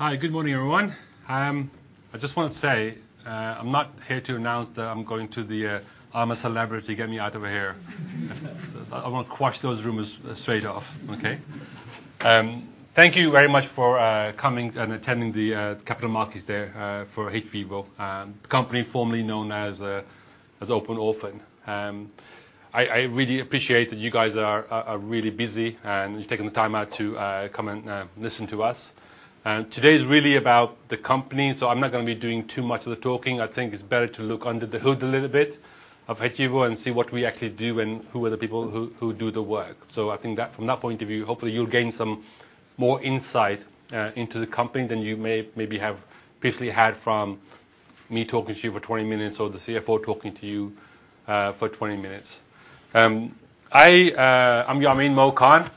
Hi, good morning, everyone. I just want to say, I'm not here to announce that I'm going to the, I'm a Celebrity, Get Me Out of Here. I wanna quash those rumors straight off, okay? Thank you very much for coming and attending the Capital Markets Day for hVIVO. The company formerly known as Open Orphan. I really appreciate that you guys are really busy, and you've taken the time out to come and listen to us. Today is really about the company, so I'm not gonna be doing too much of the talking. I think it's better to look under the hood a little bit of hVIVO and see what we actually do and who are the people who do the work. I think that from that point of view, hopefully you'll gain some more insight into the company than you may maybe have previously had from me talking to you for 20 minutes or the CFO talking to you for 20 minutes. I'm Yamin Khan.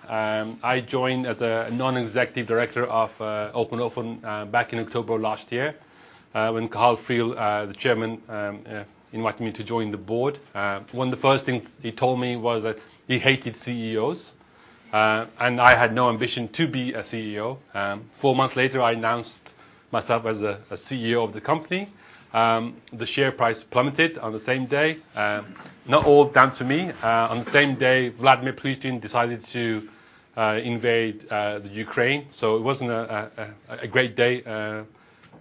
I joined as a non-executive director of Open Orphan back in October last year when Cathal Friel, the Chairman, invited me to join the board. One of the first things he told me was that he hated CEOs and I had no ambition to be a CEO. Four months later, I announced myself as a CEO of the company. The share price plummeted on the same day. Not all down to me. On the same day, Vladimir Putin decided to invade the Ukraine, so it wasn't a great day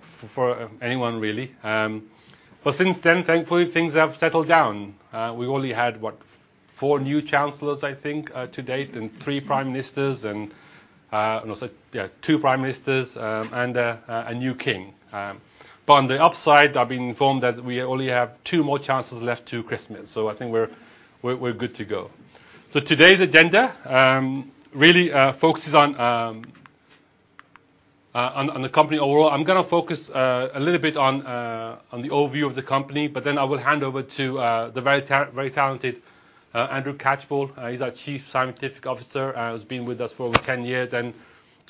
for anyone really. Since then, thankfully things have settled down. We've only had, what, four new chancellors, I think, to date and three prime ministers and, no, sorry, yeah, two prime ministers, and a new king. On the upside, I've been informed that we only have two more chancellors left till Christmas, so I think we're good to go. Today's agenda really focuses on the company overall. I'm gonna focus a little bit on the overview of the company, but then I will hand over to the very talented Andrew Catchpole. He's our chief scientific officer, who's been with us for over 10 years, and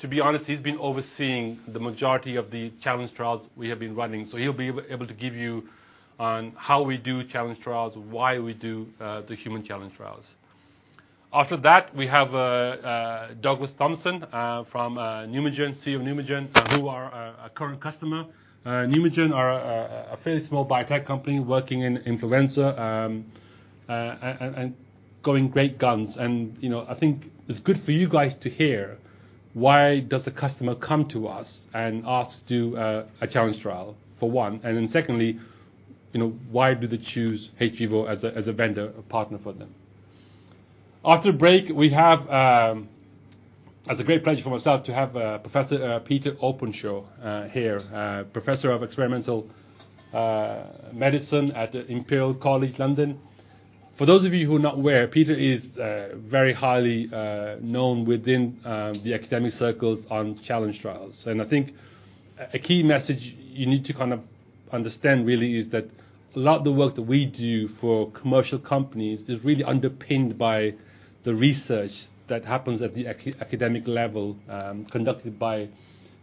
to be honest, he's been overseeing the majority of the challenge trials we have been running. He'll be able to give you on how we do challenge trials, why we do the human challenge trials. After that, we have Douglas Thompson from Pneumagen, CEO of Pneumagen, who are our current customer. Pneumagen are a fairly small biotech company working in influenza and going great guns. You know, I think it's good for you guys to hear why does a customer come to us and ask to do a challenge trial, for one. Then secondly, you know, why do they choose hVIVO as a vendor, a partner for them. After the break, we have. It's a great pleasure for myself to have Professor Peter Openshaw here, professor of experimental medicine at Imperial College London. For those of you who are not aware, Peter is very highly known within the academic circles on challenge trials. I think a key message you need to kind of understand really is that a lot of the work that we do for commercial companies is really underpinned by the research that happens at the academic level, conducted by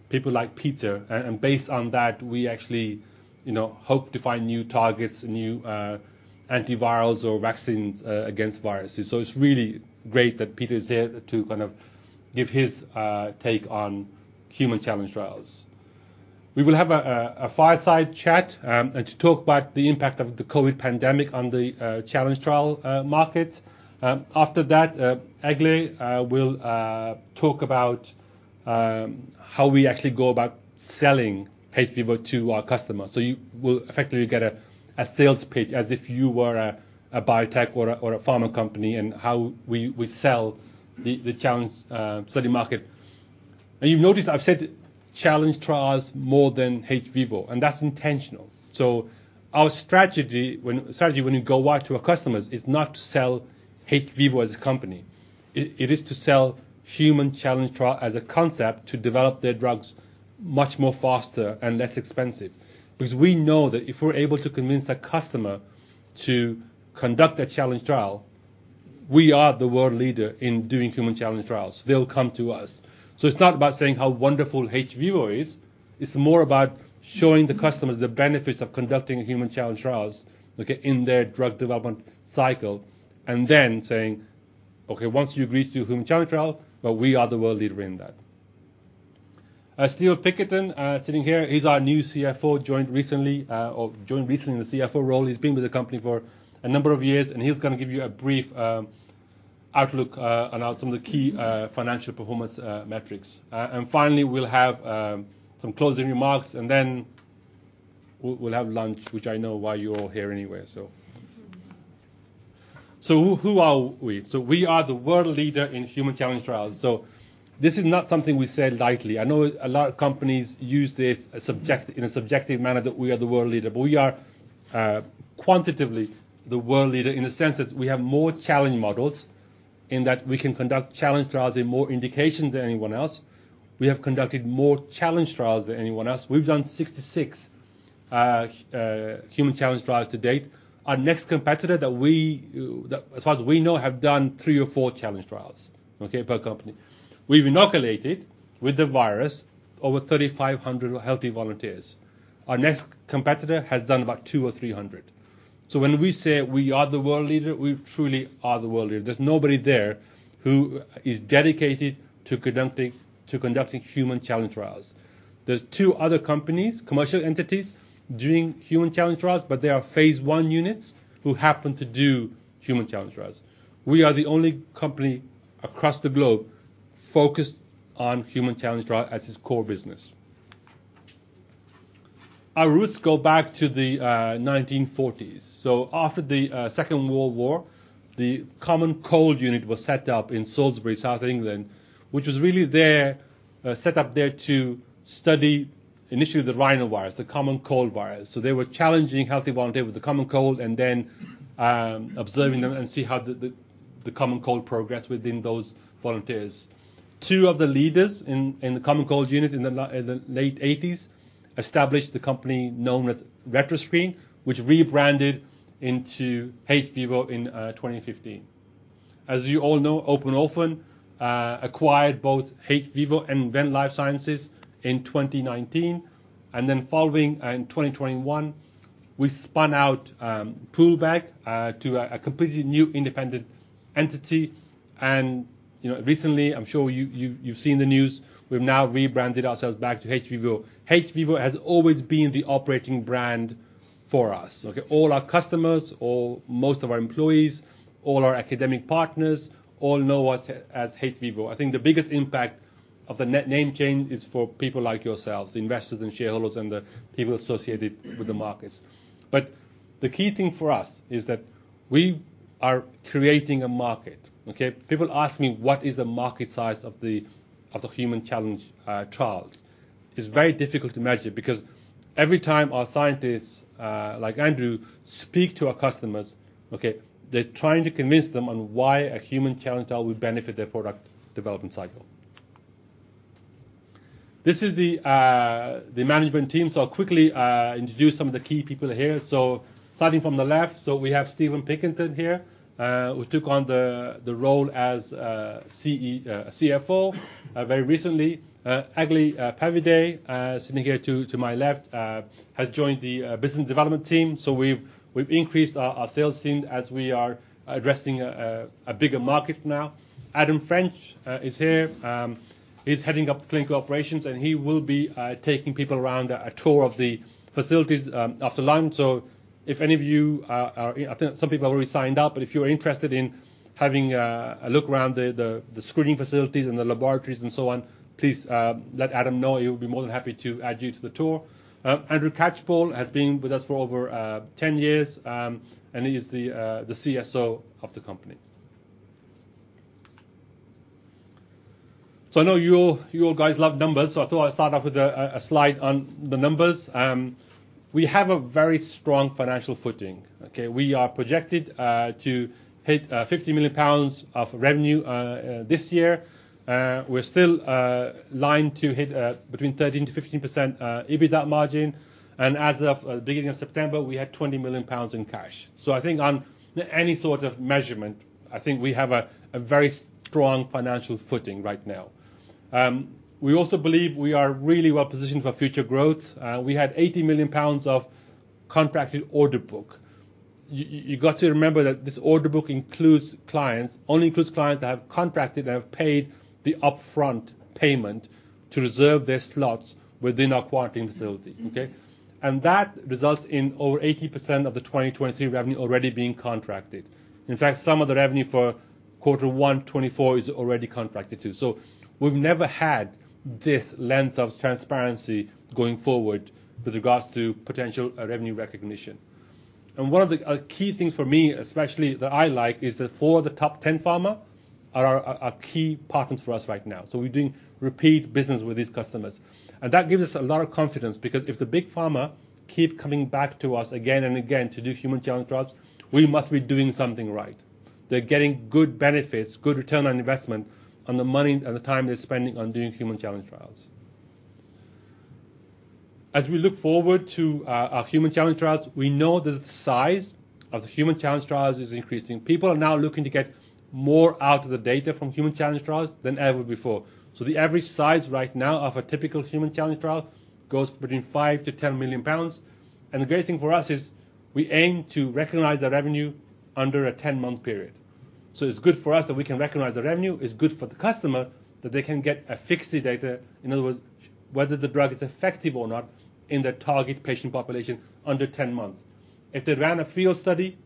people like Peter. Based on that, we actually, you know, hope to find new targets, new antivirals or vaccines against viruses. It's really great that Peter is here to kind of give his take on human challenge trials. We will have a fireside chat to talk about the impact of the COVID pandemic on the challenge trial market. After that, Eglė will talk about how we actually go about selling hVIVO to our customers. You will effectively get a sales pitch as if you were a biotech or a pharma company, and how we sell the challenge study market. You've noticed I've said challenge trials more than hVIVO, and that's intentional. Our strategy when you go out to our customers is not to sell hVIVO as a company. It is to sell human challenge trial as a concept to develop their drugs much more faster and less expensive. Because we know that if we're able to convince a customer to conduct a challenge trial, we are the world leader in doing human challenge trials. They'll come to us. It's not about saying how wonderful hVIVO is. It's more about showing the customers the benefits of conducting human challenge trials, okay, in their drug development cycle, and then saying, "Okay, once you agree to do a human challenge trial, well, we are the world leader in that." Stephen Pinkerton, sitting here, he's our new CFO, joined recently in the CFO role. He's been with the company for a number of years, and he's gonna give you a brief outlook on some of the key financial performance metrics. Finally, we'll have some closing remarks, and then we'll have lunch, which I know why you're all here anyway. Who are we? We are the world leader in human challenge trials. This is not something we say lightly. I know a lot of companies use this in a subjective manner that we are the world leader, but we are quantitatively the world leader in the sense that we have more challenge models, in that we can conduct challenge trials in more indications than anyone else. We have conducted more challenge trials than anyone else. We've done 66 human challenge trials to date. Our next competitor that as far as we know have done three or four challenge trials, okay, per company. We've inoculated with the virus over 3,500 healthy volunteers. Our next competitor has done about 200 or 300. When we say we are the world leader, we truly are the world leader. There's nobody there who is dedicated to conducting human challenge trials. There's two other companies, commercial entities doing human challenge trials, but they are phase I units who happen to do human challenge trials. We are the only company across the globe focused on human challenge trial as its core business. Our roots go back to the 1940s. After the Second World War, the Common Cold Unit was set up in Salisbury, south England, which was really set up there to study initially the rhinovirus, the common cold virus. They were challenging healthy volunteer with the common cold and then observing them and see how the common cold progressed within those volunteers. Two of the leaders in the Common Cold Unit in the late eighties established the company known as Retroscreen, which rebranded into hVIVO in 2015. As you all know, Open Orphan acquired both hVIVO and Venn Life Sciences in 2019, and then following in 2021, we spun out Poolbeg to a completely new independent entity. You know, recently, I'm sure you've seen the news, we've now rebranded ourselves back to hVIVO. hVIVO has always been the operating brand for us, okay? All our customers, all most of our employees, all our academic partners, all know us as hVIVO. I think the biggest impact of the name change is for people like yourselves, investors and shareholders, and the people associated with the markets. The key thing for us is that we are creating a market. People ask me, "What is the market size of the human challenge trials?" It's very difficult to measure because every time our scientists, like Andrew, speak to our customers, they're trying to convince them on why a human challenge trial would benefit their product development cycle. This is the management team, so I'll quickly introduce some of the key people here. Starting from the left, we have Stephen Pinkerton here, who took on the role as CFO very recently. Eglė Pavydė, sitting here to my left, has joined the business development team, so we've increased our sales team as we are addressing a bigger market now. Adam French is here. He's heading up the clinical operations, and he will be taking people around a tour of the facilities after lunch. If any of you are, I think some people have already signed up, but if you're interested in having a look around the screening facilities and the laboratories and so on, please let Adam know. He'll be more than happy to add you to the tour. Andrew Catchpole has been with us for over 10 years, and he is the CSO of the company. I know you all guys love numbers, so I thought I'd start off with a slide on the numbers. We have a very strong financial footing, okay? We are projected to hit 50 million pounds of revenue this year. We're still lined to hit between 13%-15% EBITDA margin, and as of beginning of September, we had 20 million pounds in cash. I think on any sort of measurement, I think we have a very strong financial footing right now. We also believe we are really well-positioned for future growth. We had 80 million pounds of contracted order book. You got to remember that this order book includes clients, only includes clients that have contracted and have paid the upfront payment to reserve their slots within our quarantine facility, okay? That results in over 80% of the 2023 revenue already being contracted. In fact, some of the revenue for quarter one 2024 is already contracted too. We've never had this length of transparency going forward with regards to potential revenue recognition. One of the key things for me, especially that I like, is that four of the top ten pharma are key partners for us right now. We're doing repeat business with these customers. That gives us a lot of confidence because if the big pharma keep coming back to us again and again to do human challenge trials, we must be doing something right. They're getting good benefits, good return on investment on the money and the time they're spending on doing human challenge trials. As we look forward to our human challenge trials, we know that the size of the human challenge trials is increasing. People are now looking to get more out of the data from human challenge trials than ever before. The average size right now of a typical human challenge trial goes between 5 million-10 million pounds, and the great thing for us is we aim to recognize the revenue under a 10-month period. It's good for us that we can recognize the revenue. It's good for the customer that they can get efficacy data, in other words, whether the drug is effective or not in their target patient population under 10 months. If they ran a field study,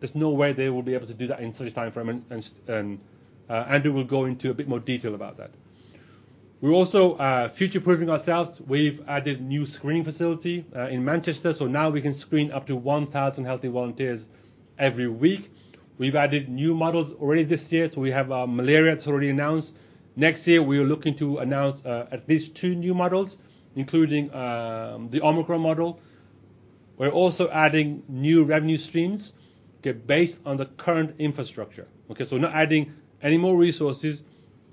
there's no way they will be able to do that in such time frame. Andrew will go into a bit more detail about that. We're also future-proofing ourselves. We've added new screening facility in Manchester, so now we can screen up to 1,000 healthy volunteers every week. We've added new models already this year, so we have malaria that's already announced. Next year, we are looking to announce at least two new models, including the Omicron model. We're also adding new revenue streams, okay, based on the current infrastructure, okay. We're not adding any more resources,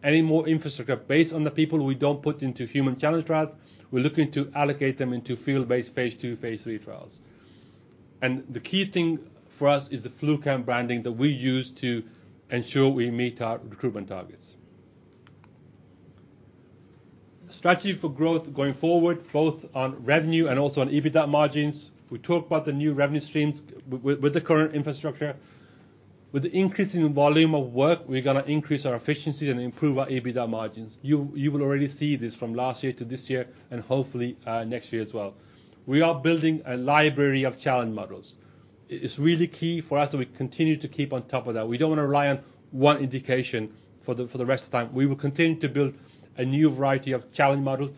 any more infrastructure. Based on the people we don't put into human challenge trials, we're looking to allocate them into field-based phase II, phase III trials. The key thing for us is the FluCamp branding that we use to ensure we meet our recruitment targets. Strategy for growth going forward, both on revenue and also on EBITDA margins. We talked about the new revenue streams with the current infrastructure. With the increase in volume of work, we're gonna increase our efficiency and improve our EBITDA margins. You will already see this from last year to this year and hopefully next year as well. We are building a library of challenge models. It's really key for us that we continue to keep on top of that. We don't want to rely on one indication for the rest of the time. We will continue to build a new variety of challenge models.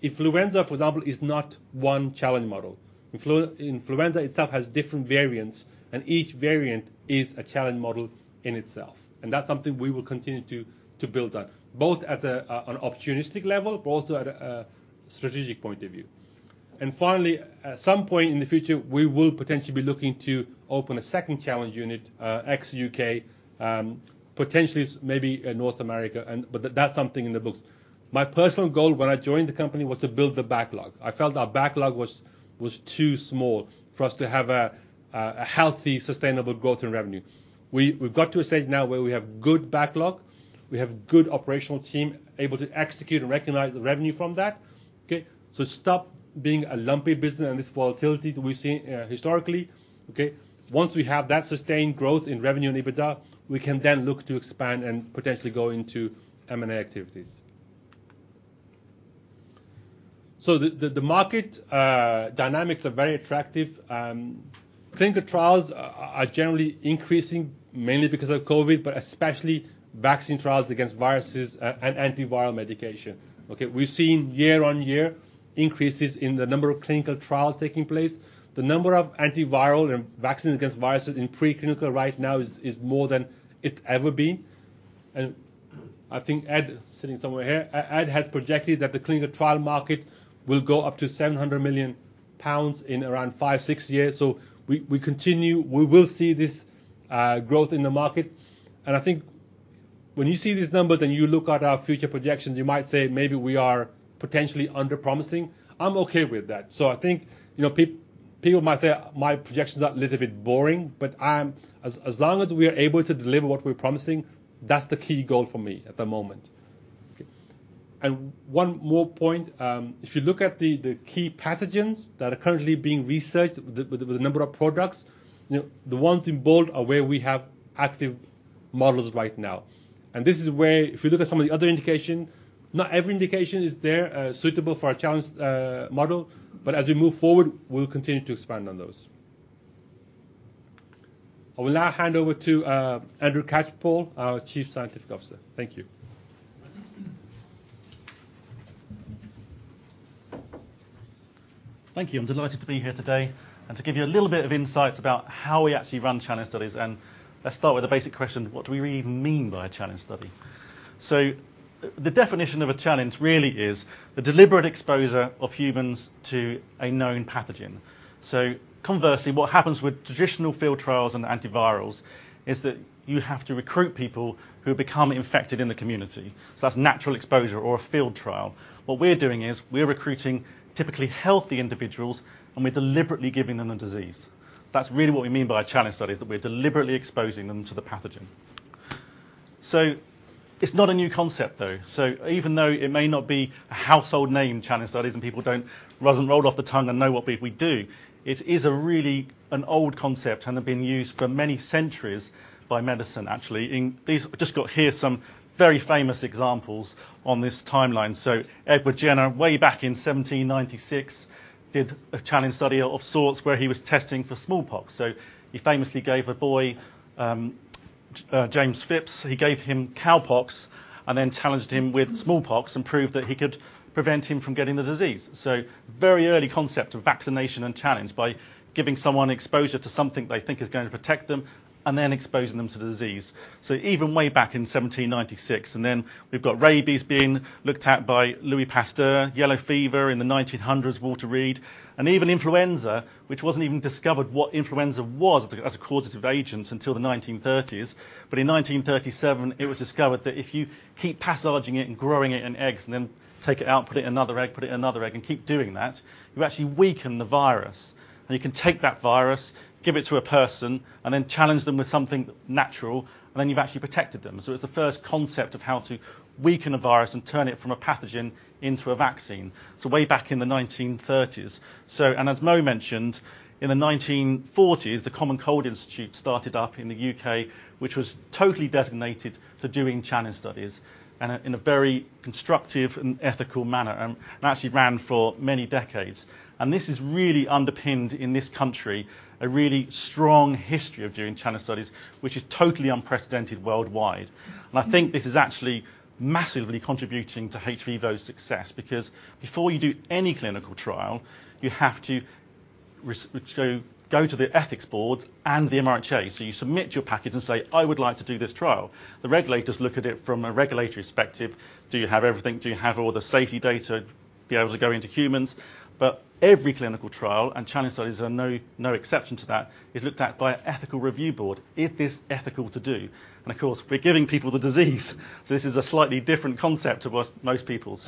Influenza, for example, is not one challenge model. Influenza itself has different variants, and each variant is a challenge model in itself, and that's something we will continue to build on, both at an opportunistic level, but also at a strategic point of view. Finally, at some point in the future, we will potentially be looking to open a second challenge unit ex U.K., potentially say maybe North America, but that's something in the books. My personal goal when I joined the company was to build the backlog. I felt our backlog was too small for us to have a healthy, sustainable growth in revenue. We've got to a stage now where we have good backlog, we have good operational team able to execute and recognize the revenue from that. Okay? Stop being a lumpy business and this volatility that we've seen historically. Okay? Once we have that sustained growth in revenue and EBITDA, we can then look to expand and potentially go into M&A activities. The market dynamics are very attractive. Clinical trials are generally increasing mainly because of COVID, but especially vaccine trials against viruses and antiviral medication. Okay? We've seen year on year increases in the number of clinical trials taking place. The number of antiviral and vaccines against viruses in preclinical right now is more than it's ever been. I think Ed, sitting somewhere here, Ed has projected that the clinical trial market will go up to 700 million pounds in around five, six years. We will see this growth in the market. I think when you see these numbers and you look at our future projections, you might say maybe we are potentially underpromising. I'm okay with that. I think, you know, people might say my projections are a little bit boring, but as long as we are able to deliver what we're promising, that's the key goal for me at the moment. One more point. If you look at the key pathogens that are currently being researched with a number of products, you know, the ones in bold are where we have active models right now. This is where if you look at some of the other indications, not every indication is suitable for a challenge model, but as we move forward, we'll continue to expand on those. I will now hand over to Andrew Catchpole, our Chief Scientific Officer. Thank you. Thank you. I'm delighted to be here today and to give you a little bit of insights about how we actually run challenge studies. Let's start with the basic question, what do we really mean by a challenge study? The definition of a challenge really is the deliberate exposure of humans to a known pathogen. Conversely, what happens with traditional field trials and antivirals is that you have to recruit people who become infected in the community. That's natural exposure or a field trial. What we're doing is we're recruiting typically healthy individuals, and we're deliberately giving them the disease. That's really what we mean by a challenge study, is that we're deliberately exposing them to the pathogen. It's not a new concept, though. Even though it may not be a household name, challenge studies, and people don't. Doesn't roll off the tongue and you know what we do. It is really an old concept and has been used for many centuries by medicine actually. In this, I just got here some very famous examples on this timeline. Edward Jenner, way back in 1796, did a challenge study of sorts where he was testing for smallpox. He famously gave a boy, James Phipps, he gave him cowpox and then challenged him with smallpox and proved that he could prevent him from getting the disease. Very early concept of vaccination and challenge by giving someone exposure to something they think is going to protect them and then exposing them to the disease. Even way back in 1796. We've got rabies being looked at by Louis Pasteur, yellow fever in the 1900s, Walter Reed, and even influenza, which wasn't even discovered what influenza was as a causative agent until the 1930s. In 1937, it was discovered that if you keep passaging it and growing it in eggs and then take it out, put it in another egg, put it in another egg, and keep doing that, you actually weaken the virus. You can take that virus, give it to a person, and then challenge them with something natural, and then you've actually protected them. It's the first concept of how to weaken a virus and turn it from a pathogen into a vaccine. Way back in the 1930s. As Mo mentioned, in the 1940s, the Common Cold Unit started up in the U.K., which was totally designated for doing challenge studies and in a very constructive and ethical manner and actually ran for many decades. This has really underpinned in this country a really strong history of doing challenge studies, which is totally unprecedented worldwide. I think this is actually massively contributing to hVIVO's success because before you do any clinical trial, you have to go to the ethics board and the MHRA. You submit your package and say, "I would like to do this trial." The regulators look at it from a regulatory perspective. Do you have everything? Do you have all the safety data to be able to go into humans? Every clinical trial, and challenge studies are no exception to that, is looked at by an ethical review board. It is ethical to do. Of course, we're giving people the disease, so this is a slightly different concept to most people.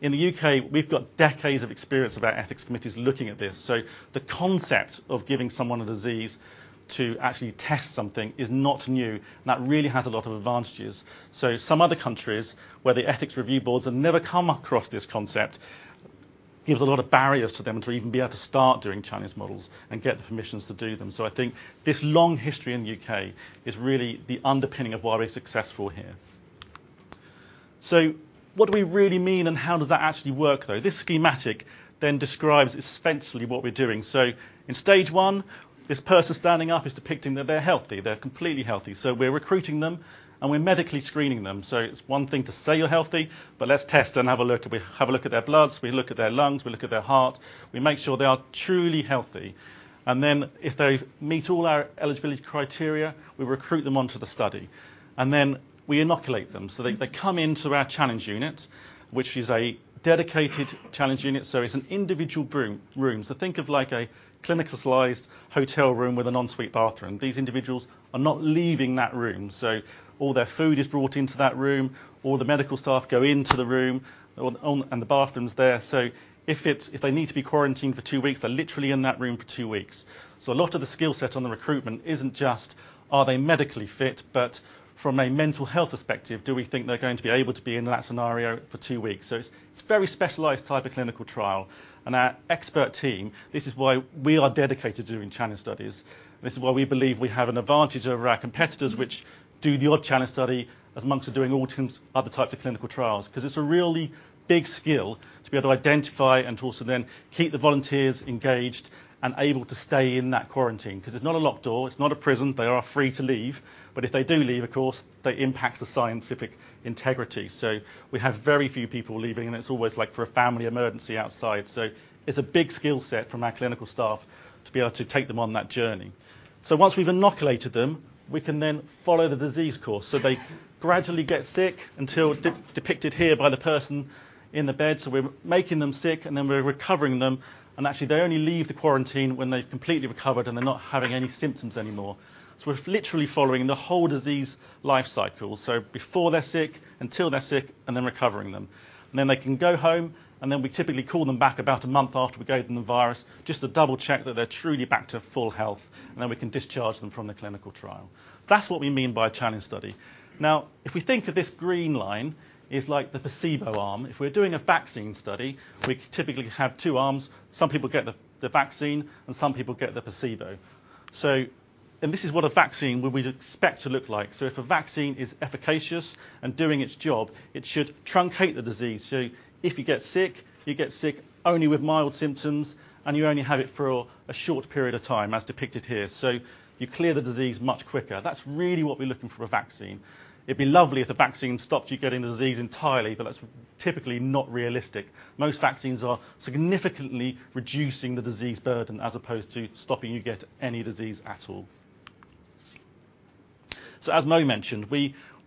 In the U.K., we've got decades of experience of our ethics committees looking at this. The concept of giving someone a disease to actually test something is not new, and that really has a lot of advantages. Some other countries where the ethics review boards have never come across this concept gives a lot of barriers to them to even be able to start doing challenge models and get the permissions to do them. I think this long history in the U.K. is really the underpinning of why we're successful here. What do we really mean, and how does that actually work, though? This schematic then describes essentially what we're doing. In stage one, this person standing up is depicting that they're healthy. They're completely healthy. We're recruiting them, and we're medically screening them. It's one thing to say you're healthy, but let's test and have a look. We have a look at their blood, we look at their lungs, we look at their heart. We make sure they are truly healthy. Then if they meet all our eligibility criteria, we recruit them onto the study, and then we inoculate them. They come into our challenge unit, which is a dedicated challenge unit, so it's an individual room. Think of like a clinicalized hotel room with an en suite bathroom. These individuals are not leaving that room. All their food is brought into that room, all the medical staff go into the room, and the bathroom's there. If they need to be quarantined for two weeks, they're literally in that room for two weeks. A lot of the skill set on the recruitment isn't just are they medically fit, but from a mental health perspective, do we think they're going to be able to be in that scenario for two weeks? It's a very specialized type of clinical trial, and our expert team, this is why we are dedicated to doing challenge studies. This is why we believe we have an advantage over our competitors, which do the odd challenge study amongst doing all types, other types of clinical trials. 'Cause it's a really big skill to be able to identify and to also then keep the volunteers engaged and able to stay in that quarantine. 'Cause it's not a locked door. It's not a prison. They are free to leave. If they do leave, of course, that impacts the scientific integrity. We have very few people leaving, and it's always, like, for a family emergency outside. It's a big skill set from our clinical staff to be able to take them on that journey. Once we've inoculated them, we can then follow the disease course. They gradually get sick until depicted here by the person in the bed. We're making them sick, and then we're recovering them, and actually, they only leave the quarantine when they've completely recovered, and they're not having any symptoms anymore. We're literally following the whole disease life cycle. Before they're sick, until they're sick, and then recovering them, and then they can go home, and then we typically call them back about a month after we gave them the virus just to double check that they're truly back to full health, and then we can discharge them from the clinical trial. That's what we mean by a challenge study. Now, if we think of this green line is like the placebo arm. If we're doing a vaccine study, we typically have two arms. Some people get the vaccine, and some people get the placebo. This is what a vaccine would, we'd expect to look like. If a vaccine is efficacious and doing its job, it should truncate the disease. If you get sick, you get sick only with mild symptoms, and you only have it for a short period of time, as depicted here. You clear the disease much quicker. That's really what we're looking for a vaccine. It'd be lovely if the vaccine stopped you getting the disease entirely, but that's typically not realistic. Most vaccines are significantly reducing the disease burden as opposed to stopping you get any disease at all. As Mo mentioned,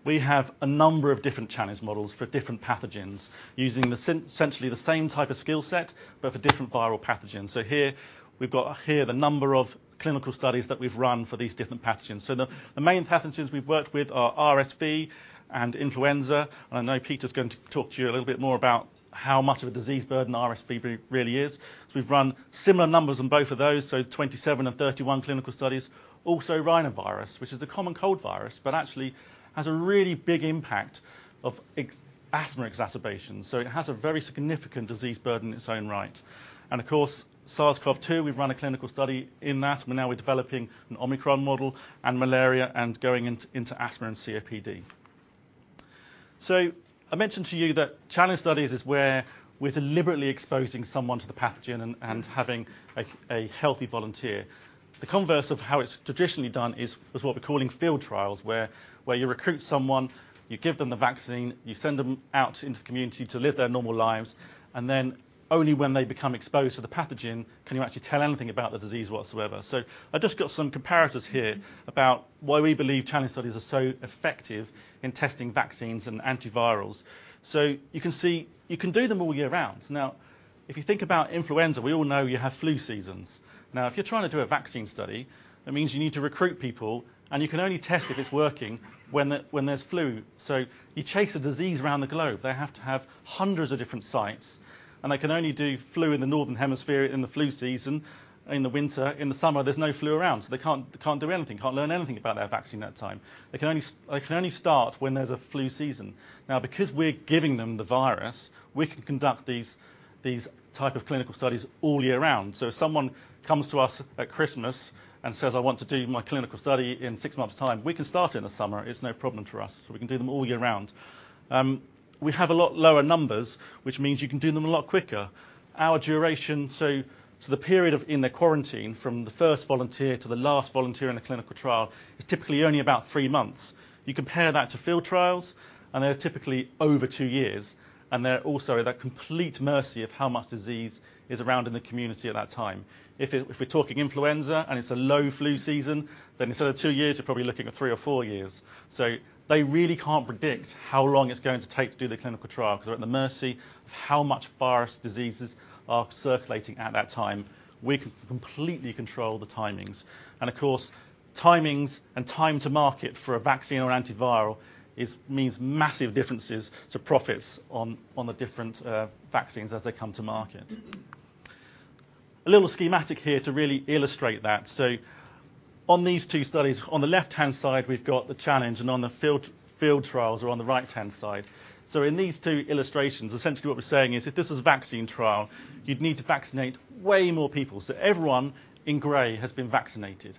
we have a number of different challenge models for different pathogens using essentially the same type of skill set but for different viral pathogens. Here, we've got here the number of clinical studies that we've run for these different pathogens. The main pathogens we've worked with are RSV and influenza. I know Peter's going to talk to you a little bit more about how much of a disease burden RSV really is. We've run similar numbers on both of those, so 27 and 31 clinical studies. Also rhinovirus, which is the common cold virus, but actually has a really big impact on asthma exacerbation, so it has a very significant disease burden in its own right. Of course, SARS-CoV-2, we've run a clinical study in that, and now we're developing an Omicron model and malaria and going into asthma and COPD. I mentioned to you that challenge studies is where we're deliberately exposing someone to the pathogen and having a healthy volunteer. The converse of how it's traditionally done is what we're calling field trials, where you recruit someone, you give them the vaccine, you send them out into the community to live their normal lives, and then only when they become exposed to the pathogen can you actually tell anything about the disease whatsoever. I've just got some comparators here about why we believe challenge studies are so effective in testing vaccines and antivirals. You can see, you can do them all year round. Now, if you think about influenza, we all know you have flu seasons. Now, if you're trying to do a vaccine study, that means you need to recruit people, and you can only test if it's working when there's flu. You chase a disease around the globe, they have to have hundreds of different sites, and they can only do flu in the northern hemisphere in the flu season, in the winter. In the summer, there's no flu around, so they can't do anything, can't learn anything about their vaccine that time. They can only start when there's a flu season. Now, because we're giving them the virus, we can conduct these type of clinical studies all year round. If someone comes to us at Christmas and says, "I want to do my clinical study in six months' time," we can start in the summer. It's no problem for us. We can do them all year round. We have a lot lower numbers, which means you can do them a lot quicker. Our duration, so the period in the quarantine from the first volunteer to the last volunteer in a clinical trial is typically only about three months. You compare that to field trials, and they're typically over two years, and they're also at the complete mercy of how much disease is around in the community at that time. If we're talking influenza and it's a low flu season, then instead of two years, you're probably looking at three or four years. They really can't predict how long it's going to take to do the clinical trial because they're at the mercy of how much viral diseases are circulating at that time. We can completely control the timings. Of course, timings and time to market for a vaccine or antiviral is means massive differences to profits on the different vaccines as they come to market. A little schematic here to really illustrate that. On these two studies, on the left-hand side, we've got the challenge, and on the field trials are on the right-hand side. In these two illustrations, essentially what we're saying is, if this was a vaccine trial, you'd need to vaccinate way more people, so everyone in gray has been vaccinated.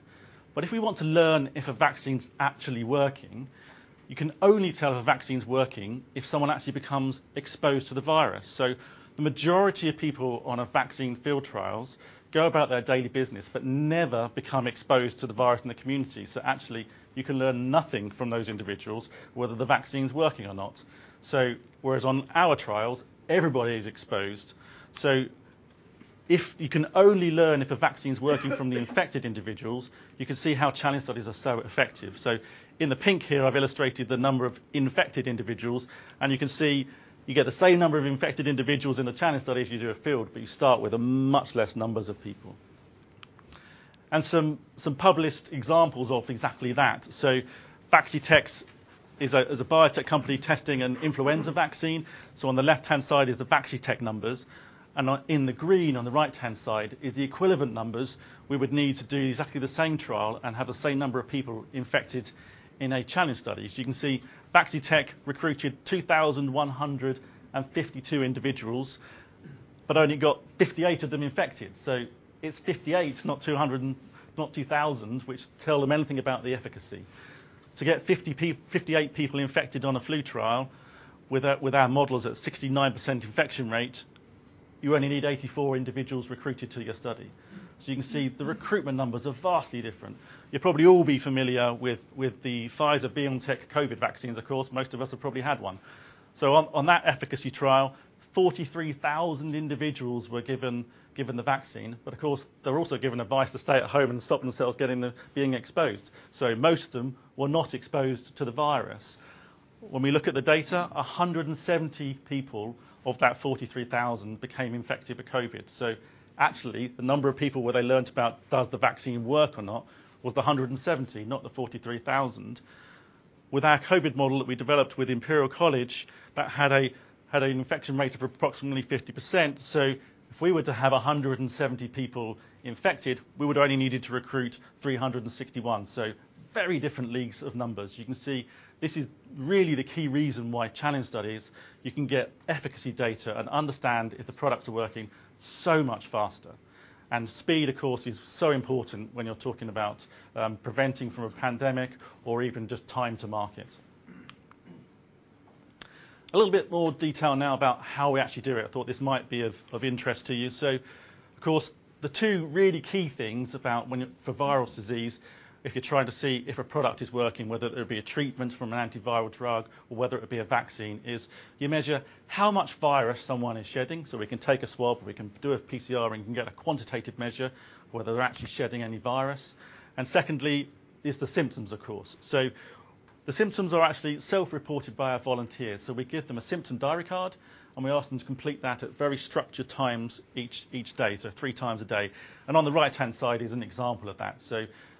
If we want to learn if a vaccine's actually working, you can only tell if a vaccine's working if someone actually becomes exposed to the virus. The majority of people on a vaccine field trials go about their daily business but never become exposed to the virus in the community, so actually, you can learn nothing from those individuals whether the vaccine's working or not. Whereas on our trials, everybody is exposed, so if you can only learn if a vaccine's working from the infected individuals, you can see how challenge studies are so effective. In the pink here, I've illustrated the number of infected individuals, and you can see you get the same number of infected individuals in a challenge study as you do a field, but you start with a much less numbers of people. Some published examples of exactly that. Vaccitech is a biotech company testing an influenza vaccine. On the left-hand side is the Vaccitech numbers, and in the green on the right-hand side is the equivalent numbers we would need to do exactly the same trial and have the same number of people infected in a challenge study. You can see Vaccitech recruited 2,152 individuals but only got 58 of them infected. It's 58, not 2,000, which tell them anything about the efficacy. To get 58 people infected on a flu trial with our models at 69% infection rate, you only need 84 individuals recruited to your study. You can see the recruitment numbers are vastly different. You'll probably all be familiar with the Pfizer BioNTech COVID vaccines, of course, most of us have probably had one. On that efficacy trial, 43,000 individuals were given the vaccine, but of course, they were also given advice to stay at home and stop themselves being exposed. Most of them were not exposed to the virus. When we look at the data, 170 people of that 43,000 became infected with COVID. Actually, the number of people where they learned about does the vaccine work or not was the 170, not the 43,000. With our COVID model that we developed with Imperial College, that had an infection rate of approximately 50%, so if we were to have 170 people infected, we would only needed to recruit 361. Very different leagues of numbers. You can see this is really the key reason why challenge studies, you can get efficacy data and understand if the products are working so much faster. Speed, of course, is so important when you're talking about preventing a pandemic or even just time to market. A little bit more detail now about how we actually do it. I thought this might be of interest to you. Of course, the two really key things about for viral disease, if you're trying to see if a product is working, whether it be a treatment from an antiviral drug or whether it be a vaccine, is you measure how much virus someone is shedding, so we can take a swab, we can do a PCR, and we can get a quantitative measure whether they're actually shedding any virus. Secondly is the symptoms, of course. The symptoms are actually self-reported by our volunteers. We give them a symptom diary card, and we ask them to complete that at very structured times each day, so three times a day. On the right-hand side is an example of that.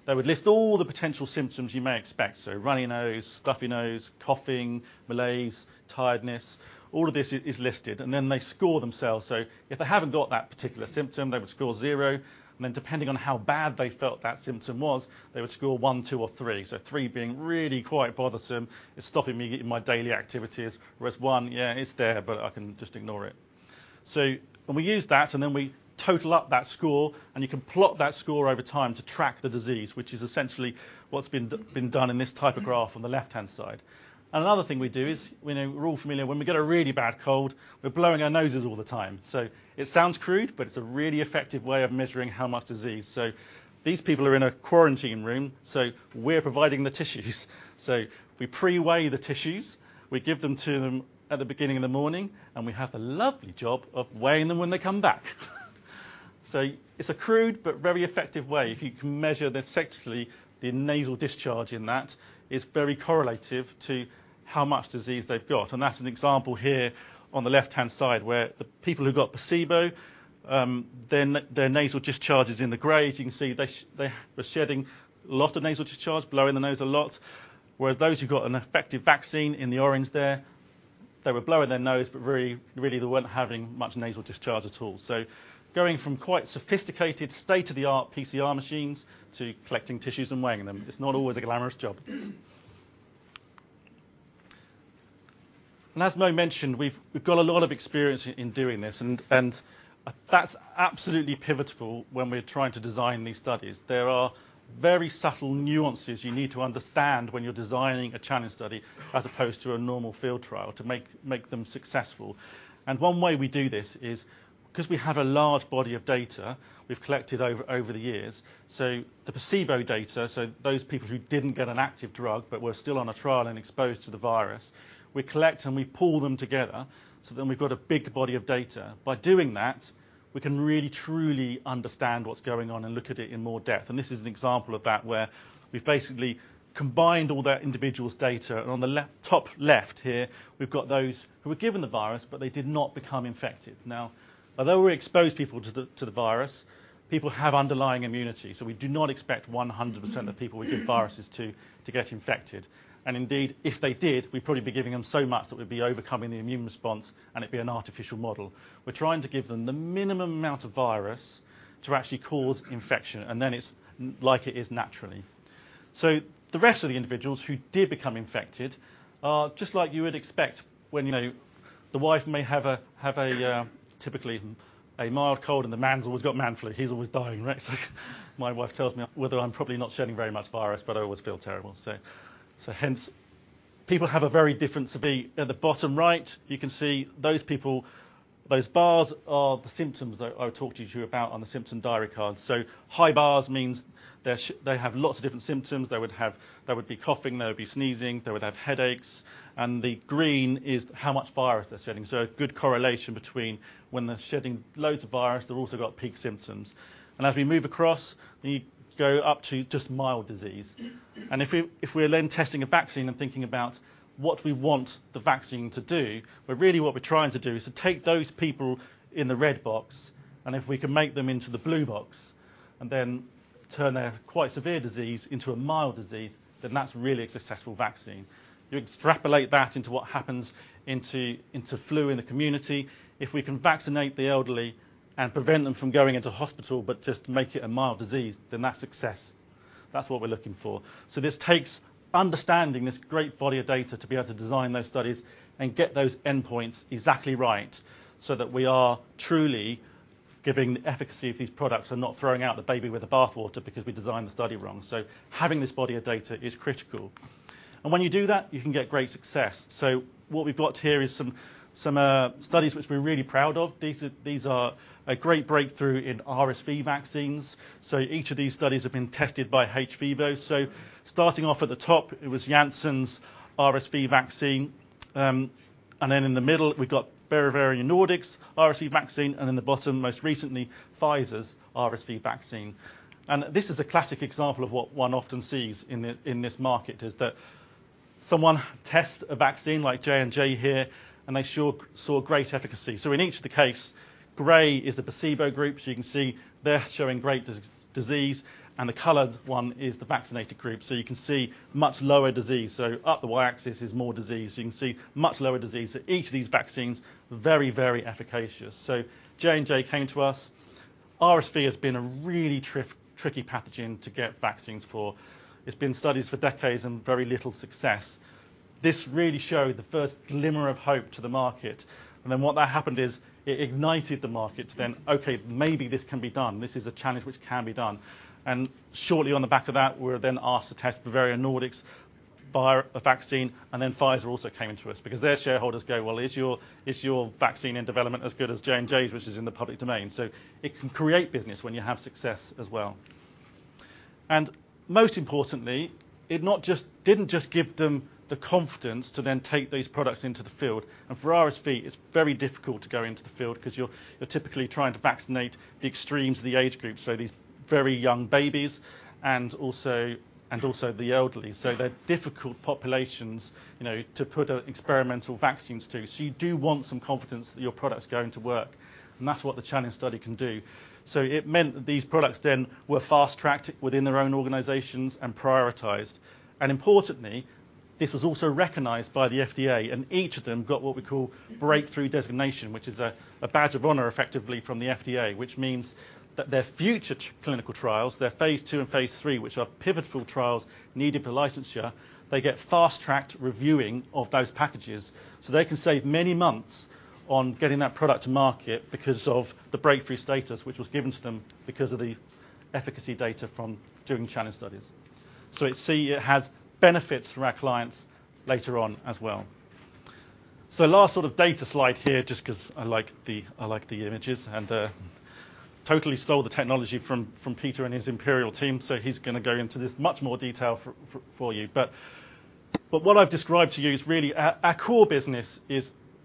They would list all the potential symptoms you may expect. Runny nose, stuffy nose, coughing, malaise, tiredness, all of this is listed, and then they score themselves. If they haven't got that particular symptom, they would score zero. Then depending on how bad they felt that symptom was, they would score one, two, or three. Three being really quite bothersome, it's stopping me in my daily activities, whereas one, yeah, it's there, but I can just ignore it. We use that, and then we total up that score, and you can plot that score over time to track the disease, which is essentially what's been done in this type of graph on the left-hand side. Another thing we do is, we know we're all familiar, when we get a really bad cold, we're blowing our noses all the time. It sounds crude, but it's a really effective way of measuring how much disease. These people are in a quarantine room, so we're providing the tissues. We pre-weigh the tissues, we give them to them at the beginning of the morning, and we have the lovely job of weighing them when they come back. It's a crude but very effective way. If you can measure essentially the nasal discharge in that, it's very correlative to how much disease they've got. That's an example here on the left-hand side, where the people who got placebo, their nasal discharge is in the gray. As you can see, they were shedding a lot of nasal discharge, blowing their nose a lot. Whereas those who got an effective vaccine in the orange there, they were blowing their nose, but very, really they weren't having much nasal discharge at all. Going from quite sophisticated state-of-the-art PCR machines to collecting tissues and weighing them. It's not always a glamorous job. As Mo mentioned, we've got a lot of experience in doing this, and that's absolutely pivotal when we're trying to design these studies. There are very subtle nuances you need to understand when you're designing a challenge study as opposed to a normal field trial to make them successful. One way we do this is, 'cause we have a large body of data we've collected over the years, so the placebo data, so those people who didn't get an active drug but were still on a trial and exposed to the virus, we collect, and we pool them together, so then we've got a big body of data. By doing that, we can really truly understand what's going on and look at it in more depth. This is an example of that, where we've basically combined all that individuals' data, and on the left, top left here, we've got those who were given the virus, but they did not become infected. Now, although we exposed people to the virus, people have underlying immunity. We do not expect 100% of people we give viruses to get infected. Indeed, if they did, we'd probably be giving them so much that we'd be overcoming the immune response, and it'd be an artificial model. We're trying to give them the minimum amount of virus to actually cause infection, and then it's like it is naturally. The rest of the individuals who did become infected are just like you would expect when, you know, the wife may have typically a mild cold and the man's always got man flu. He's always dying, right? It's like my wife tells me whether I'm probably not shedding very much virus, but I always feel terrible. Hence people have a very different severe. At the bottom right, you can see those people, those bars are the symptoms that I talked to you about on the symptom diary cards. High bars means they have lots of different symptoms. They would be coughing, they would be sneezing, they would have headaches. The green is how much virus they're shedding. A good correlation between when they're shedding loads of virus, they've also got peak symptoms. As we move across, you go up to just mild disease. If we're then testing a vaccine and thinking about what we want the vaccine to do, but really what we're trying to do is to take those people in the red box, and if we can make them into the blue box and then turn their quite severe disease into a mild disease, then that's really a successful vaccine. You extrapolate that into what happens into flu in the community. If we can vaccinate the elderly and prevent them from going into hospital, but just make it a mild disease, then that's success. That's what we're looking for. This takes understanding this great body of data to be able to design those studies and get those endpoints exactly right, so that we are truly giving the efficacy of these products and not throwing out the baby with the bathwater because we designed the study wrong. Having this body of data is critical. When you do that, you can get great success. What we've got here is some studies which we're really proud of. These are a great breakthrough in RSV vaccines. Each of these studies have been tested by hVIVO. Starting off at the top, it was Janssen's RSV vaccine. In the middle, we've got Bavarian Nordic's RSV vaccine, and in the bottom, most recently, Pfizer's RSV vaccine. This is a classic example of what one often sees in this market, is that someone tests a vaccine like J&J here, and they sure saw great efficacy. In each case, gray is the placebo group. You can see they're showing great disease, and the colored one is the vaccinated group. You can see much lower disease. Up the Y-axis is more disease. You can see much lower disease. Each of these vaccines, very, very efficacious. J&J came to us. RSV has been a really tricky pathogen to get vaccines for. It's been studied for decades and very little success. This really showed the first glimmer of hope to the market. Then what happened is it ignited the market to then, "Okay, maybe this can be done. This is a challenge which can be done." Shortly on the back of that, we were then asked to test Bavarian Nordic's vaccine, and then Pfizer also came to us because their shareholders go, "Well, is your vaccine in development as good as J&J's, which is in the public domain?" It can create business when you have success as well. Most importantly, it didn't just give them the confidence to then take these products into the field. For RSV, it's very difficult to go into the field because you're typically trying to vaccinate the extremes of the age group, so these very young babies and also the elderly. They're difficult populations, you know, to put experimental vaccines to. You do want some confidence that your product's going to work, and that's what the challenge study can do. It meant that these products then were fast-tracked within their own organizations and prioritized. Importantly, this was also recognized by the FDA, and each of them got what we call breakthrough designation, which is a badge of honor effectively from the FDA, which means that their future clinical trials, their phase II and phase III, which are pivotal trials needed for licensure, they get fast-tracked reviewing of those packages. They can save many months on getting that product to market because of the breakthrough status, which was given to them because of the efficacy data from doing challenge studies. It has benefits for our clients later on as well. Last sort of data slide here, just 'cause I like the images and totally stole the technology from Peter and his Imperial team, so he's gonna go into this much more detail for you. What I've described to you is really our core business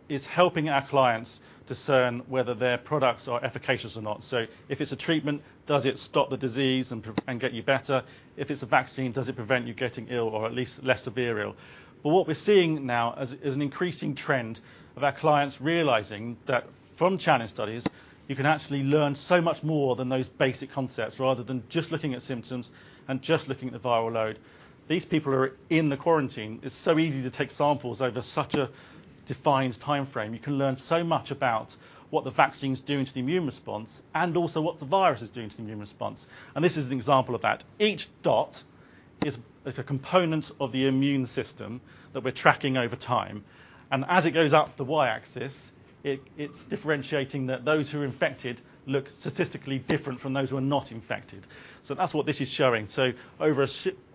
is helping our clients discern whether their products are efficacious or not. If it's a treatment, does it stop the disease and get you better? If it's a vaccine, does it prevent you getting ill or at least less severe ill? What we're seeing now is an increasing trend of our clients realizing that from challenge studies, you can actually learn so much more than those basic concepts rather than just looking at symptoms and just looking at the viral load. These people are in the quarantine. It's so easy to take samples over such a defined timeframe. You can learn so much about what the vaccine's doing to the immune response and also what the virus is doing to the immune response, and this is an example of that. Each dot is a component of the immune system that we're tracking over time, and as it goes up the Y-axis, it's differentiating that those who are infected look statistically different from those who are not infected. That's what this is showing. Over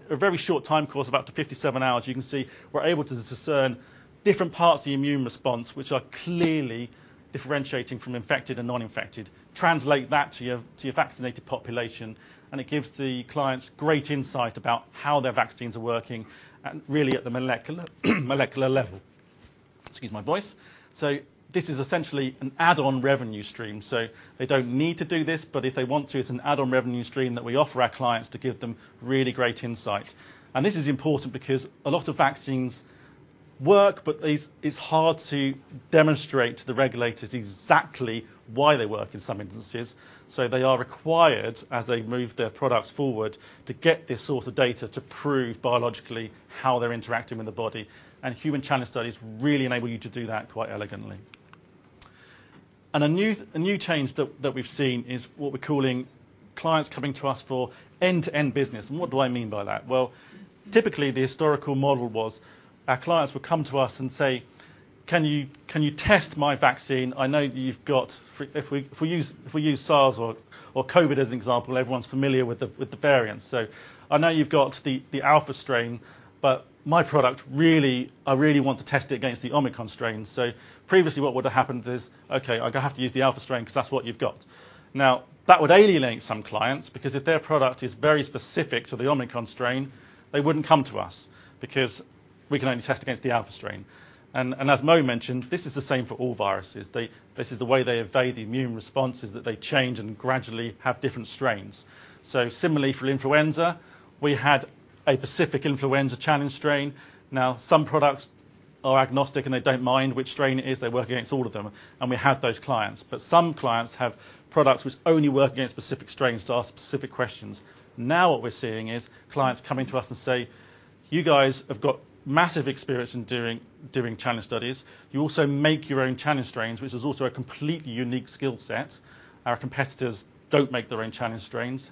a very short time course of up to 57 hours, you can see we're able to discern different parts of the immune response, which are clearly differentiating from infected and non-infected, translate that to your vaccinated population, and it gives the clients great insight about how their vaccines are working and really at the molecular level. Excuse my voice. This is essentially an add-on revenue stream. They don't need to do this, but if they want to, it's an add-on revenue stream that we offer our clients to give them really great insight. This is important because a lot of vaccines work, but it's hard to demonstrate to the regulators exactly why they work in some instances. They are required, as they move their products forward, to get this sort of data to prove biologically how they're interacting with the body, and human challenge studies really enable you to do that quite elegantly. A new change that we've seen is what we're calling clients coming to us for end-to-end business. What do I mean by that? Well, typically, the historical model was our clients would come to us and say, "Can you test my vaccine? I know that you've got..." If we use SARS or COVID as an example, everyone's familiar with the variants. I know you've got the Alpha strain, but my product really, I really want to test it against the Omicron strain." Previously, what would have happened is, "Okay, I would have to use the Alpha strain 'cause that's what you've got." Now, that would alienate some clients because if their product is very specific to the Omicron strain, they wouldn't come to us because we can only test against the Alpha strain. As Mo mentioned, this is the same for all viruses. This is the way they evade immune responses, that they change and gradually have different strains. Similarly for influenza, we had a specific influenza challenge strain. Now, some products are agnostic, and they don't mind which strain it is. They work against all of them, and we have those clients. Some clients have products which only work against specific strains to ask specific questions. Now what we're seeing is clients coming to us and say, "You guys have got massive experience in doing challenge studies. You also make your own challenge strains, which is also a completely unique skill set. Our competitors don't make their own challenge strains.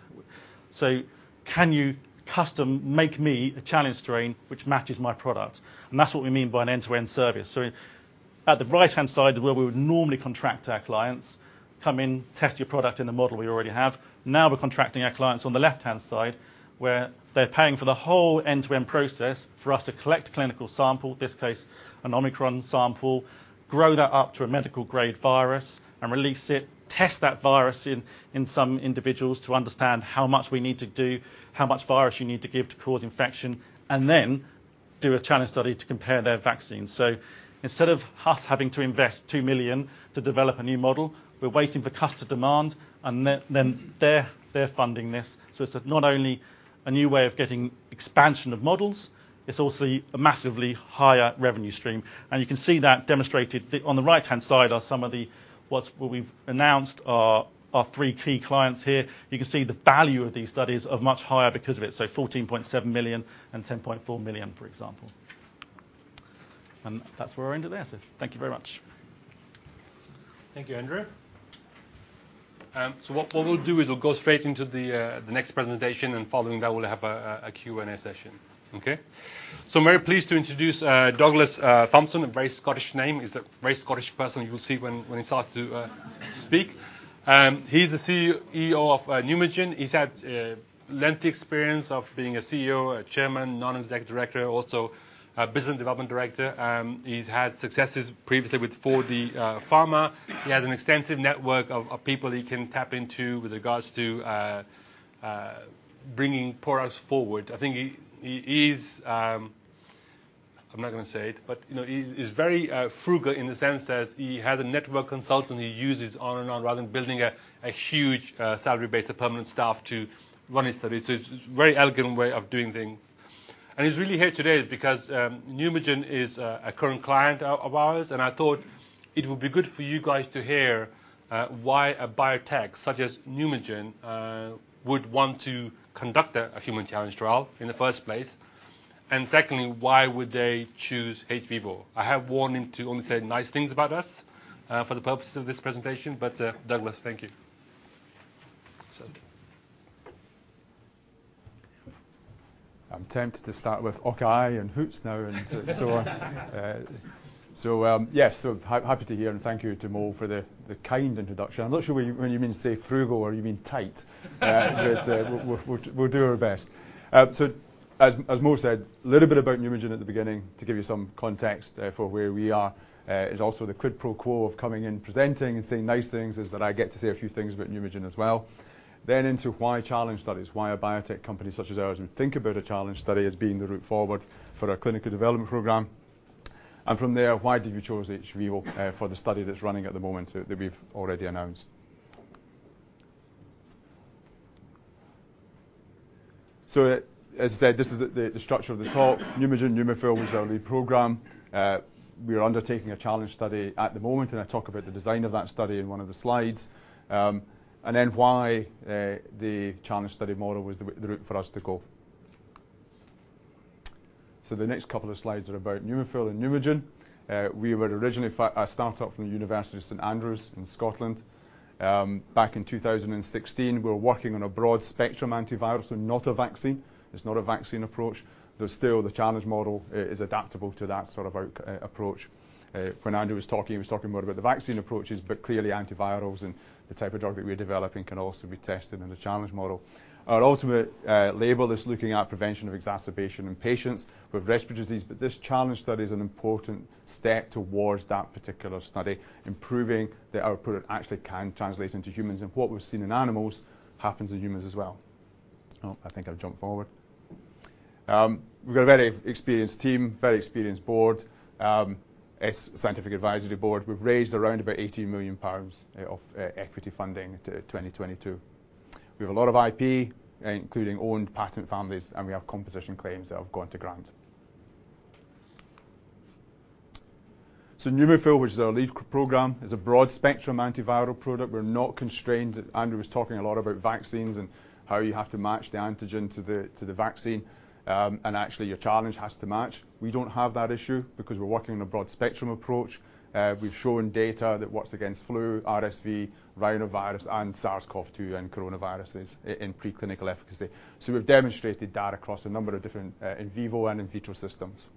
So can you custom-make me a challenge strain which matches my product?" That's what we mean by an end-to-end service. At the right-hand side where we would normally contract our clients, come in, test your product in the model we already have. Now we're contracting our clients on the left-hand side, where they're paying for the whole end-to-end process for us to collect clinical sample, this case, an Omicron sample, grow that up to a medical-grade virus and release it, test that virus in some individuals to understand how much we need to do, how much virus you need to give to cause infection, and then do a challenge study to compare their vaccines. Instead of us having to invest 2 million to develop a new model, we're waiting for customer demand, and then they're funding this. It's not only a new way of getting expansion of models, it's also a massively higher revenue stream. You can see that demonstrated. On the right-hand side are some of what we've announced are three key clients here. You can see the value of these studies are much higher because of it, so 14.7 million and 10.4 million, for example. That's where we end it there. Thank you very much. Thank you, Andrew. What we'll do is we'll go straight into the next presentation, and following that, we'll have a Q&A session. Okay. I'm very pleased to introduce Douglas Thompson, a very Scottish name. He's a very Scottish person. You'll see when he starts to speak. He's the CEO of Pneumagen. He's had lengthy experience of being a CEO, a chairman, non-exec director, also a business development director. He's had successes previously with 4D pharma. He has an extensive network of people he can tap into with regards to bringing products forward. I think he is, I'm not gonna say it, but, you know, he's very frugal in the sense that he has a network of consultants he uses on and on rather than building a huge salary-based of permanent staff to run his studies. It's very elegant way of doing things. He's really here today because Pneumagen is a current client of ours, and I thought it would be good for you guys to hear why a biotech such as Pneumagen would want to conduct a human challenge trial in the first place. Secondly, why would they choose hVIVO? I have warned him to only say nice things about us for the purposes of this presentation. Douglas, thank you. I'm tempted to start with och aye the noo and so on. Happy to hear, and thank you to Mo for the kind introduction. I'm not sure whether you mean to say frugal or you mean tight. But we'll do our best. As Mo said, a little bit about Pneumagen at the beginning to give you some context for where we are is also the quid pro quo of coming in, presenting and saying nice things is that I get to say a few things about Pneumagen as well. Into why challenge studies. Why a biotech company such as ours would think about a challenge study as being the route forward for our clinical development program. From there, why did we choose hVIVO for the study that's running at the moment that we've already announced. As I said, this is the structure of the talk. Pneumagen, Neumifil was our lead program. We are undertaking a challenge study at the moment, and I talk about the design of that study in one of the slides. The challenge study model was the route for us to go. The next couple of slides are about Neumifil and Pneumagen. We were originally a startup from the University of St Andrews in Scotland, back in 2016. We were working on a broad-spectrum antiviral and not a vaccine. It's not a vaccine approach, though still the challenge model is adaptable to that sort of approach. When Andrew was talking, he was talking more about the vaccine approaches, but clearly antivirals and the type of drug that we're developing can also be tested in the challenge model. Our ultimate label is looking at prevention of exacerbation in patients with respiratory disease, but this challenge study is an important step towards that particular study, improving the output that actually can translate into humans, and what we've seen in animals happens in humans as well. I think I've jumped forward. We've got a very experienced team, very experienced board, a scientific advisory board. We've raised around about 80 million pounds of equity funding to 2022. We have a lot of IP, including owned patent families, and we have composition claims that have gone to grant. Neumifil, which is our lead program, is a broad-spectrum antiviral product. We're not constrained. Andrew was talking a lot about vaccines and how you have to match the antigen to the vaccine, and actually your challenge has to match. We don't have that issue because we're working on a broad-spectrum approach. We've shown data that works against flu, RSV, rhinovirus, and SARS-CoV-2 and coronaviruses in preclinical efficacy. We've demonstrated that across a number of different in vivo and in vitro systems.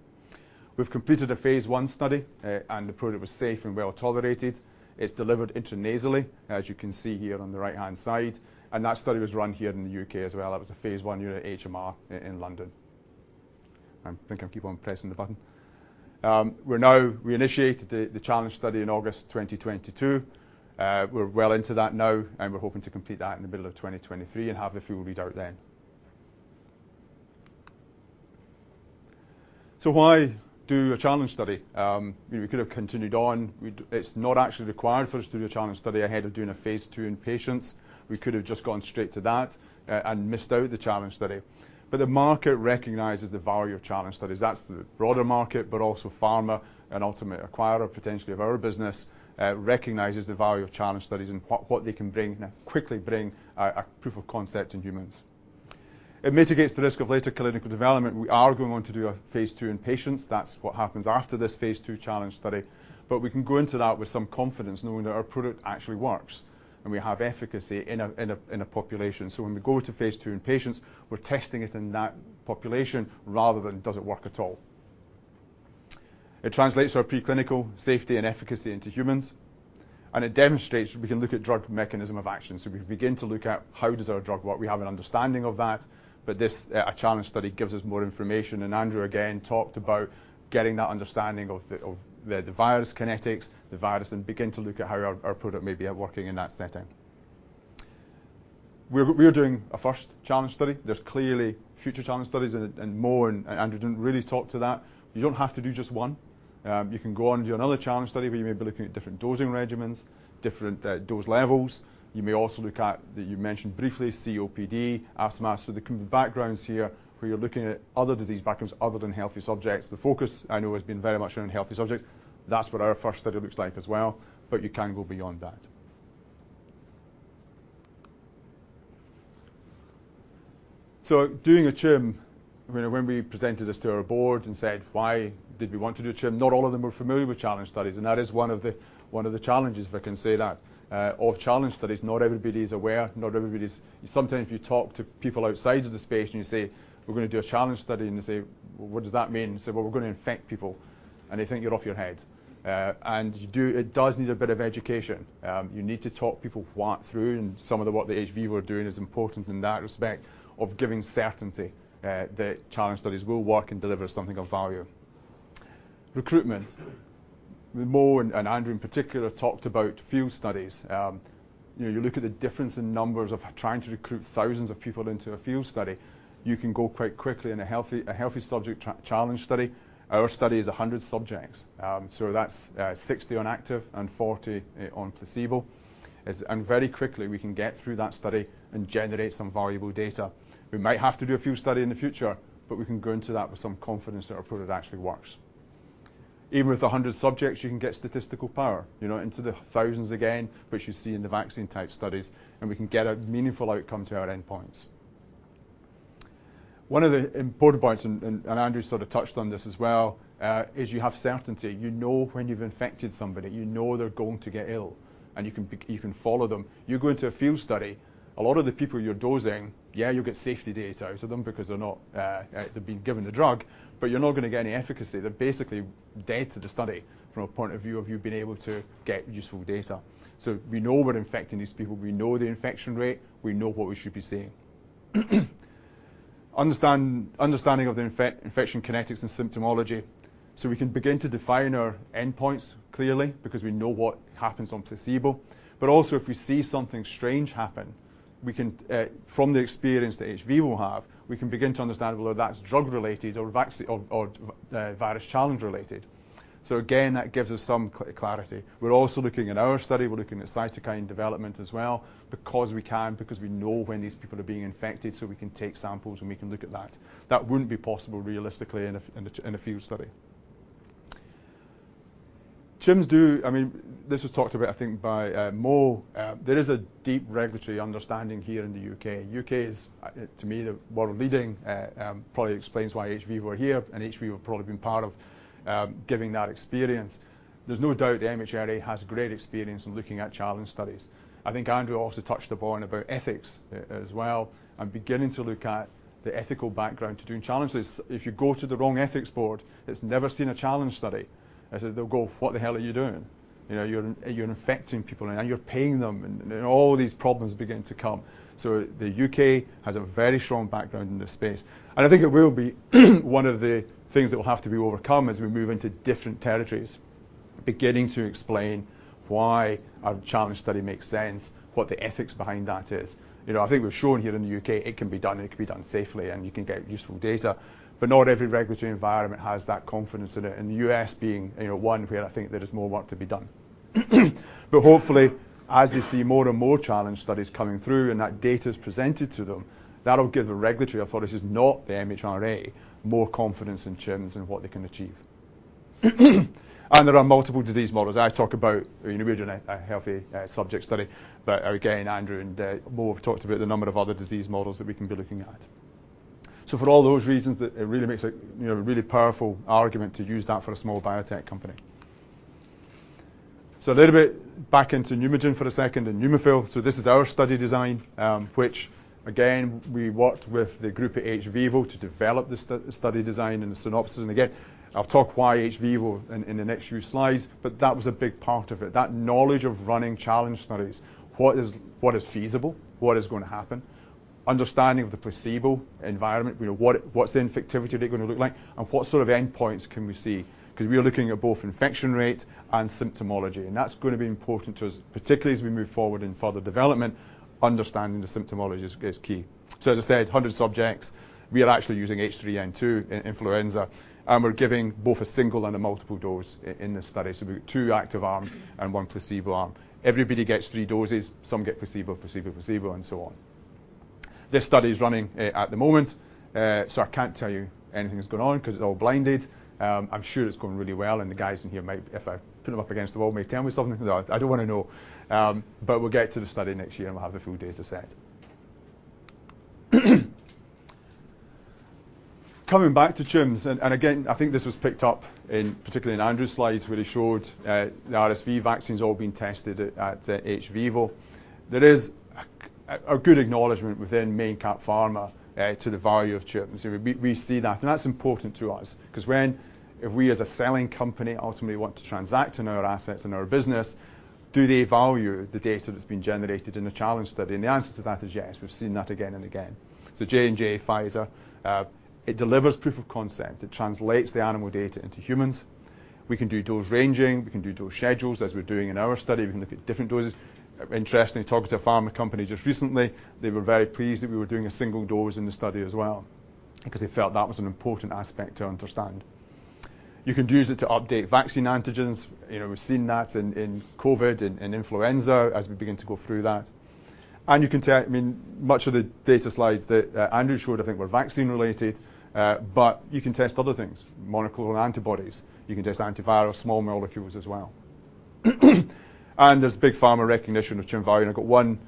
We've completed a phase I study, and the product was safe and well-tolerated. It's delivered intranasally, as you can see here on the right-hand side, and that study was run here in the U.K. as well. That was a phase I unit at HMR in London. I think I keep on pressing the button. We're now. We initiated the challenge study in August 2022. We're well into that now, and we're hoping to complete that in the middle of 2023 and have the full readout then. Why do a challenge study? We could have continued on. It's not actually required for us to do a challenge study ahead of doing a phase II in patients. We could have just gone straight to that, and missed out the challenge study. The market recognizes the value of challenge studies. That's the broader market, but also pharma, an ultimate acquirer potentially of our business, recognizes the value of challenge studies and what they can bring, quickly bring a proof of concept in humans. It mitigates the risk of later clinical development. We are going on to do a phase II in patients. That's what happens after this phase II challenge study. We can go into that with some confidence knowing that our product actually works, and we have efficacy in a population. When we go to phase II in patients, we're testing it in that population rather than does it work at all. It translates our preclinical safety and efficacy into humans, and it demonstrates we can look at drug mechanism of action. We can begin to look at how does our drug work. We have an understanding of that, but this challenge study gives us more information. Andrew again talked about getting that understanding of the virus kinetics, the virus, and begin to look at how our product may be working in that setting. We're doing a first challenge study. There's clearly future challenge studies and more, and Andrew didn't really talk to that. You don't have to do just one. You can go on and do another challenge study where you may be looking at different dosing regimens, different dose levels. You may also look at, you mentioned briefly, COPD, asthma, so there could be backgrounds here where you're looking at other disease backgrounds other than healthy subjects. The focus I know has been very much around healthy subjects. That's what our first study looks like as well, but you can go beyond that. Doing a CHIM, I mean, when we presented this to our board and said, "Why did we want to do CHIM?" Not all of them were familiar with challenge studies, and that is one of the challenges, if I can say that, of challenge studies. Not everybody's aware. Sometimes you talk to people outside of the space and you say, "We're gonna do a challenge study," and they say, "What does that mean?" You say, "Well, we're gonna infect people," and they think you're off your head. It does need a bit of education. You need to talk people right through, and some of the work that hVIVO were doing is important in that respect of giving certainty that challenge studies will work and deliver something of value. Recruitment. Mo and Andrew in particular talked about field studies. You know, you look at the difference in numbers of trying to recruit thousands of people into a field study. You can go quite quickly in a healthy subject challenge study. Our study is 100 subjects, so that's 60 on active and 40 on placebo. It's... Very quickly, we can get through that study and generate some valuable data. We might have to do a field study in the future, but we can go into that with some confidence that our product actually works. Even with 100 subjects, you can get statistical power, you know, into the thousands again, which you see in the vaccine-type studies, and we can get a meaningful outcome to our endpoints. One of the important points, and Andrew sort of touched on this as well, is you have certainty. You know when you've infected somebody. You know they're going to get ill, and you can follow them. You go into a field study, a lot of the people you're dosing, yeah, you'll get safety data out of them because they're not, they're being given the drug, but you're not gonna get any efficacy. They're basically dead to the study from a point of view of you being able to get useful data. We know we're infecting these people. We know the infection rate. We know what we should be seeing. Understanding of the infection kinetics and symptomology, we can begin to define our endpoints clearly because we know what happens on placebo. Also, if we see something strange happen, we can, from the experience that hVIVO will have, we can begin to understand whether that's drug-related or virus challenge related. Again, that gives us some clarity. We're also looking in our study at cytokine development as well because we can, because we know when these people are being infected, so we can take samples and we can look at that. That wouldn't be possible realistically in a field study. CHIMs do. I mean, this was talked about, I think, by Mo. There is a deep regulatory understanding here in the U.K. U.K. is, to me, the world-leading, probably explains why hVIVO were here, and hVIVO have probably been part of giving that experience. There's no doubt the MHRA has great experience in looking at challenge studies. I think Andrew also touched upon about ethics as well and beginning to look at the ethical background to doing challenges. If you go to the wrong ethics board, it's never seen a challenge study, so they'll go, "What the hell are you doing?" You know, "You're infecting people, and you're paying them," and all these problems begin to come. The U.K. has a very strong background in this space, and I think it will be one of the things that will have to be overcome as we move into different territories, beginning to explain why a challenge study makes sense, what the ethics behind that is. You know, I think we've shown here in the U.K. it can be done, and it can be done safely, and you can get useful data, but not every regulatory environment has that confidence in it, and the U.S. being, you know, one where I think there is more work to be done. Hopefully, as they see more and more challenge studies coming through, and that data is presented to them, that'll give the regulatory authorities, not the MHRA, more confidence in CHIMS and what they can achieve. There are multiple disease models. I talk about, you know, we're doing a healthy subject study, but again, Andrew and Mo have talked about the number of other disease models that we can be looking at. For all those reasons, it really makes you know, a really powerful argument to use that for a small biotech company. A little bit back into Pneumagen for a second and Neumifil. This is our study design, which again, we worked with the group at hVIVO to develop the study design and the synopsis. Again, I'll talk why hVIVO in the next few slides, but that was a big part of it. That knowledge of running challenge studies, what is feasible, what is gonna happen. Understanding of the placebo environment. You know, what's the infectivity data gonna look like and what sort of endpoints can we see 'cause we are looking at both infection rate and symptomology, and that's gonna be important to us particularly as we move forward in further development, understanding the symptomology is key. As I said, 100 subjects. We are actually using H3N2 in influenza, and we're giving both a single and a multiple dose in the study, so we've two active arms and one placebo arm. Everybody gets three doses. Some get placebo, placebo, and so on. This study is running at the moment, so I can't tell you anything that's going on 'cause it's all blinded. I'm sure it's going really well, and the guys in here might, if I put them up against the wall, may tell me something that I don't wanna know. But we'll get to the study next year, and we'll have the full data set. Coming back to CHIMs, and again, I think this was picked up particularly in Andrew's slides where he showed the RSV vaccines all being tested at hVIVO. There is a good acknowledgement within mid-cap pharma to the value of CHIMs. We see that, and that's important to us 'cause when if we as a selling company ultimately want to transact on our assets and our business, do they value the data that's been generated in the challenge study? The answer to that is yes. We've seen that again and again. J&J, Pfizer, it delivers proof of concept. It translates the animal data into humans. We can do dose ranging. We can do dose schedules as we're doing in our study. We can look at different doses. Interestingly, talking to a pharma company just recently, they were very pleased that we were doing a single dose in the study as well because they felt that was an important aspect to understand. You can use it to update vaccine antigens. You know, we've seen that in COVID and in influenza as we begin to go through that. I mean, much of the data slides that Andrew showed I think were vaccine-related, but you can test other things, monoclonal antibodies. You can test antiviral small molecules as well. There's big pharma recognition of CHIM value, and I've got one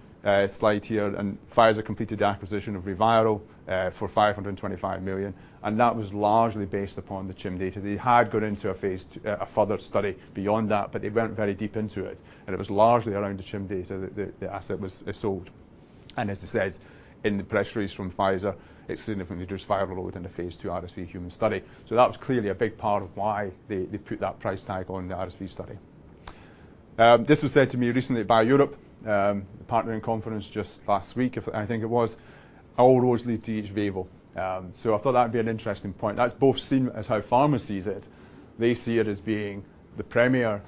slide here, and Pfizer completed the acquisition of ReViral for $525 million, and that was largely based upon the CHIM data. They had gone into a phase II, a further study beyond that, but they weren't very deep into it, and it was largely around the CHIM data that the asset was sold. As I said, in the press release from Pfizer, it significantly reduced viral load in the phase II RSV human study. That was clearly a big part of why they put that price tag on the RSV study. This was said to me recently at BIO-Europe, the partnering conference just last week I think it was, "All roads lead to hVIVO." I thought that'd be an interesting point. That's both seen as how pharma sees it. They see it as being the premier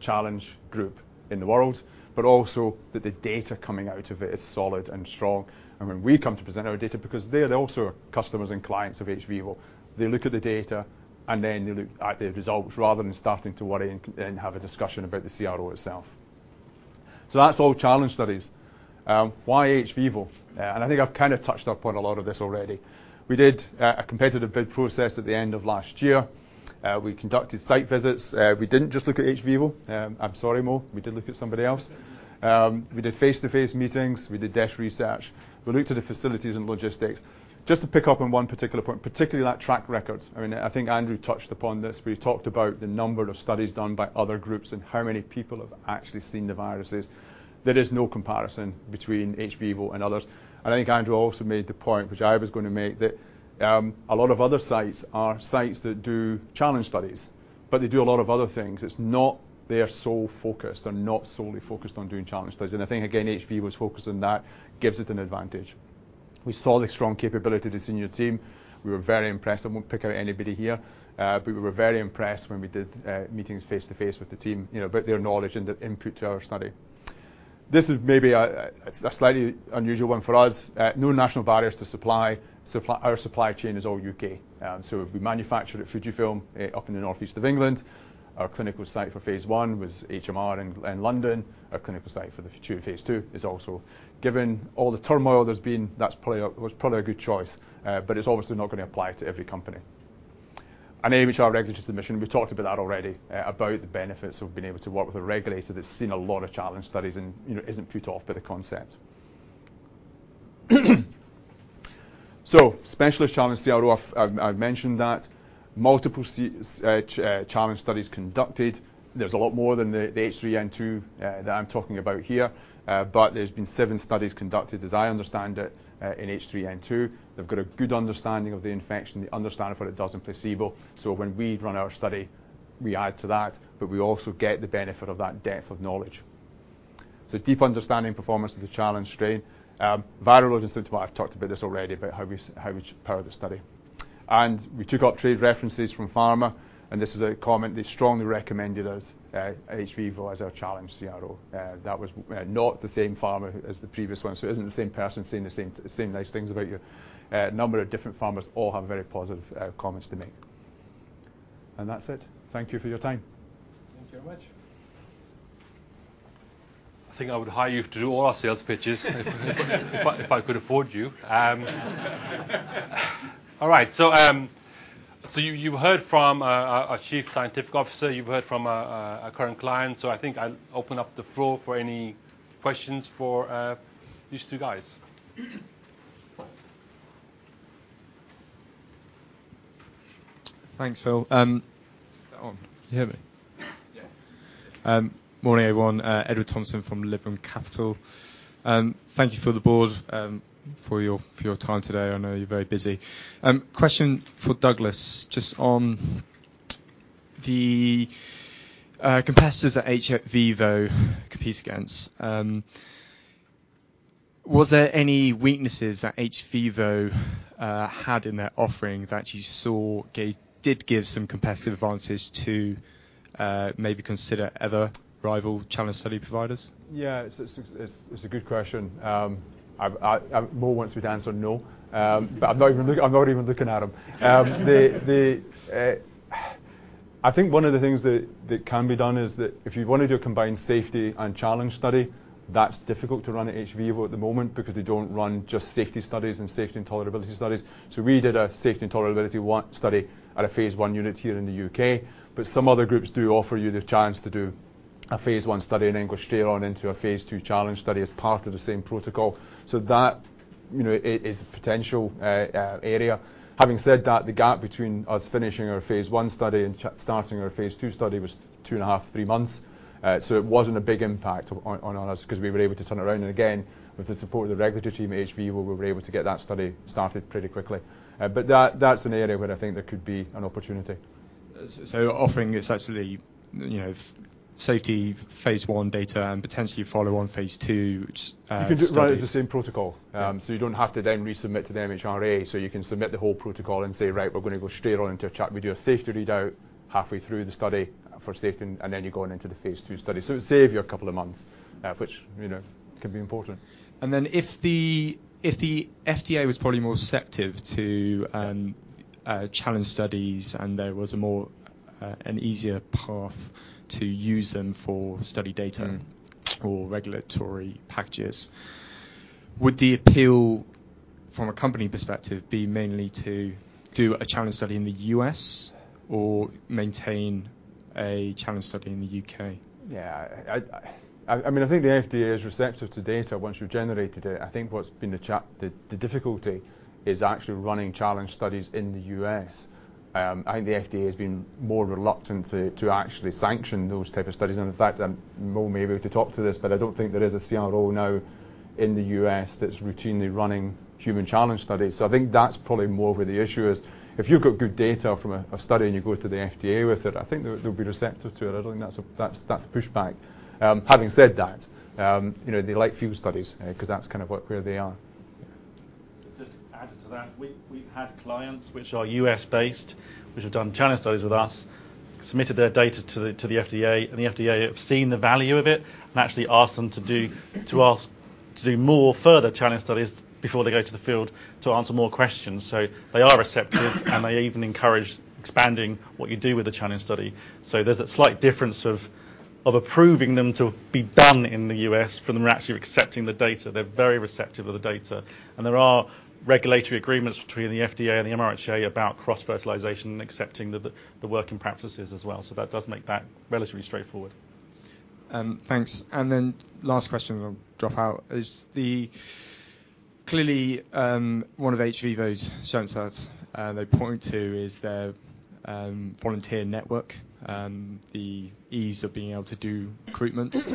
challenge group in the world but also that the data coming out of it is solid and strong. When we come to present our data, because they're also customers and clients of hVIVO, they look at the data, and then they look at the results rather than starting to worry and have a discussion about the CRO itself. That's all challenge studies. Why hVIVO? I think I've kind of touched upon a lot of this already. We did a competitive bid process at the end of last year. We conducted site visits. We didn't just look at hVIVO. I'm sorry, Mo. We did look at somebody else. We did face-to-face meetings. We did desk research. We looked at the facilities and logistics. Just to pick up on one particular point, particularly that track record, I mean, I think Andrew touched upon this. We've talked about the number of studies done by other groups and how many people have actually seen the viruses. There is no comparison between hVIVO and others. I think Andrew also made the point, which I was gonna make, that a lot of other sites are sites that do challenge studies, but they do a lot of other things. It's not that they are so focused. They're not solely focused on doing challenge studies, and I think again hVIVO's focus on that gives it an advantage. We saw the strong capability of the senior team. We were very impressed. I won't pick out anybody here, but we were very impressed when we did meetings face-to-face with the team, you know, about their knowledge and the input to our study. This is maybe a slightly unusual one for us. No national barriers to supply. Our supply chain is all U.K. We manufacture at Fujifilm up in the northeast of England. Our clinical site for phase I was HMR in London. Our clinical site for phase II is also. Given all the turmoil there's been, that's probably was probably a good choice, but it's obviously not gonna apply to every company. MHRA regulatory submission, we've talked about that already, about the benefits of being able to work with a regulator that's seen a lot of challenge studies and, you know, isn't put off by the concept. Specialist challenge CRO, I've mentioned that. Multiple challenge studies conducted. There's a lot more than the H3N2 that I'm talking about here, but there's been seven studies conducted, as I understand it, in H3N2. They've got a good understanding of the infection. They understand what it does in placebo, so when we run our study, we add to that, but we also get the benefit of that depth of knowledge. Deep understanding performance of the challenge strain. Viral loads and such, well, I've talked about this already, about how we powered the study. We took up trade references from pharma, and this was a comment. They strongly recommended us, hVIVO, as our challenge CRO. That was not the same pharma as the previous one, so it isn't the same person saying the same nice things about you. A number of different pharmas all have very positive comments to make. That's it. Thank you for your time. Thank you very much. I think I would hire you to do all our sales pitches if I could afford you. All right. You've heard from our Chief Scientific Officer. You've heard from our current client. I think I'll open up the floor for any questions for these two guys. Thanks, Phil. Is that on? Can you hear me? Yeah. Morning, everyone. Edward Thompson from Lytham Capital. Thank you for the board, for your time today. I know you're very busy. Question for Douglas just on the competitors that hVIVO compete against. Was there any weaknesses that hVIVO had in their offering that you saw did give some competitive advantages to maybe consider other rival challenge study providers? Yeah. It's a good question. Mo wants me to answer no. I'm not even looking at him. I think one of the things that can be done is that if you wanna do a combined safety and challenge study, that's difficult to run at hVIVO at the moment because they don't run just safety studies and safety and tolerability studies. We did a safety and tolerability study at a phase I unit here in the U.K., but some other groups do offer you the chance to do a phase I study and then go straight on into a phase II challenge study as part of the same protocol. That, you know, is a potential area. Having said that, the gap between us finishing our phase I study and starting our phase II study was two and a half, three months. It wasn't a big impact on us 'cause we were able to turn around. Again, with the support of the regulatory team at hVIVO, we were able to get that study started pretty quickly. That, that's an area where I think there could be an opportunity. Offering essentially, you know, safety phase I data and potentially follow on phase II studies. You can do it right as the same protocol. Yeah You don't have to then resubmit to the MHRA. You can submit the whole protocol and say, "Right, we're gonna go straight on into. We do a safety readout halfway through the study for safety, and then you're going into the phase II study." It save you a couple of months, which, you know, can be important. If the FDA was probably more receptive to challenge studies and there was an easier path to use them for study data. Mm Regulatory packages, would the appeal from a company perspective be mainly to do a challenge study in the U.S. or maintain a challenge study in the U.K.? Yeah. I mean, I think the FDA is receptive to data once you've generated it. I think what's been the difficulty is actually running challenge studies in the U.S. I think the FDA has been more reluctant to actually sanction those type of studies. In fact, Mo may be able to talk to this, but I don't think there is a CRO now in the U.S. that's routinely running human challenge studies. I think that's probably more where the issue is. If you've got good data from a study, and you go to the FDA with it, I think they'll be receptive to it. I don't think that's a pushback. Having said that, you know, they like field studies, 'cause that's kind of where they are. Just to add to that. We've had clients which are U.S.-based, which have done challenge studies with us, submitted their data to the FDA, and the FDA have seen the value of it and actually asked them to do- Mm They want to do more further challenge studies before they go to the field to answer more questions. They are receptive and they even encourage expanding what you do with the challenge study. There's a slight difference of approving them to be done in the U.S. from them actually accepting the data. They're very receptive of the data, and there are regulatory agreements between the FDA and the MHRA about cross-fertilization and accepting the working practices as well. That does make that relatively straightforward. Thanks. Last question, then I'll drop out. Is it clearly one of hVIVO's selling points they point to is their volunteer network, the ease of being able to do recruitments.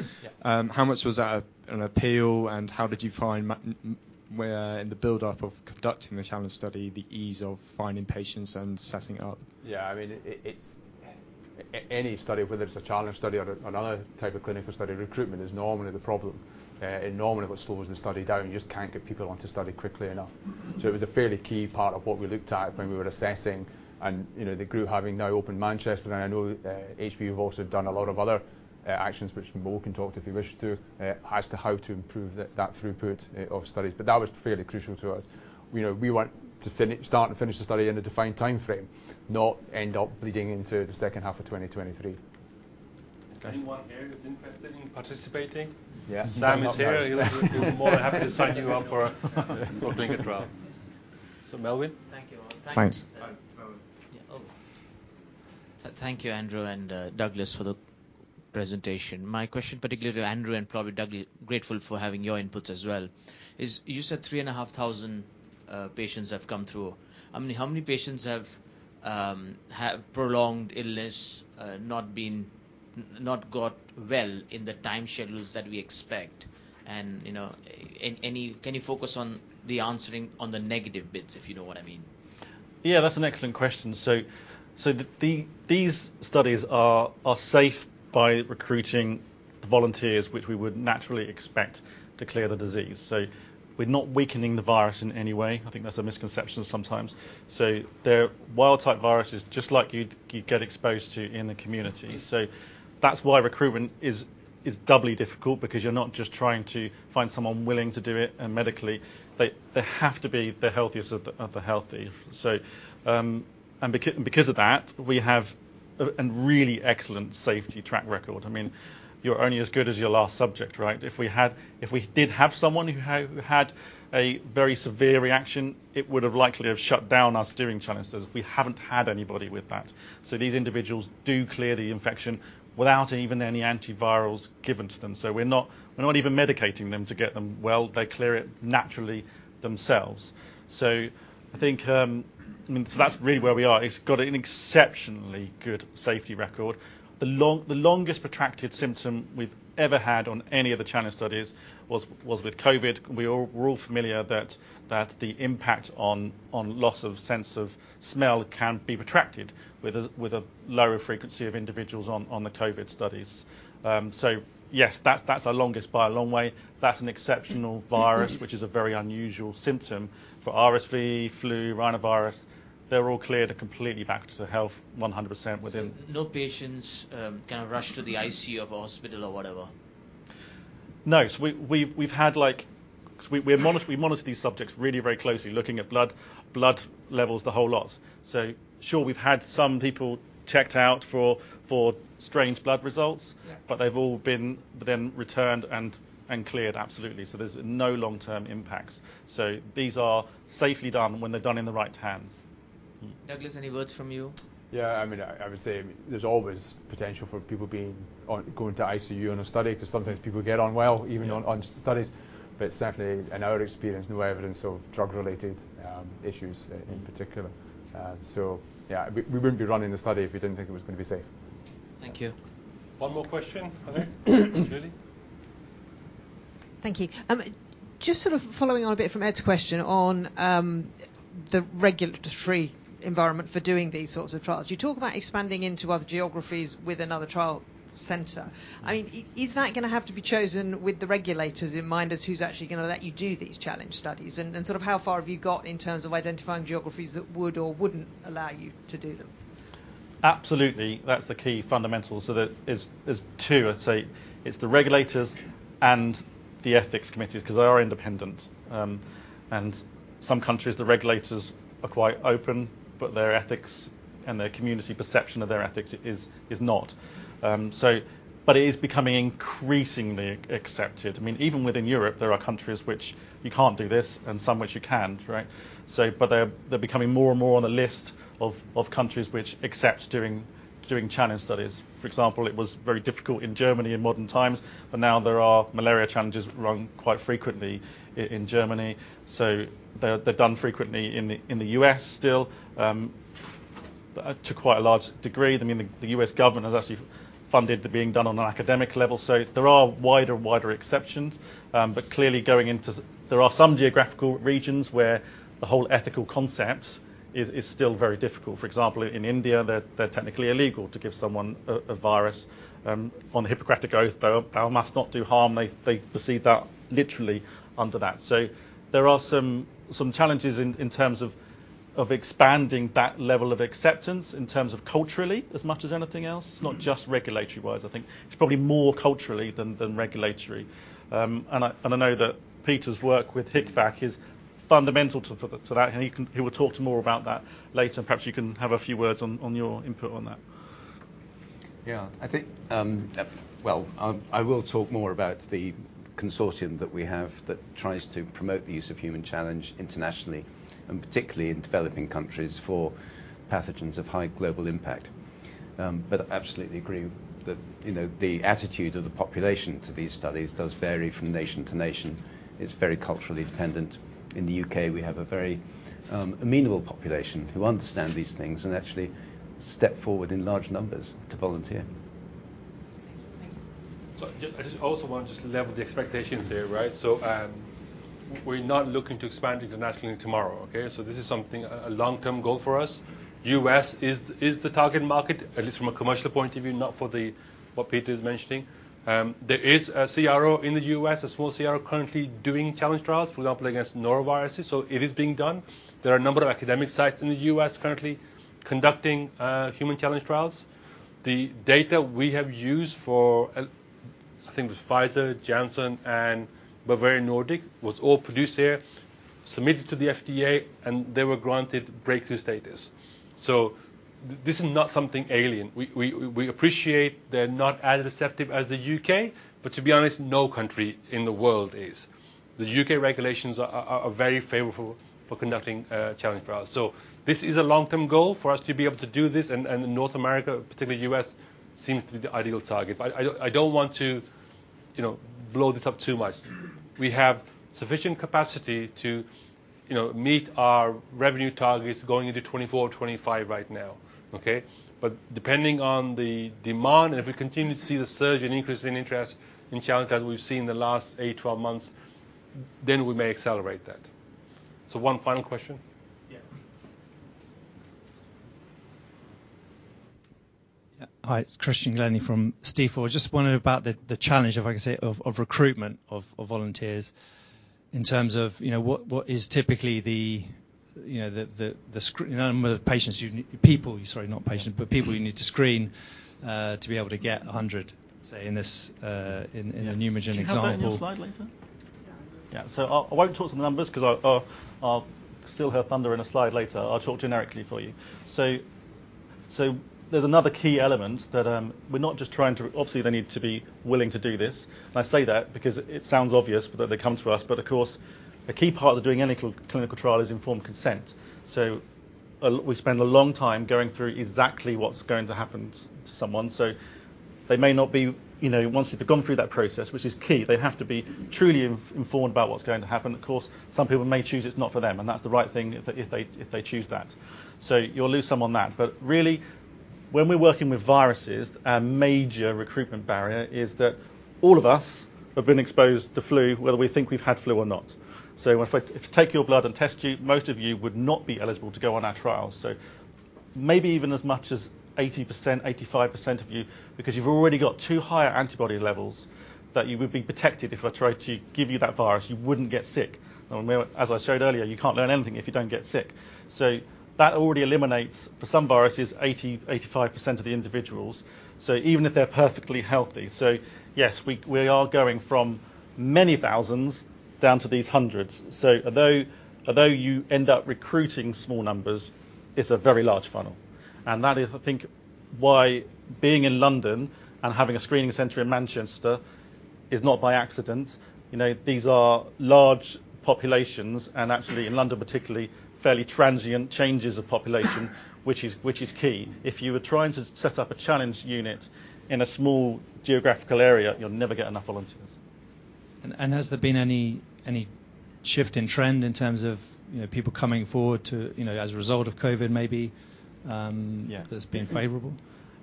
Yeah. How much was that an appeal, and how did you find where in the buildup of conducting the challenge study, the ease of finding patients and setting it up? I mean, it's any study, whether it's a challenge study or another type of clinical study, recruitment is normally the problem. It's normally what slows the study down. You just can't get people onto study quickly enough. Mm. It was a fairly key part of what we looked at when we were assessing. You know, the group having now opened Manchester, and I know hVIVO have also done a lot of other actions, which Mo can talk to if he wishes to, as to how to improve that throughput of studies. That was fairly crucial to us. You know, we want to start and finish the study in a defined timeframe, not end up bleeding into the second half of 2023. Okay. Anyone here that's interested in participating? Yeah. Sam is here. He'll be more than happy to sign you up for doing a trial. Melvin? Thank you all. Thanks. Hi, Melvin. Thank you, Andrew and Douglas, for the presentation. My question particularly to Andrew, and probably Doug. Grateful for having your inputs as well, is you said 3,500 patients have come through. I mean, how many patients have prolonged illness, not been, not got well in the time schedules that we expect? You know, and any can you focus on answering on the negative bits, if you know what I mean? Yeah, that's an excellent question. These studies are safe by recruiting the volunteers which we would naturally expect to clear the disease. We're not weakening the virus in any way. I think that's a misconception sometimes. They're wild type viruses just like you'd get exposed to in the community. That's why recruitment is doubly difficult because you're not just trying to find someone willing to do it, and medically, they have to be the healthiest of the healthy. Because of that, we have a really excellent safety track record. I mean, you're only as good as your last subject, right? If we did have someone who had a very severe reaction, it would have likely shut down us doing challenge studies. We haven't had anybody with that. These individuals do clear the infection without even any antivirals given to them. We're not even medicating them to get them well. They clear it naturally themselves. I think, I mean, so that's really where we are. It's got an exceptionally good safety record. The longest protracted symptom we've ever had on any of the challenge studies was with COVID. We're all familiar that the impact on loss of sense of smell can be protracted with a lower frequency of individuals on the COVID studies. Yes, that's our longest by a long way. That's an exceptional virus, which is a very unusual symptom. For RSV, flu, rhinovirus, they're all cleared and completely back to health 100% within- No patients kinda rush to the ICU of a hospital or whatever? No, we've had like 'cause we monitor these subjects really very closely, looking at blood levels, the whole lot. Sure, we've had some people checked out for strange blood results. Yeah They've all been then returned and cleared absolutely. There's no long-term impacts. These are safely done when they're done in the right hands. Douglas, any words from you? Yeah, I mean, I would say there's always potential for people going to ICU in a study, 'cause sometimes people get unwell even on studies. Certainly in our experience, no evidence of drug-related issues in particular. Yeah, we wouldn't be running the study if we didn't think it was gonna be safe. Thank you. One more question. Annie, Julie. Thank you. Just sort of following on a bit from Ed's question on the regulatory environment for doing these sorts of trials. You talk about expanding into other geographies with another trial center. I mean, is that gonna have to be chosen with the regulators in mind as who's actually gonna let you do these challenge studies? And sort of how far have you got in terms of identifying geographies that would or wouldn't allow you to do them? Absolutely. That's the key fundamental. There's two, I'd say. It's the regulators and the ethics committees, 'cause they are independent. Some countries, the regulators are quite open, but their ethics and their community perception of their ethics is not. It is becoming increasingly accepted. I mean, even within Europe, there are countries which you can't do this and some which you can, right? They're becoming more and more on the list of countries which accept doing challenge studies. For example, it was very difficult in Germany in modern times, but now there are malaria challenges run quite frequently in Germany. They're done frequently in the U.S. still, to quite a large degree. I mean, the U.S. government has actually funded them being done on an academic level. There are wider and wider exceptions. There are some geographical regions where the whole ethical concepts is still very difficult. For example, in India, it's technically illegal to give someone a virus. On the Hippocratic oath, thou must not do harm. They perceive that literally under that. There are some challenges in terms of expanding that level of acceptance in terms of culturally as much as anything else. It's not just regulatory-wise. I think it's probably more culturally than regulatory. I know that Peter's work with HIC-Vac is fundamental to that, and he will talk more about that later. Perhaps you can have a few words on your input on that. Yeah. I think, well, I will talk more about the consortium that we have that tries to promote the use of human challenge internationally, and particularly in developing countries for pathogens of high global impact. Absolutely agree that, you know, the attitude of the population to these studies does vary from nation to nation. It's very culturally dependent. In the U.K., we have a very, amenable population who understand these things and actually step forward in large numbers to volunteer. Thanks. I just also want to just level the expectations here, right? We're not looking to expand internationally tomorrow, okay? This is something a long-term goal for us. U.S. is the target market, at least from a commercial point of view, not for the what Peter's mentioning. There is a CRO in the U.S., a small CRO currently doing challenge trials, for example, against noroviruses. It is being done. There are a number of academic sites in the U.S. currently conducting human challenge trials. The data we have used for, I think it was Pfizer, Janssen, and Bavarian Nordic, was all produced here, submitted to the FDA, and they were granted breakthrough status. This is not something alien. We appreciate they're not as receptive as the U.K., but to be honest, no country in the world is. The U.K. regulations are very favorable for conducting challenge trials. This is a long-term goal for us to be able to do this, and North America, particularly U.S., seems to be the ideal target. I don't want to, you know, blow this up too much. We have sufficient capacity to, you know, meet our revenue targets going into 2024, 2025 right now. Okay. Depending on the demand, and if we continue to see the surge in increase in interest in challenge that we've seen in the last eight, 12 months, then we may accelerate that. One final question. Yeah. Yeah. Hi, it's Christian Glennie from Stifel. Just wondering about the challenge of, I can say, of recruitment of volunteers in terms of, you know, what is typically the number of people, sorry, not patients, but people you need to screen to be able to get 100, say, in this, you know, Pneumagen example. Can you have that on your slide later? Yeah. I won't talk to the numbers 'cause I'll steal her thunder in a slide later. I'll talk generically for you. There's another key element that we're not just trying to. Obviously, they need to be willing to do this, and I say that because it sounds obvious that they come to us, but of course, a key part of doing any clinical trial is informed consent. We spend a long time going through exactly what's going to happen to someone. They may not be, you know, once they've gone through that process, which is key, they have to be truly informed about what's going to happen. Of course, some people may choose it's not for them, and that's the right thing if they choose that. You'll lose some on that. Really, when we're working with viruses, a major recruitment barrier is that all of us have been exposed to flu, whether we think we've had flu or not. If I take your blood and test you, most of you would not be eligible to go on our trial. Maybe even as much as 80%, 85% of you, because you've already got too high antibody levels that you would be protected if I tried to give you that virus. You wouldn't get sick. As I showed earlier, you can't learn anything if you don't get sick. That already eliminates, for some viruses, 80, 85% of the individuals. Even if they're perfectly healthy. Yes, we are going from many thousands down to these hundreds. Although you end up recruiting small numbers, it's a very large funnel. That is, I think, why being in London and having a screening center in Manchester is not by accident. You know, these are large populations, and actually in London particularly, fairly transient changes of population, which is key. If you were trying to set up a challenge unit in a small geographical area, you'll never get enough volunteers. Has there been any shift in trend in terms of, you know, people coming forward to, you know, as a result of COVID maybe? Yeah. That's been favorable?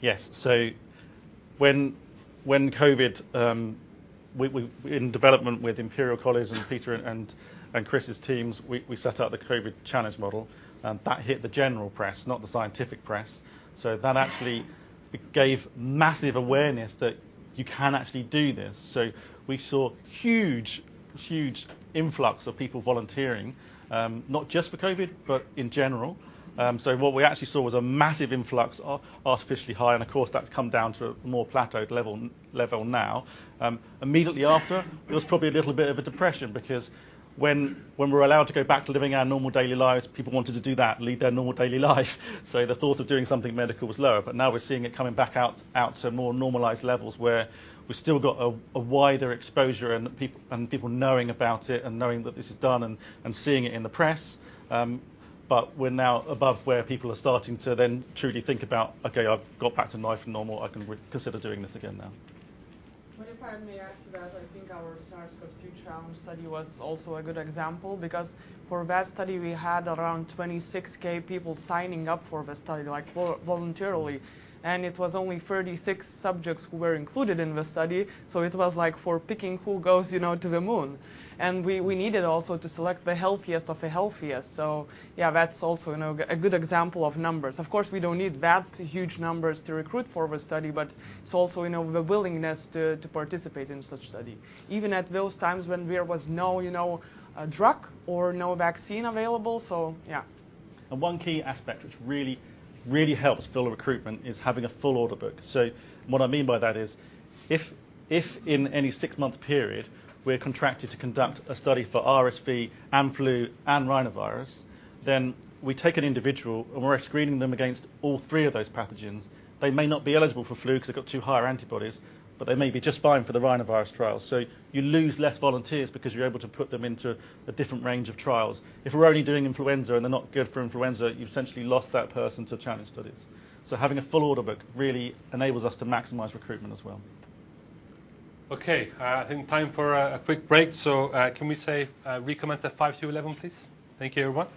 Yes. When COVID, we in development with Imperial College and Peter and Chris' teams, we set up the COVID Challenge model, and that hit the general press, not the scientific press. That actually gave massive awareness that you can actually do this. We saw huge influx of people volunteering, not just for COVID, but in general. What we actually saw was a massive influx, artificially high, and of course, that's come down to a more plateaued level now. Immediately after, there was probably a little bit of a depression because when we were allowed to go back to living our normal daily lives, people wanted to do that, lead their normal daily life. The thought of doing something medical was lower. now we're seeing it coming back out to more normalized levels, where we've still got a wider exposure and people knowing about it and knowing that this is done and seeing it in the press. We're now above where people are starting to then truly think about, "Okay, I've got back to life normal. I can reconsider doing this again now. If I may add to that, I think our SARS-CoV-2 Challenge study was also a good example because for that study, we had around 26,000 people signing up for the study, like voluntarily, and it was only 36 subjects who were included in the study. It was like for picking who goes, you know, to the moon. We needed also to select the healthiest of the healthiest. Yeah, that's also, you know, a good example of numbers. Of course, we don't need that huge numbers to recruit for the study, but it's also, you know, the willingness to participate in such study, even at those times when there was no, you know, a drug or no vaccine available. Yeah. One key aspect which really, really helps build recruitment is having a full order book. What I mean by that is if in any six-month period we're contracted to conduct a study for RSV and flu and rhinovirus, then we take an individual, and we're screening them against all three of those pathogens. They may not be eligible for flu because they've got too high antibodies, but they may be just fine for the rhinovirus trial. You lose less volunteers because you're able to put them into a different range of trials. If we're only doing influenza and they're not good for influenza, you've essentially lost that person to challenge studies. Having a full order book really enables us to maximize recruitment as well. Okay. I think time for a quick break. Can we say reconnect at 10:55, please? Thank you, everyone.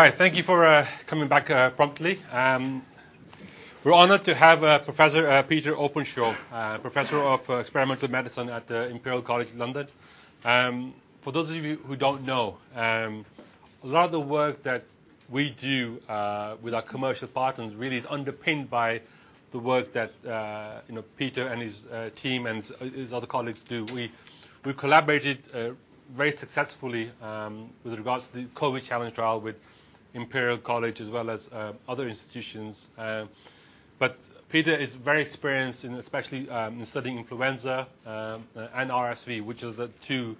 All right. Thank you for coming back promptly. We're honored to have Professor Peter Openshaw, Professor of Experimental Medicine at Imperial College London. For those of you who don't know, a lot of the work that we do with our commercial partners really is underpinned by the work that you know, Peter and his team and his other colleagues do. We collaborated very successfully with regards to the COVID challenge trial with Imperial College as well as other institutions. Peter is very experienced in especially in studying influenza and RSV, which is the two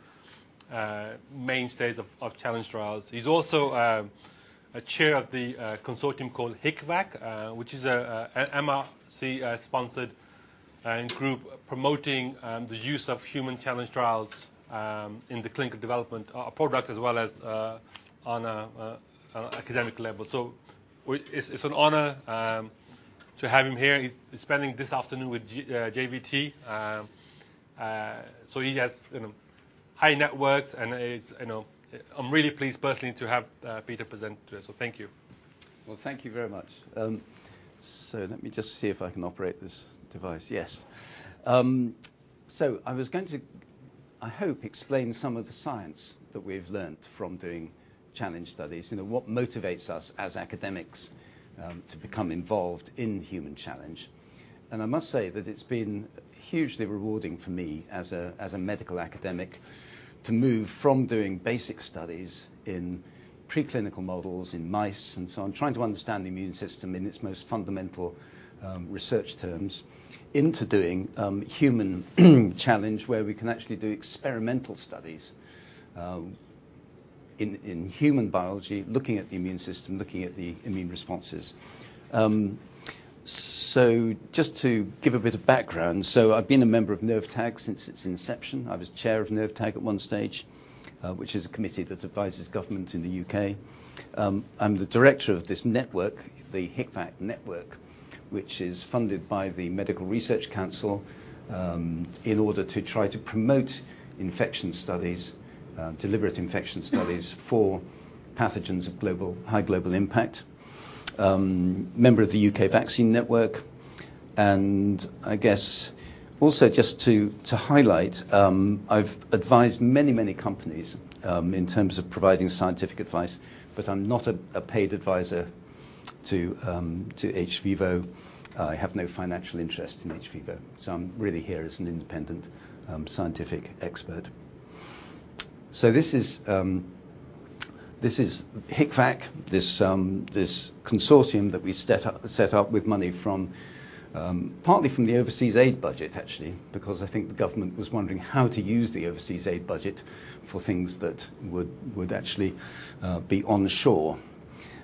mainstays of challenge trials. He's also a chair of the consortium called HIC-Vac, which is an MRC sponsored group promoting the use of human challenge trials in the clinical development of products as well as on an academic level. It's an honor to have him here. He's spending this afternoon with JVT. He has, you know, high networks and is, you know, I'm really pleased personally to have Peter present to us, thank you. Well, thank you very much. Let me just see if I can operate this device. Yes. I was going to, I hope, explain some of the science that we've learned from doing challenge studies. You know, what motivates us as academics to become involved in human challenge. I must say that it's been hugely rewarding for me as a medical academic to move from doing basic studies in preclinical models in mice, and so on, trying to understand the immune system in its most fundamental research terms into doing human challenge, where we can actually do experimental studies in human biology, looking at the immune system, looking at the immune responses. Just to give a bit of background. I've been a member of NERVTAG since its inception. I was chair of NERVTAG at one stage, which is a committee that advises government in the U.K. I'm the director of this network, the HIC-Vac network, which is funded by the Medical Research Council, in order to try to promote infection studies, deliberate infection studies for pathogens of global, high global impact. Member of the U.K. Vaccine Network. I guess also just to highlight, I've advised many companies, in terms of providing scientific advice, but I'm not a paid advisor to hVIVO. I have no financial interest in hVIVO, so I'm really here as an independent scientific expert. This is HIC-Vac, this consortium that we set up with money from partly from the overseas aid budget, actually, because I think the government was wondering how to use the overseas aid budget for things that would actually be onshore.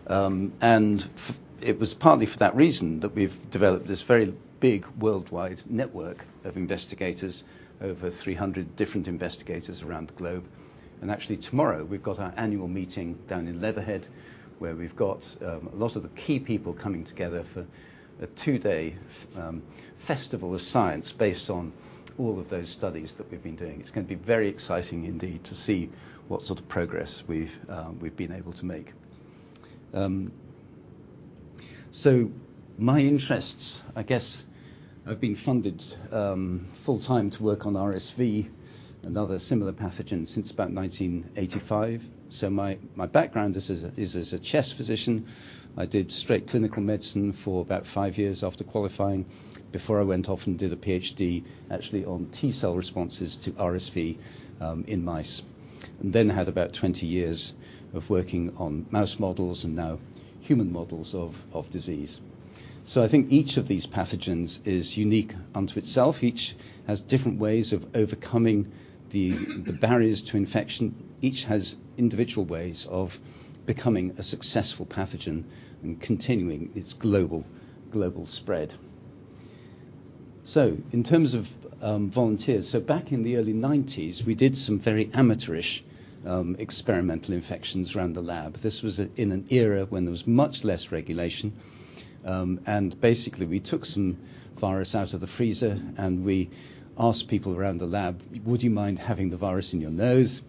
It was partly for that reason that we've developed this very big worldwide network of investigators, over 300 different investigators around the globe. Actually, tomorrow we've got our annual meeting down in Leatherhead, where we've got a lot of the key people coming together for a two-day festival of science based on all of those studies that we've been doing. It's gonna be very exciting indeed to see what sort of progress we've been able to make. My interests, I guess, I've been funded full-time to work on RSV and other similar pathogens since about 1985. My background is as a chest physician. I did straight clinical medicine for about five years after qualifying before I went off and did a PhD actually on T cell responses to RSV in mice. Had about 20 years of working on mouse models and now human models of disease. I think each of these pathogens is unique unto itself. Each has different ways of overcoming the barriers to infection. Each has individual ways of becoming a successful pathogen and continuing its global spread. In terms of volunteers, back in the early 1990s, we did some very amateurish experimental infections around the lab. This was in an era when there was much less regulation, and basically we took some virus out of the freezer, and we asked people around the lab, "Would you mind having the virus in your nose?"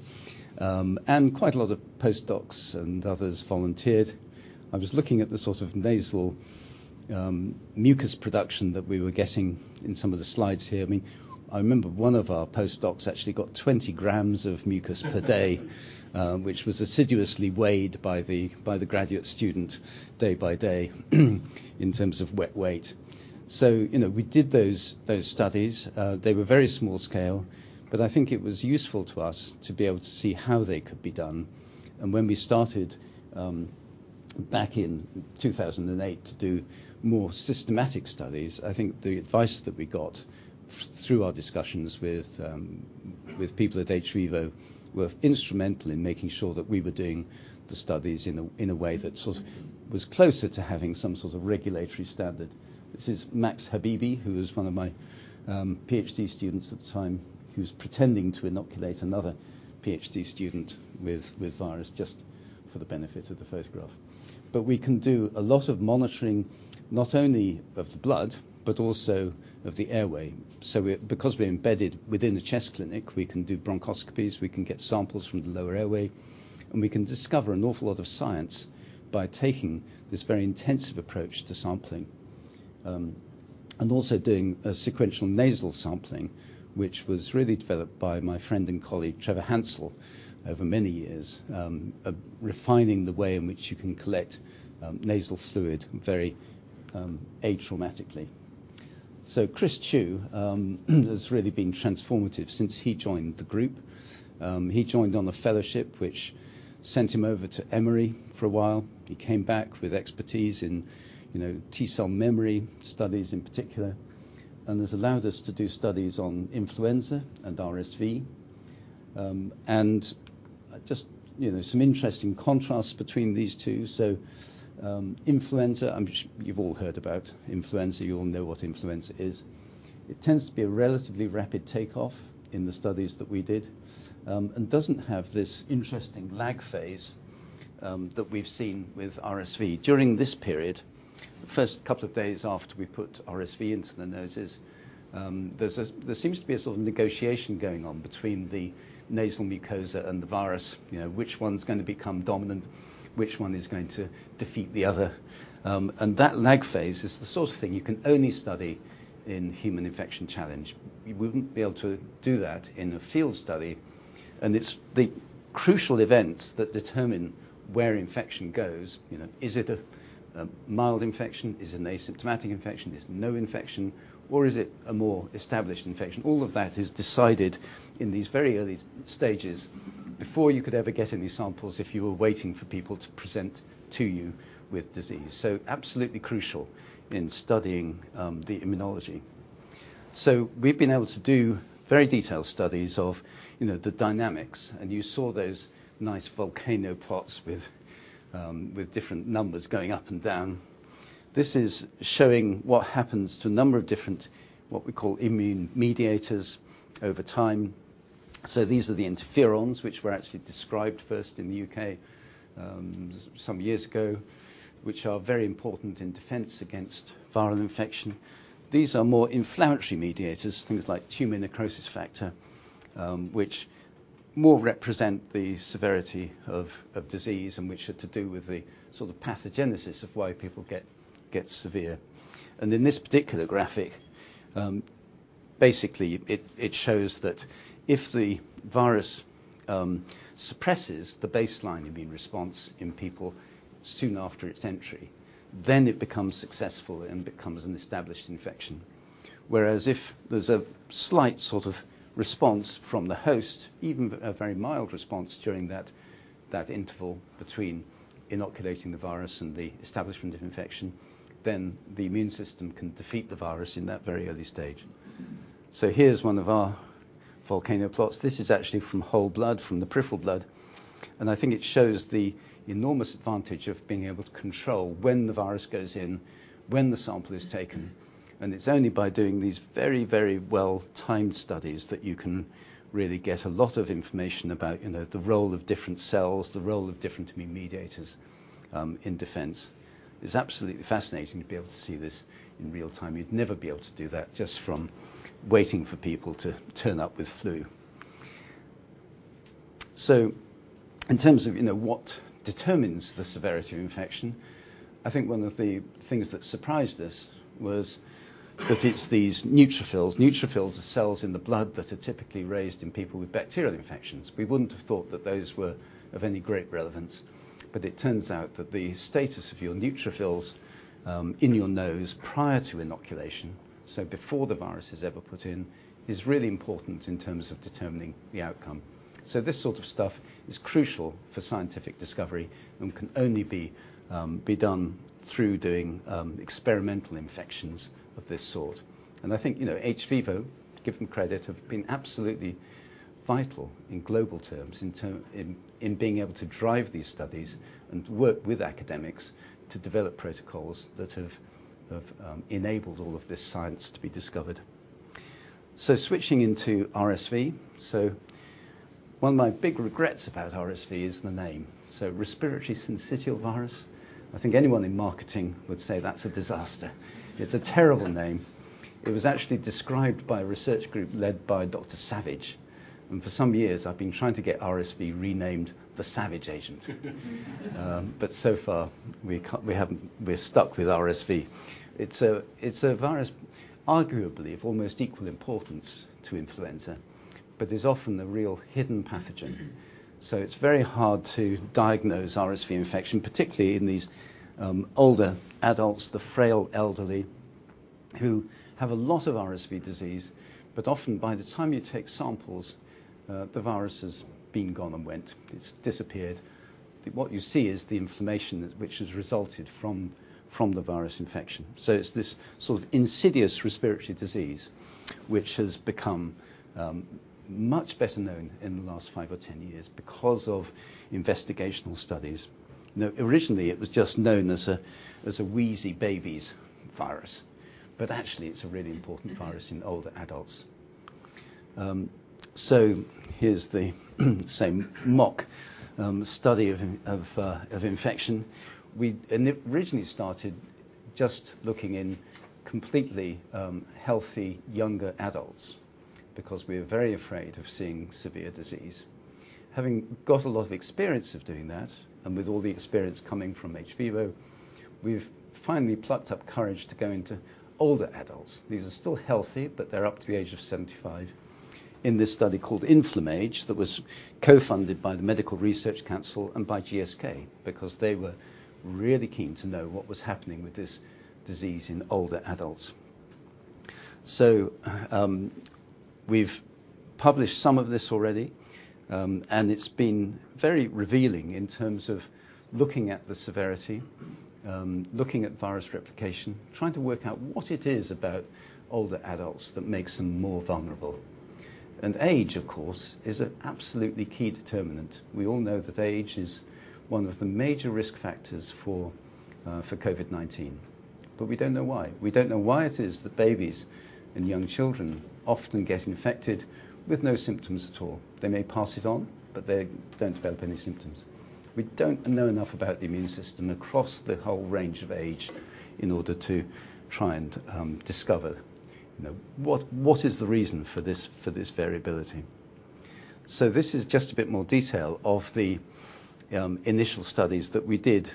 Quite a lot of postdocs and others volunteered. I was looking at the sort of nasal mucus production that we were getting in some of the slides here. I mean, I remember one of our postdocs actually got 20 grams of mucus per day, which was assiduously weighed by the graduate student day by day in terms of wet weight. You know, we did those studies. They were very small scale, but I think it was useful to us to be able to see how they could be done. When we started back in 2008 to do more systematic studies, I think the advice that we got through our discussions with people at hVIVO were instrumental in making sure that we were doing the studies in a way that sort of was closer to having some sort of regulatory standard. This is Max Habibi, who was one of my PhD students at the time, who's pretending to inoculate another PhD student with virus just for the benefit of the photograph. We can do a lot of monitoring, not only of the blood, but also of the airway. Because we're embedded within a chest clinic, we can do bronchoscopies, we can get samples from the lower airway, and we can discover an awful lot of science by taking this very intensive approach to sampling. Also doing a sequential nasal sampling, which was really developed by my friend and colleague, Trevor Hansel, over many years, refining the way in which you can collect nasal fluid very atraumatically. Chris Chiu has really been transformative since he joined the group. He joined on a fellowship, which sent him over to Emory for a while. He came back with expertise in, you know, T cell memory studies in particular, and has allowed us to do studies on influenza and RSV. Just, you know, some interesting contrasts between these two. Influenza, I'm sure you've all heard about influenza. You all know what influenza is. It tends to be a relatively rapid takeoff in the studies that we did, and doesn't have this interesting lag phase that we've seen with RSV. During this period, the first couple of days after we put RSV into the noses, there seems to be a sort of negotiation going on between the nasal mucosa and the virus. You know, which one's gonna become dominant, which one is going to defeat the other. That lag phase is the sort of thing you can only study in human infection challenge. You wouldn't be able to do that in a field study, and it's the crucial event that determine where infection goes. You know, is it a mild infection? Is it an asymptomatic infection? Is it no infection, or is it a more established infection? All of that is decided in these very early stages before you could ever get any samples if you were waiting for people to present to you with disease. Absolutely crucial in studying the immunology. We've been able to do very detailed studies of, you know, the dynamics, and you saw those nice volcano plots with with different numbers going up and down. This is showing what happens to a number of different, what we call immune mediators over time. These are the interferons, which were actually described first in the U.K., some years ago, which are very important in defense against viral infection. These are more inflammatory mediators, things like tumor necrosis factor, which more represent the severity of disease and which are to do with the sort of pathogenesis of why people get severe. In this particular graphic, basically it shows that if the virus suppresses the baseline immune response in people soon after its entry, then it becomes successful and becomes an established infection. Whereas if there's a slight sort of response from the host, even a very mild response during that interval between inoculating the virus and the establishment of infection, then the immune system can defeat the virus in that very early stage. Here's one of our volcano plots. This is actually from whole blood, from the peripheral blood, and I think it shows the enormous advantage of being able to control when the virus goes in, when the sample is taken, and it's only by doing these very, very well-timed studies that you can really get a lot of information about, you know, the role of different cells, the role of different immune mediators, in defense. It's absolutely fascinating to be able to see this in real time. You'd never be able to do that just from waiting for people to turn up with flu. In terms of, you know, what determines the severity of infection, I think one of the things that surprised us was that it's these neutrophils. Neutrophils are cells in the blood that are typically raised in people with bacterial infections. We wouldn't have thought that those were of any great relevance, but it turns out that the status of your neutrophils in your nose prior to inoculation, so before the virus is ever put in, is really important in terms of determining the outcome. This sort of stuff is crucial for scientific discovery and can only be done through doing experimental infections of this sort. I think hVIVO, to give them credit, have been absolutely vital in global terms in being able to drive these studies and work with academics to develop protocols that have enabled all of this science to be discovered. Switching into RSV. One of my big regrets about RSV is the name. Respiratory syncytial virus, I think anyone in marketing would say that's a disaster. It's a terrible name. It was actually described by a research group led by Dr. Savage, and for some years, I've been trying to get RSV renamed the Savage Agent, but so far we haven't. We're stuck with RSV. It's a virus arguably of almost equal importance to influenza, but it is often the real hidden pathogen. It's very hard to diagnose RSV infection, particularly in these older adults, the frail elderly, who have a lot of RSV disease, but often by the time you take samples, the virus has been gone and went. It's disappeared. What you see is the inflammation which has resulted from the virus infection. It's this sort of insidious respiratory disease which has become much better known in the last five or 10 years because of investigational studies. You know, originally it was just known as a wheezy baby's virus, but actually it's a really important virus in older adults. Here's the same mock study of infection. We originally started just looking in completely healthy younger adults because we were very afraid of seeing severe disease. Having got a lot of experience of doing that, and with all the experience coming from hVIVO, we've finally plucked up courage to go into older adults. These are still healthy, but they're up to the age of 75 in this study called InflamAge that was co-funded by the Medical Research Council and by GSK, because they were really keen to know what was happening with this disease in older adults. We've published some of this already, and it's been very revealing in terms of looking at the severity, looking at virus replication, trying to work out what it is about older adults that makes them more vulnerable. Age, of course, is an absolutely key determinant. We all know that age is one of the major risk factors for for COVID-19, but we don't know why. We don't know why it is that babies and young children often get infected with no symptoms at all. They may pass it on, but they don't develop any symptoms. We don't know enough about the immune system across the whole range of age in order to try and discover, you know, what is the reason for this variability. This is just a bit more detail of the initial studies that we did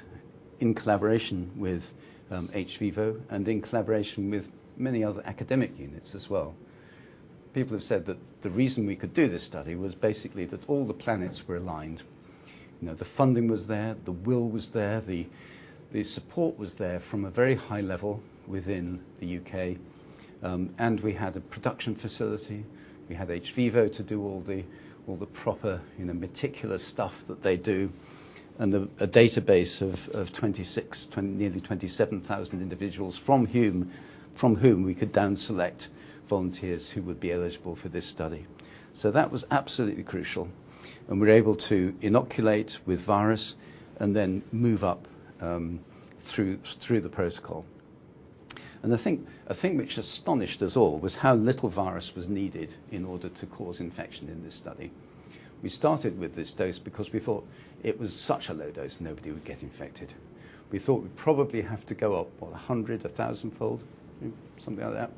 in collaboration with hVIVO and in collaboration with many other academic units as well. People have said that the reason we could do this study was basically that all the planets were aligned. You know, the funding was there, the will was there, the support was there from a very high level within the U.K., and we had a production facility. We had hVIVO to do all the proper, you know, meticulous stuff that they do, and a database of 26, nearly 27,000 individuals from whom we could then select volunteers who would be eligible for this study. That was absolutely crucial, and we were able to inoculate with virus and then move up through the protocol. The thing which astonished us all was how little virus was needed in order to cause infection in this study. We started with this dose because we thought it was such a low dose, nobody would get infected. We thought we'd probably have to go up, what, 100, 1,000-fold, something like that.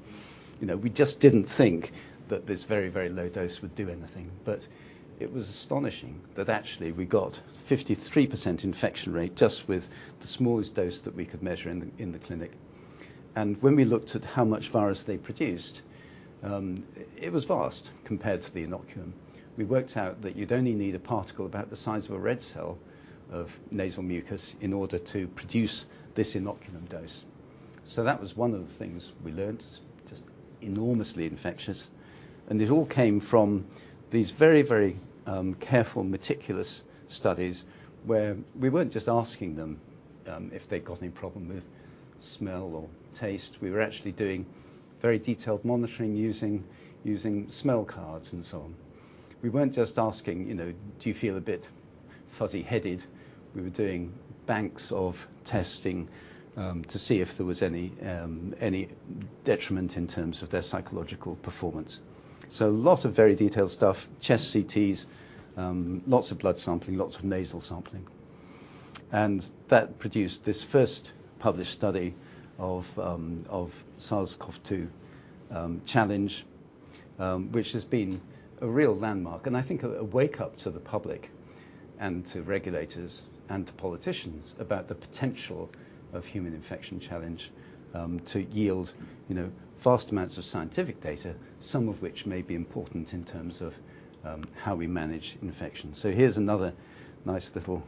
You know, we just didn't think that this very, very low dose would do anything. It was astonishing that actually we got 53% infection rate just with the smallest dose that we could measure in the clinic. When we looked at how much virus they produced, it was vast compared to the inoculum. We worked out that you'd only need a particle about the size of a red cell of nasal mucus in order to produce this inoculum dose. That was one of the things we learned. Just enormously infectious. It all came from these very careful, meticulous studies where we weren't just asking them if they'd got any problem with smell or taste. We were actually doing very detailed monitoring using smell cards and so on. We weren't just asking, you know, "Do you feel a bit fuzzy-headed?" We were doing battery of testing to see if there was any detriment in terms of their psychological performance. A lot of very detailed stuff. Chest CTs, lots of blood sampling, lots of nasal sampling. That produced this first published study of SARS-CoV-2 challenge, which has been a real landmark and I think a wake-up to the public and to regulators and to politicians about the potential of human infection challenge to yield, you know, vast amounts of scientific data, some of which may be important in terms of how we manage infections. Here's another nice little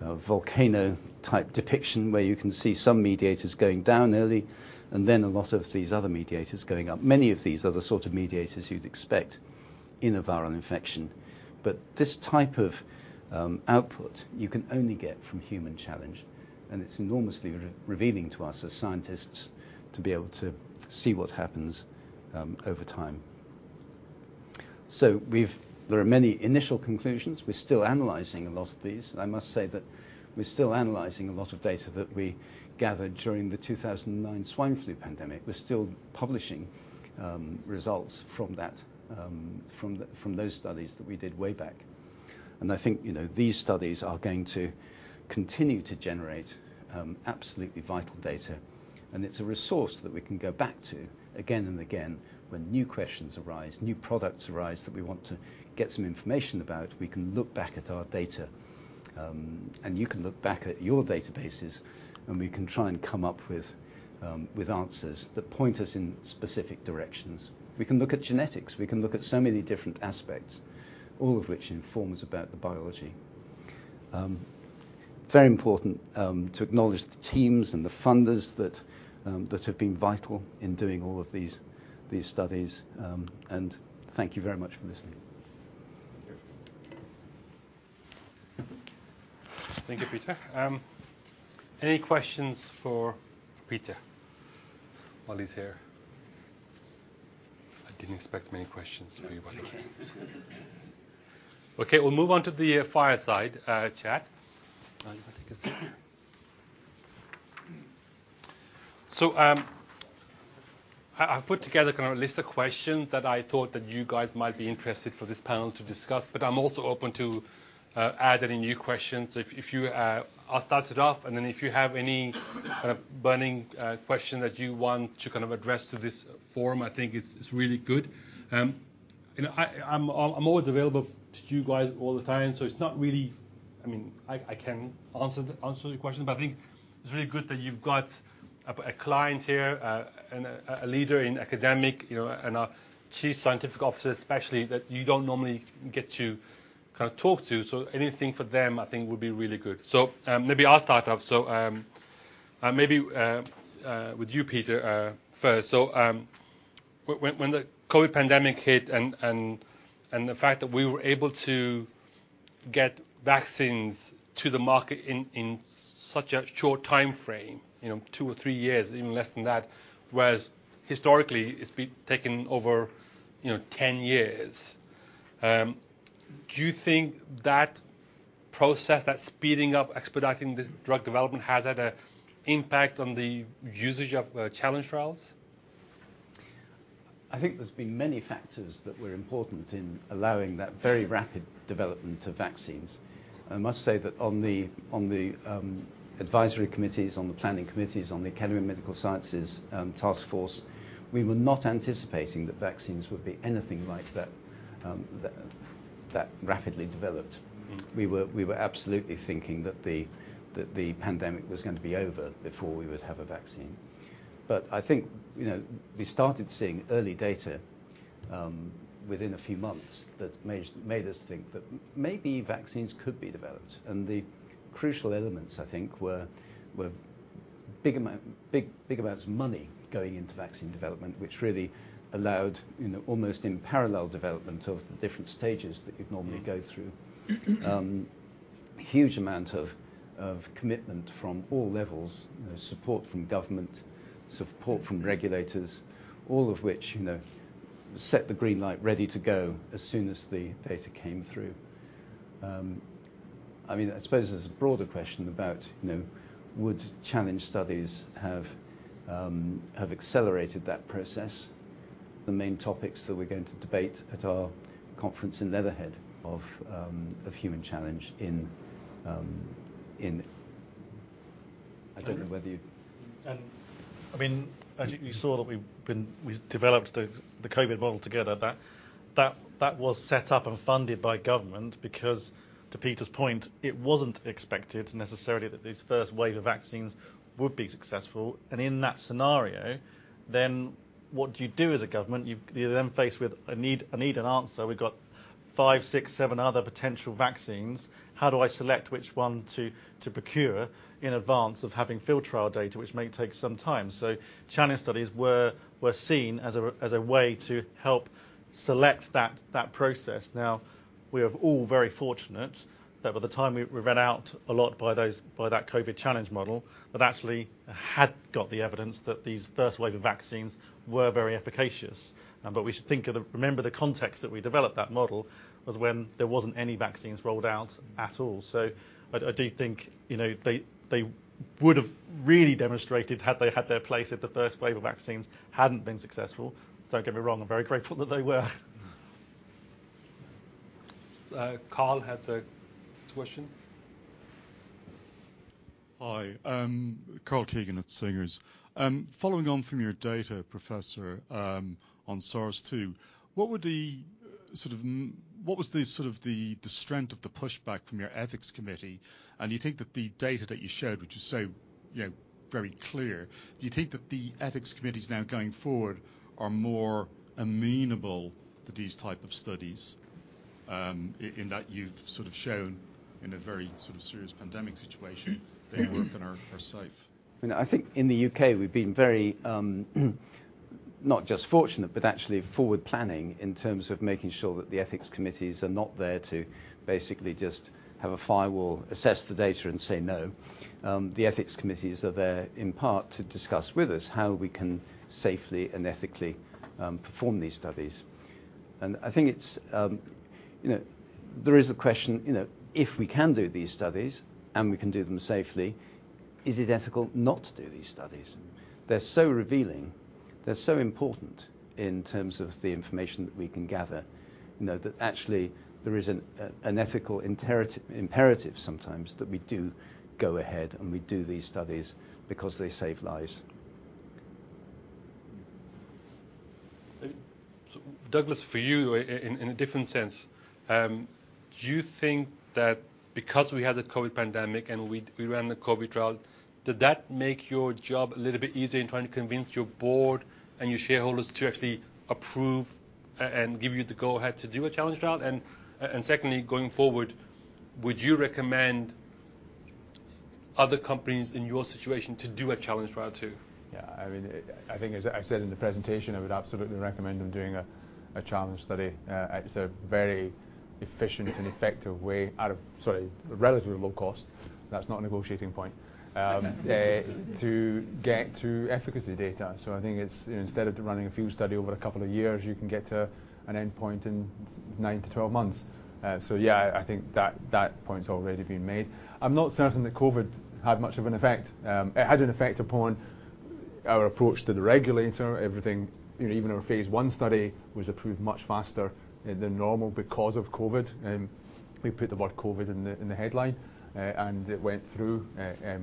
volcano-type depiction where you can see some mediators going down early and then a lot of these other mediators going up. Many of these are the sort of mediators you'd expect in a viral infection. This type of output you can only get from human challenge, and it's enormously revealing to us as scientists to be able to see what happens over time. There are many initial conclusions. We're still analyzing a lot of these, and I must say that we're still analyzing a lot of data that we gathered during the 2009 swine flu pandemic. We're still publishing results from that, from those studies that we did way back. I think, you know, these studies are going to continue to generate absolutely vital data, and it's a resource that we can go back to again and again when new questions arise, new products arise that we want to get some information about. We can look back at our data, and you can look back at your databases, and we can try and come up with with answers that point us in specific directions. We can look at genetics. We can look at so many different aspects, all of which informs about the biology. Very important to acknowledge the teams and the funders that have been vital in doing all of these studies. Thank you very much for listening. Thank you, Peter. Any questions for Peter while he's here? I didn't expect many questions for you, but okay. Okay, we'll move on to the fireside chat. You wanna take a seat. I've put together kind of a list of questions that I thought that you guys might be interested for this panel to discuss, but I'm also open to add any new questions. If you, I'll start it off, and then if you have any kind of burning question that you want to kind of address to this forum, I think it's really good. You know, I'm always available to you guys all the time, it's not really. I mean, I can answer your questions, but I think it's really good that you've got a client here, and a leader in academia, you know, and a chief scientific officer especially that you don't normally get to kind of talk to. Anything for them I think would be really good. Maybe I'll start up. Maybe with you, Peter, first. When the COVID pandemic hit and the fact that we were able to get vaccines to the market in such a short timeframe, you know, two or three years, even less than that, whereas historically, it's been taking over, you know, 10 years, do you think that process, that speeding up, expediting this drug development has had an impact on the usage of challenge trials? I think there's been many factors that were important in allowing that very rapid development of vaccines. I must say that on the advisory committees, on the planning committees, on the Academy of Medical Sciences task force, we were not anticipating that vaccines would be anything like that rapidly developed. We were absolutely thinking that the pandemic was going to be over before we would have a vaccine. I think, you know, we started seeing early data within a few months that made us think that maybe vaccines could be developed. The crucial elements, I think, were big amounts of money going into vaccine development, which really allowed, you know, almost in parallel development of the different stages that you'd normally go through. Huge amount of commitment from all levels, you know, support from government, support from regulators, all of which, you know, set the green light ready to go as soon as the data came through. I mean, I suppose there's a broader question about, you know, would challenge studies have accelerated that process, the main topics that we're going to debate at our conference in Leatherhead of human challenge in in. I don't know whether you. I mean, as you saw that we've developed the COVID model together, that was set up and funded by government because, to Peter's point, it wasn't expected necessarily that this first wave of vaccines would be successful. In that scenario, then what do you do as a government? You're then faced with a need and answer. We've got five, six, seven other potential vaccines. How do I select which one to procure in advance of having field trial data, which may take some time? Challenge studies were seen as a way to help select that process. Now, we are all very fortunate that by the time we had run ahead of those by that COVID challenge model, that actually had got the evidence that these first wave of vaccines were very efficacious. But we should think of, remember the context that we developed that model was when there wasn't any vaccines rolled out at all. I do think, you know, they would have really demonstrated had they had their place if the first wave of vaccines hadn't been successful. Don't get me wrong, I'm very grateful that they were. Carl has a question. Hi. Karl Keegan at Singer. Following on from your data, Professor, on SARS-2, what was the sort of strength of the pushback from your ethics committee? You think that the data that you showed, which is so, you know, very clear, do you think that the ethics committees now going forward are more amenable to these type of studies, in that you've sort of shown in a very sort of serious pandemic situation they work and are safe? You know, I think in the U.K. we've been very, not just fortunate, but actually forward planning in terms of making sure that the ethics committees are not there to basically just have a firewall, assess the data, and say no. The ethics committees are there in part to discuss with us how we can safely and ethically perform these studies. I think it's, you know, there is a question, you know, if we can do these studies, and we can do them safely, is it ethical not to do these studies? They're so revealing. They're so important in terms of the information that we can gather, you know, that actually there is an ethical imperative sometimes that we do go ahead and we do these studies because they save lives. Douglas, for you in a different sense, do you think that because we had the COVID pandemic and we ran the COVID trial, did that make your job a little bit easier in trying to convince your board and your shareholders to actually approve and give you the go ahead to do a challenge trial? Secondly, going forward, would you recommend other companies in your situation to do a challenge trial too? Yeah. I mean, I think as I said in the presentation, I would absolutely recommend them doing a challenge study. It's a very efficient and effective way, sorry, relatively low cost, that's not a negotiating point, to get to efficacy data. So I think it's, you know, instead of running a field study over a couple of years, you can get to an endpoint in 9-12 months. So yeah, I think that point's already been made. I'm not certain that COVID had much of an effect. It had an effect upon our approach to the regulator, everything, you know, even our phase I study was approved much faster than normal because of COVID, and we put the word COVID in the headline. It went through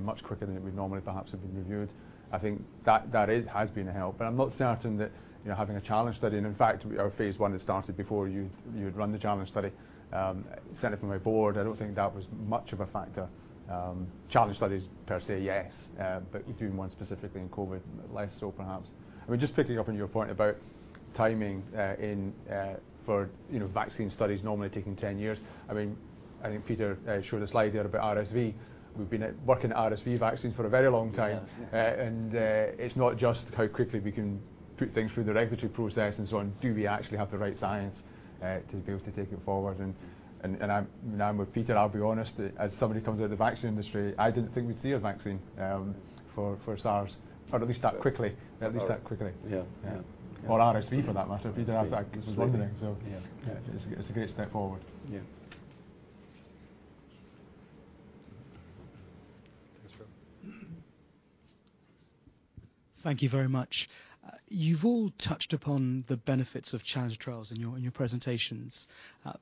much quicker than it would normally perhaps have been reviewed. I think that has been a help, but I'm not certain that, you know, having a challenge study, and in fact our phase I had started before you'd run the challenge study, certainly from my board, I don't think that was much of a factor. Challenge studies per se, yes. You're doing one specifically in COVID, less so perhaps. I mean, just picking up on your point about timing, you know, vaccine studies normally taking 10 years. I mean, I think Peter showed a slide there about RSV. We've been working on RSV vaccines for a very long time. Yes. Yeah. It's not just how quickly we can put things through the regulatory process and so on. Do we actually have the right science to be able to take it forward? I'm with Peter, I'll be honest, as somebody who comes out of the vaccine industry, I didn't think we'd see a vaccine for SARS, or at least that quickly. Yeah. Yeah. RSV for that matter. Peter had that. RSV as well, so. Yeah. It's a great step forward. Yeah. Thanks, Phil. Thank you very much. You've all touched upon the benefits of challenge trials in your presentations.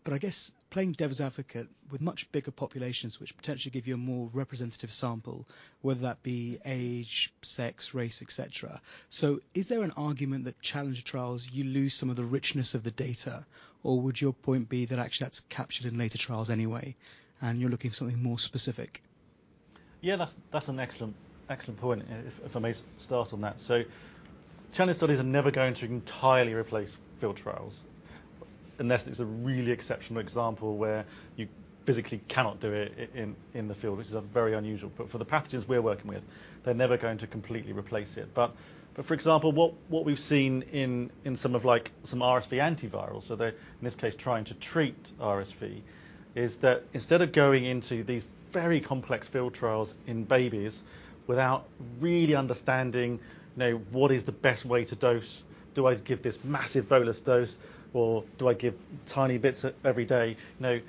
I guess playing devil's advocate, with much bigger populations which potentially give you a more representative sample, whether that be age, sex, race, et cetera, is there an argument that challenge trials you lose some of the richness of the data, or would your point be that actually that's captured in later trials anyway, and you're looking for something more specific? Yeah, that's an excellent point, if I may start on that. Challenge studies are never going to entirely replace field trials unless it's a really exceptional example where you physically cannot do it in the field, which is very unusual. For the pathogens we're working with, they're never going to completely replace it. For example, what we've seen in some of like some RSV antivirals, so they're in this case trying to treat RSV, is that instead of going into these very complex field trials in babies without really understanding, you know, what is the best way to dose? Do I give this massive bolus dose, or do I give tiny bits every day? You know,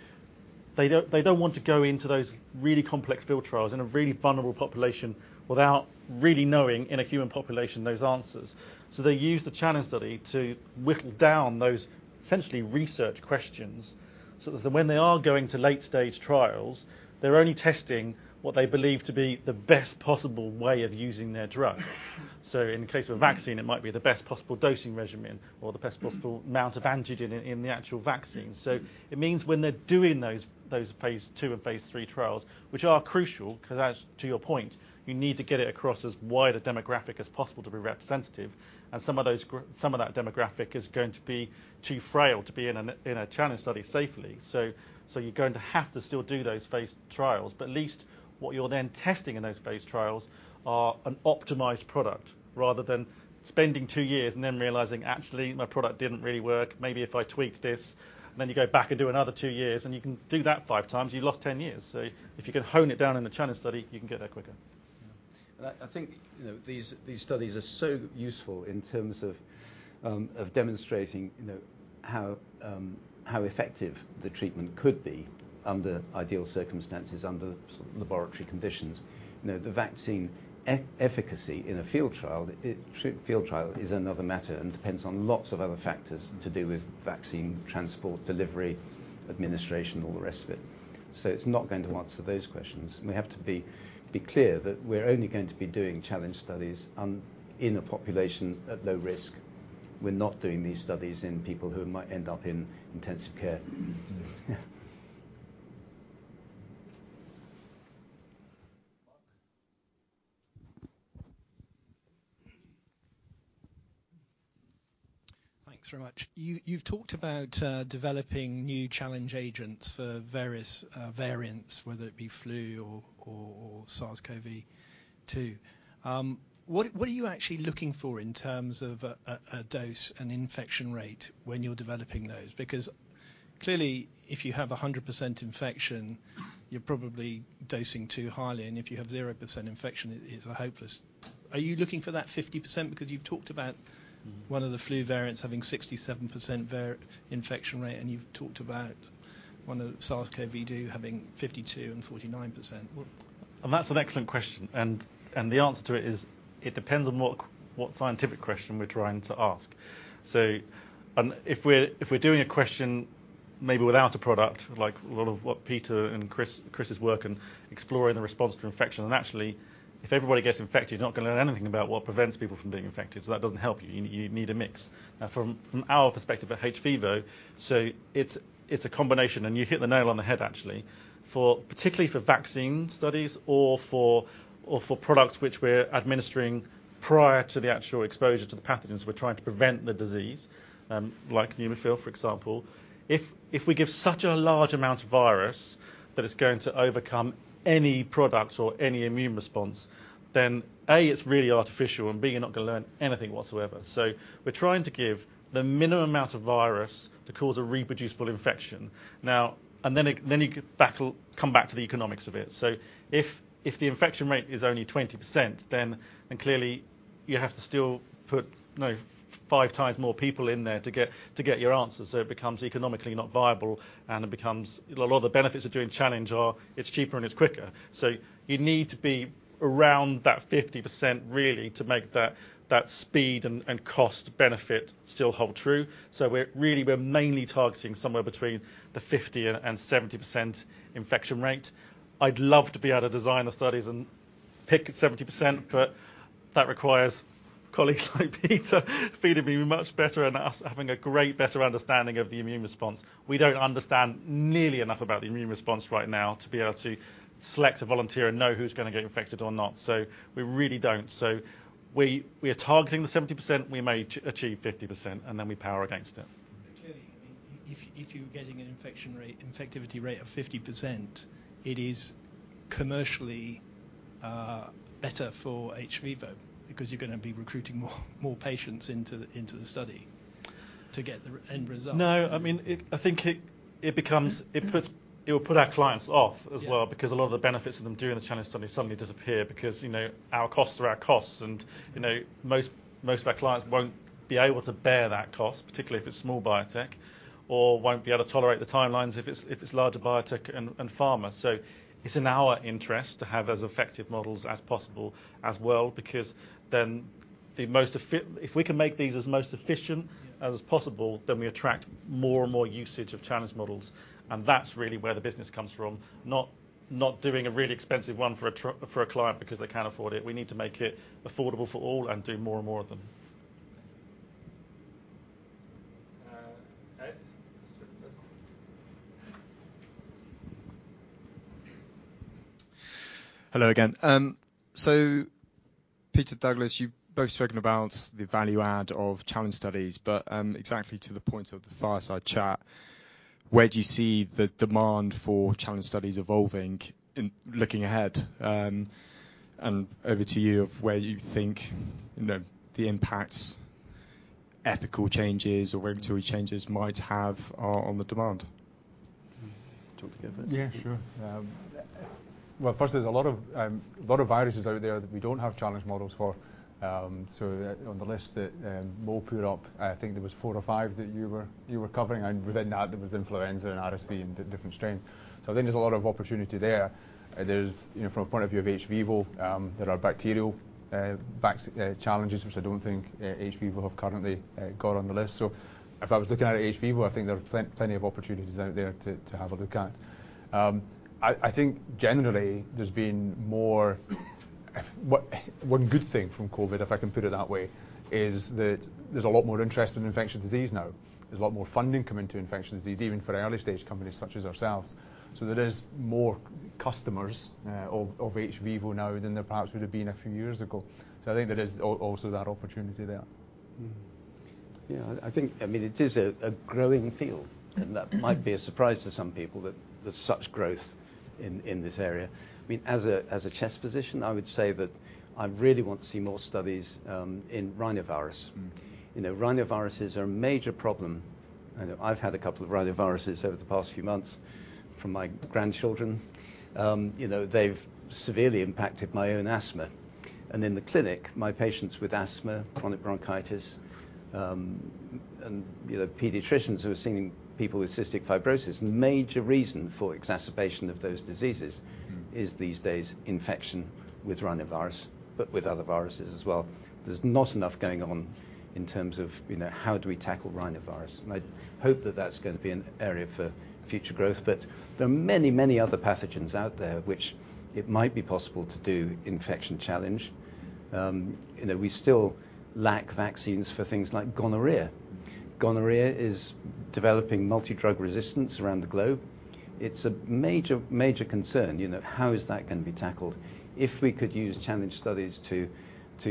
they don't want to go into those really complex field trials in a really vulnerable population without really knowing, in a human population, those answers. They use the challenge study to whittle down those essentially research questions, so that when they are going to late-stage trials, they're only testing what they believe to be the best possible way of using their drug. In the case of a vaccine, it might be the best possible dosing regimen or the best possible amount of antigen in the actual vaccine. It means when they're doing those phase II and phase III trials, which are crucial 'cause as to your point, you need to get it across as wide a demographic as possible to be representative, and some of that demographic is going to be too frail to be in a challenge study safely. You're going to have to still do those phase trials, but at least what you're then testing in those phase trials are an optimized product rather than spending two years and then realizing, "Actually, my product didn't really work. Maybe if I tweaked this," and then you go back and do another two years, and you can do that five times, you've lost 10 years. If you can hone it down in the challenge study, you can get there quicker. I think, you know, these studies are so useful in terms of demonstrating, you know, how effective the treatment could be under ideal circumstances, under sort of laboratory conditions. You know, the vaccine efficacy in a field trial is another matter and depends on lots of other factors to do with vaccine transport, delivery, administration, all the rest of it. It's not going to answer those questions. We have to be clear that we're only going to be doing challenge studies on, in a population at low risk. We're not doing these studies in people who might end up in intensive care. Yeah. Mark. Thanks very much. You've talked about developing new challenge agents for various variants, whether it be flu or SARS-CoV-2. What are you actually looking for in terms of a dose and infection rate when you're developing those? Because clearly, if you have 100% infection, you're probably dosing too highly, and if you have 0% infection, it is a hopeless. Are you looking for that 50% because you've talked about one of the flu variants having 67% infection rate, and you've talked about one of the SARS-CoV-2 having 52% and 49%? That's an excellent question. The answer to it is it depends on what scientific question we're trying to ask. If we're doing a question maybe without a product like a lot of what Peter and Chris' work in exploring the response to infection. Actually, if everybody gets infected, you're not gonna learn anything about what prevents people from being infected, so that doesn't help you. You need a mix. From our perspective at hVIVO, it's a combination, and you've hit the nail on the head actually. Particularly for vaccine studies or for products which we're administering prior to the actual exposure to the pathogens we're trying to prevent the disease, like Neumifil, for example, if we give such a large amount of virus that it's going to overcome any product or any immune response, then A, it's really artificial, and B, you're not gonna learn anything whatsoever. We're trying to give the minimum amount of virus to cause a reproducible infection now, and then you can come back to the economics of it. If the infection rate is only 20%, then clearly you have to still put, you know, five times more people in there to get your answer. It becomes economically not viable, and it becomes. A lot of the benefits of doing challenge are it's cheaper and it's quicker. You need to be around that 50% really to make that speed and cost benefit still hold true. We're mainly targeting somewhere between 50% and 70% infection rate. I'd love to be able to design the studies and pick 70%, but that requires colleagues like Peter feeding me much better and us having a greater understanding of the immune response. We don't understand nearly enough about the immune response right now to be able to select a volunteer and know who's gonna get infected or not. We really don't. We are targeting the 70%. We may achieve 50%, and then we power against it. Clearly, I mean, if you're getting an infection rate, infectivity rate of 50%, it is commercially better for hVIVO because you're gonna be recruiting more patients into the study to get the end result. No. I mean, I think it becomes. It will put our clients off as well. Yeah... because a lot of the benefits of them doing the challenge study suddenly disappear because, you know, our costs are our costs, and, you know, most of our clients won't be able to bear that cost, particularly if it's small biotech, or won't be able to tolerate the timelines if it's larger biotech and pharma. It's in our interest to have as effective models as possible as well because then, if we can make these as efficient as possible, we attract more and more usage of challenge models, and that's really where the business comes from. Not doing a really expensive one for a client because they can't afford it. We need to make it affordable for all and do more and more of them. Ed. Hello again. Peter, Douglas, you've both spoken about the value add of challenge studies, but exactly to the point of the fireside chat, where do you see the demand for challenge studies evolving in looking ahead, and over to you of where you think, you know, the impacts ethical changes or regulatory changes might have on the demand? Do you want me to go first? Yeah. Sure. Well, first there's a lot of viruses out there that we don't have challenge models for. On the list that Mo put up, I think there were four or five that you were covering, and within that, there was influenza and RSV and different strains. I think there's a lot of opportunity there. There's, you know, from a point of view of hVIVO, there are bacterial vaccine challenges which I don't think hVIVO have currently got on the list. If I was looking at hVIVO, I think there are plenty of opportunities out there to have a look at. I think generally there's been more. Well, one good thing from COVID, if I can put it that way, is that there's a lot more interest in infectious disease now. There's a lot more funding coming to infectious disease even for early-stage companies such as ourselves. There is more customers of hVIVO now than there perhaps would have been a few years ago. I think there is also that opportunity there. Mm-hmm. Yeah. I think, I mean, it is a growing field, and that might be a surprise to some people that there's such growth in this area. I mean, as a chest physician, I would say that I really want to see more studies in rhinovirus. Mm-hmm. You know, rhinoviruses are a major problem. I know I've had a couple of rhinoviruses over the past few months from my grandchildren. You know, they've severely impacted my own asthma. In the clinic, my patients with asthma, chronic bronchitis, and, you know, pediatricians who are seeing people with cystic fibrosis, the major reason for exacerbation of those diseases. Mm-hmm is these days infection with rhinovirus, but with other viruses as well. There's not enough going on in terms of, you know, how do we tackle rhinovirus, and I hope that that's gonna be an area for future growth. But there are many, many other pathogens out there which it might be possible to do infection challenge. You know, we still lack vaccines for things like gonorrhea. Gonorrhea is developing multi-drug resistance around the globe. It's a major concern. You know, how is that gonna be tackled? If we could use challenge studies to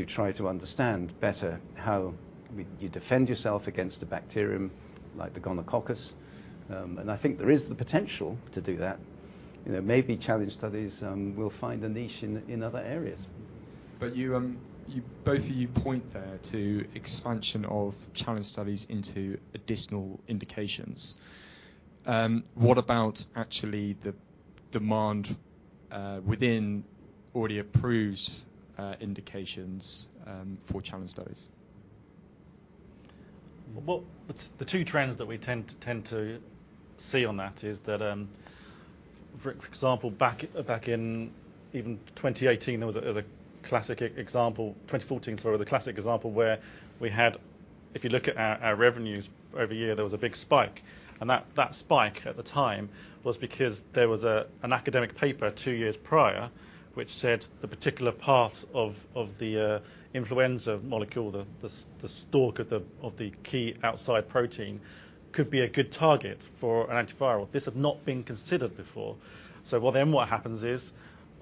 try to understand better you defend yourself against a bacterium like the gonococcus, and I think there is the potential to do that. You know, maybe challenge studies will find a niche in other areas. Both of you point there to expansion of challenge studies into additional indications. What about actually the demand within already approved indications for challenge studies? Well, the two trends that we tend to see on that is that, for example, back in even 2018 there was a classic example. Twenty fourteen, sorry, the classic example where we had, if you look at our revenues over a year, there was a big spike, and that spike at the time was because there was an academic paper two years prior which said the particular path of the influenza molecule, the stalk of the key outside protein could be a good target for an antiviral. This had not been considered before. What happens is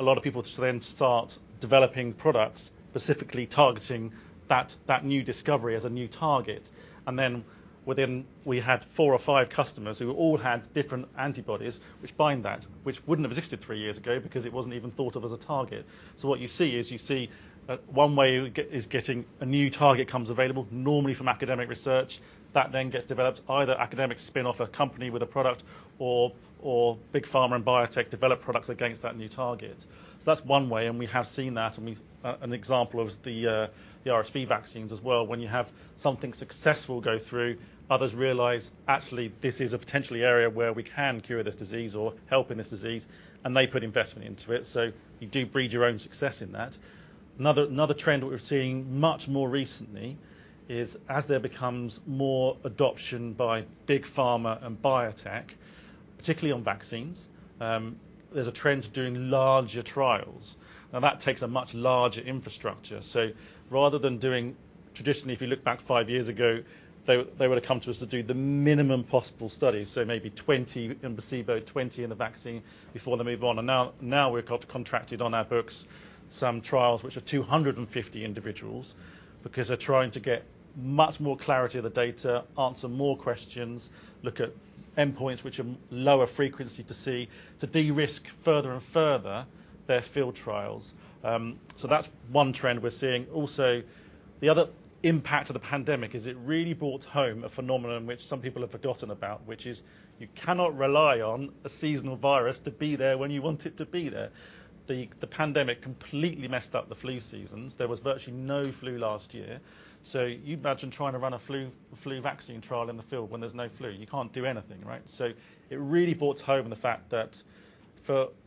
a lot of people just then start developing products specifically targeting that new discovery as a new target, and then within, we had four or five customers who all had different antibodies which bind that, which wouldn't have existed three years ago because it wasn't even thought of as a target. What you see is one way you get is getting a new target becomes available, normally from academic research. That then gets developed, either academics spin off a company with a product or big pharma and biotech develop products against that new target. That's one way, and we have seen that. An example of the RSV vaccines as well. When you have something successful go through, others realize, "Actually, this is a potentially area where we can cure this disease or help in this disease," and they put investment into it. You do breed your own success in that. Another trend we're seeing much more recently is as there becomes more adoption by big pharma and biotech, particularly on vaccines, there's a trend to doing larger trials, and that takes a much larger infrastructure. Rather than doing. Traditionally, if you look back five years ago, they would've come to us to do the minimum possible studies, so maybe 20 in placebo, 20 in the vaccine before they move on, and now we've got contracted on our books some trials which are 250 individuals because they're trying to get much more clarity of the data, answer more questions, look at endpoints which are lower frequency to see, to de-risk further and further their field trials. So that's one trend we're seeing. Also, the other impact of the pandemic is it really brought home a phenomenon which some people have forgotten about, which is you cannot rely on a seasonal virus to be there when you want it to be there. The pandemic completely messed up the flu seasons. There was virtually no flu last year. You imagine trying to run a flu vaccine trial in the field when there's no flu. You can't do anything, right? It really brought home the fact that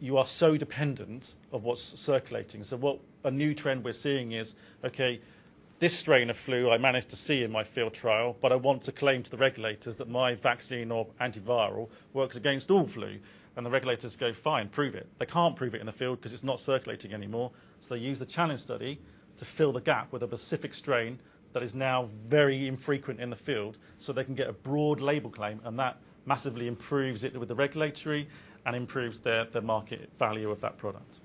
you are so dependent on what's circulating. What's a new trend we're seeing is, okay, this strain of flu I managed to see in my field trial, but I want to claim to the regulators that my vaccine or antiviral works against all flu, and the regulators go, "Fine, prove it." They can't prove it in the field 'cause it's not circulating anymore, so they use the challenge study to fill the gap with a specific strain that is now very infrequent in the field, so they can get a broad label claim, and that massively improves its regulatory and improves the market value of that product.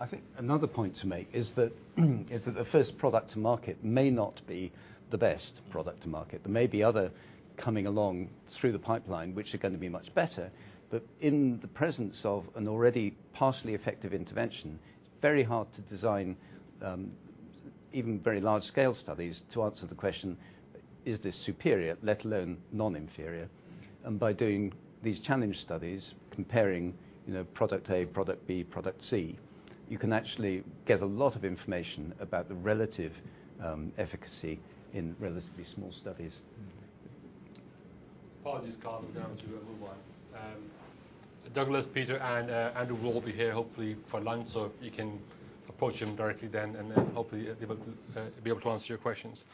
I think another point to make is that the first product to market may not be the best product to market. There may be other coming along through the pipeline which are gonna be much better. But in the presence of an already partially effective intervention, it's very hard to design even very large scale studies to answer the question, is this superior, let alone non-inferior? By doing these challenge studies comparing, you know, product A, product B, product C, you can actually get a lot of information about the relative efficacy in relatively small studies. Apologies, Carl, but we're gonna have to move on. Douglas, Peter, and Andrew will all be here hopefully for lunch, so you can approach them directly then and hopefully they will be able to answer your questions.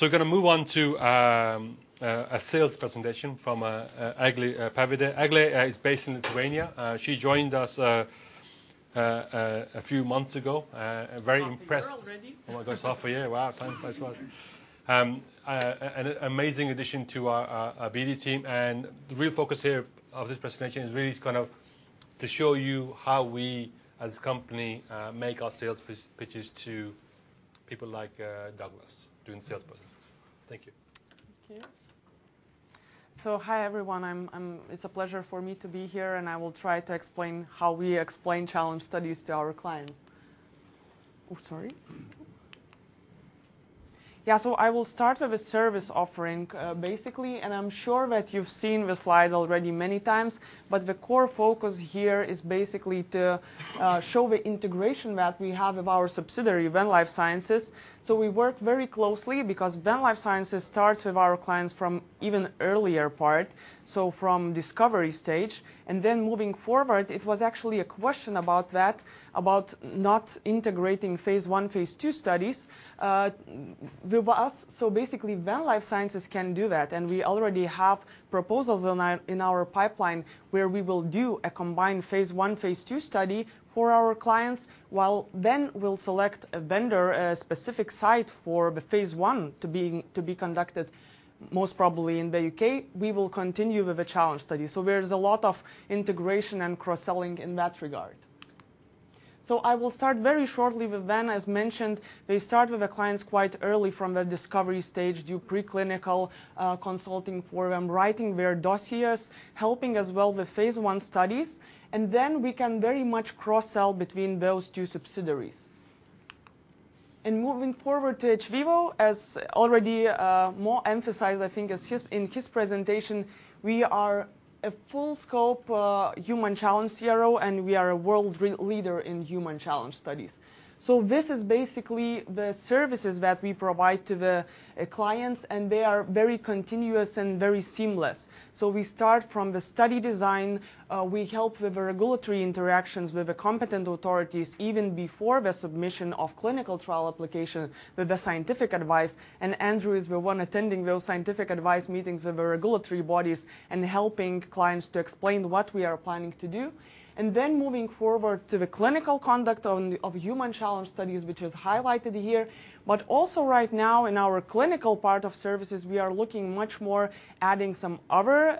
We're gonna move on to a sales presentation from Eglė Pavydė. Eglė is based in Lithuania. She joined us a few months ago. Very impressed. Half a year already. Oh my gosh, half a year. Wow. Time flies by. An amazing addition to our BD team, and the real focus here of this presentation is really kind of to show you how we as a company make our sales pitches to people like Douglas doing sales pitches. Thank you. Thank you. Hi, everyone. It's a pleasure for me to be here, and I will try to explain how we explain challenge studies to our clients. Oh, sorry. I will start with the service offering, basically, and I'm sure that you've seen this slide already many times, but the core focus here is basically to show the integration that we have of our subsidiary, Venn Life Sciences. We work very closely because Venn Life Sciences starts with our clients from even earlier part, so from discovery stage, and then moving forward, it was actually a question about that, about not integrating phase I, phase II studies with us. Basically, Venn Life Sciences can do that, and we already have proposals in our pipeline where we will do a combined phase I, phase II study for our clients while then we'll select a vendor, a specific site for the phase I to be conducted. Most probably in the U.K., we will continue with the challenge study. There is a lot of integration and cross-selling in that regard. I will start very shortly with Venn, as mentioned. They start with the clients quite early from the discovery stage, do preclinical consulting for them, writing their dossiers, helping as well with phase I studies, and then we can very much cross-sell between those two subsidiaries. Moving forward to hVIVO, as already Mo emphasized, I think is his, in his presentation, we are a full scope human challenge CRO, and we are a world leader in human challenge studies. This is basically the services that we provide to the clients, and they are very continuous and very seamless. We start from the study design, we help with the regulatory interactions with the competent authorities even before the submission of clinical trial application with the scientific advice. Andrew is the one attending those scientific advice meetings with the regulatory bodies and helping clients to explain what we are planning to do. Then moving forward to the clinical conduct of human challenge studies, which is highlighted here. Also right now in our clinical part of services, we are looking much more adding some other,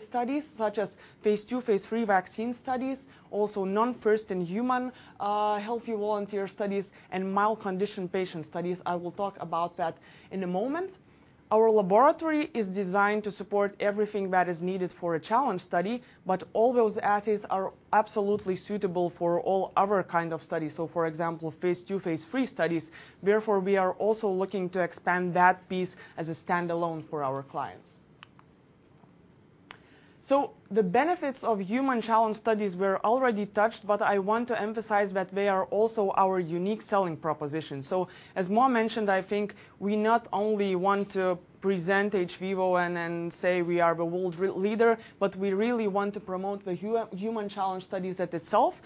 studies, such as phase II, phase III vaccine studies, also non-first in human, healthy volunteer studies and mild condition patient studies. I will talk about that in a moment. Our laboratory is designed to support everything that is needed for a challenge study, but all those assays are absolutely suitable for all other kind of studies, so for example, phase II, phase III studies. Therefore, we are also looking to expand that piece as a stand-alone for our clients. The benefits of human challenge studies were already touched, but I want to emphasize that they are also our unique selling proposition. As Mo mentioned, I think we not only want to present hVIVO and and say we are the world leader, but we really want to promote the human challenge studies as itself.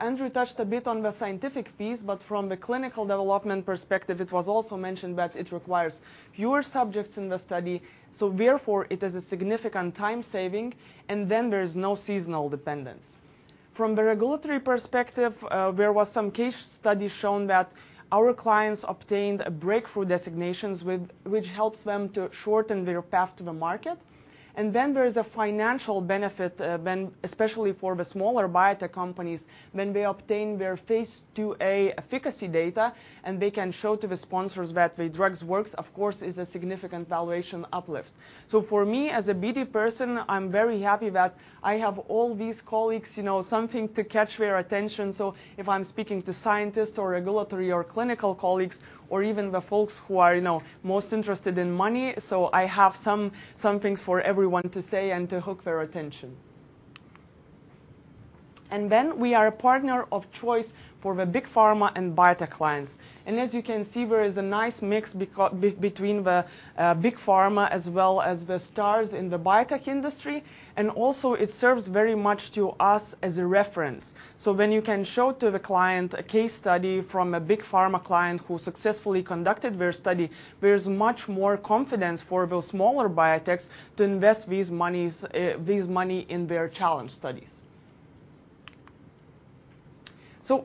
Andrew touched a bit on the scientific piece, but from the clinical development perspective, it was also mentioned that it requires fewer subjects in the study, so therefore, it is a significant time saving, and then there's no seasonal dependence. From the regulatory perspective, there was some case studies shown that our clients obtained breakthrough designations which helps them to shorten their path to the market. Then there is a financial benefit, when especially for the smaller biotech companies, when they obtain their phase II-A efficacy data and they can show to the sponsors that the drugs works, of course, is a significant valuation uplift. For me as a BD person, I'm very happy that I have all these colleagues, you know, something to catch their attention. If I'm speaking to scientists or regulatory or clinical colleagues or even the folks who are, you know, most interested in money, I have some things for everyone to say and to hook their attention. We are a partner of choice for the Big Pharma and biotech clients. As you can see, there is a nice mix between the Big Pharma as well as the stars in the biotech industry, and also it serves very much to us as a reference. When you can show to the client a case study from a Big Pharma client who successfully conducted their study, there's much more confidence for those smaller biotechs to invest this money in their challenge studies.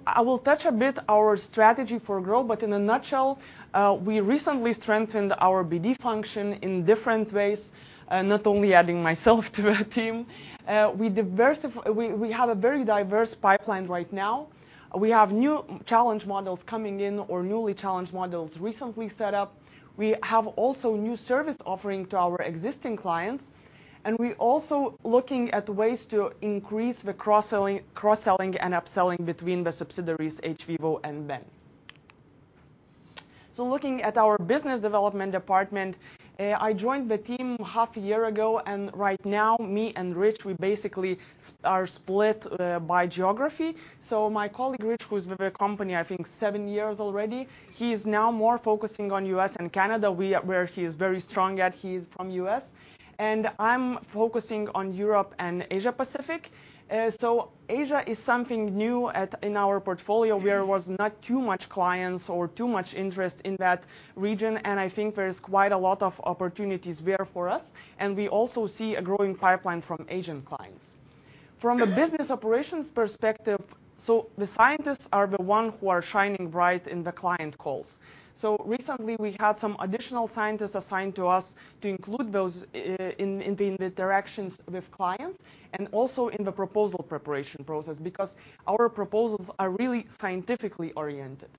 I will touch a bit our strategy for growth, but in a nutshell, we recently strengthened our BD function in different ways, not only adding myself to a team. We have a very diverse pipeline right now. We have new challenge models coming in or new challenge models recently set up. We have also new service offering to our existing clients, and we also looking at ways to increase the cross-selling and upselling between the subsidiaries hVIVO and Venn. Looking at our business development department, I joined the team half a year ago, and right now, me and Rich, we basically are split by geography. My colleague Rich, who's with the company, I think seven years already, he is now more focusing on U.S. and Canada, where he is very strong at, he is from U.S. I'm focusing on Europe and Asia Pacific. Asia is something new in our portfolio. There was not too much clients or too much interest in that region, and I think there is quite a lot of opportunities there for us, and we also see a growing pipeline from Asian clients. From the business operations perspective, the scientists are the one who are shining bright in the client calls. Recently we had some additional scientists assigned to us to include those in the interactions with clients and also in the proposal preparation process because our proposals are really scientifically oriented.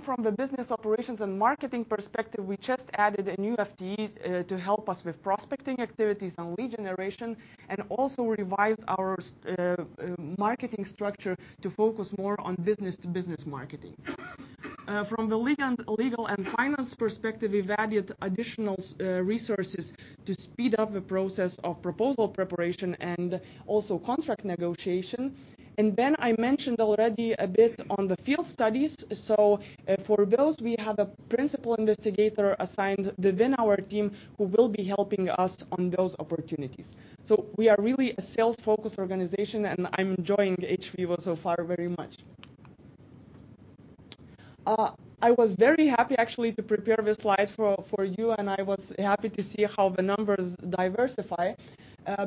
From the business operations and marketing perspective, we just added a new FTE to help us with prospecting activities and lead generation and also revised our marketing structure to focus more on business-to-business marketing. From the legal and finance perspective, we've added additional resources to speed up the process of proposal preparation and also contract negotiation. I mentioned already a bit on the field studies. For those, we have a principal investigator assigned within our team who will be helping us on those opportunities. We are really a sales-focused organization, and I'm enjoying hVIVO so far very much. I was very happy actually to prepare this slide for you, and I was happy to see how the numbers diversify,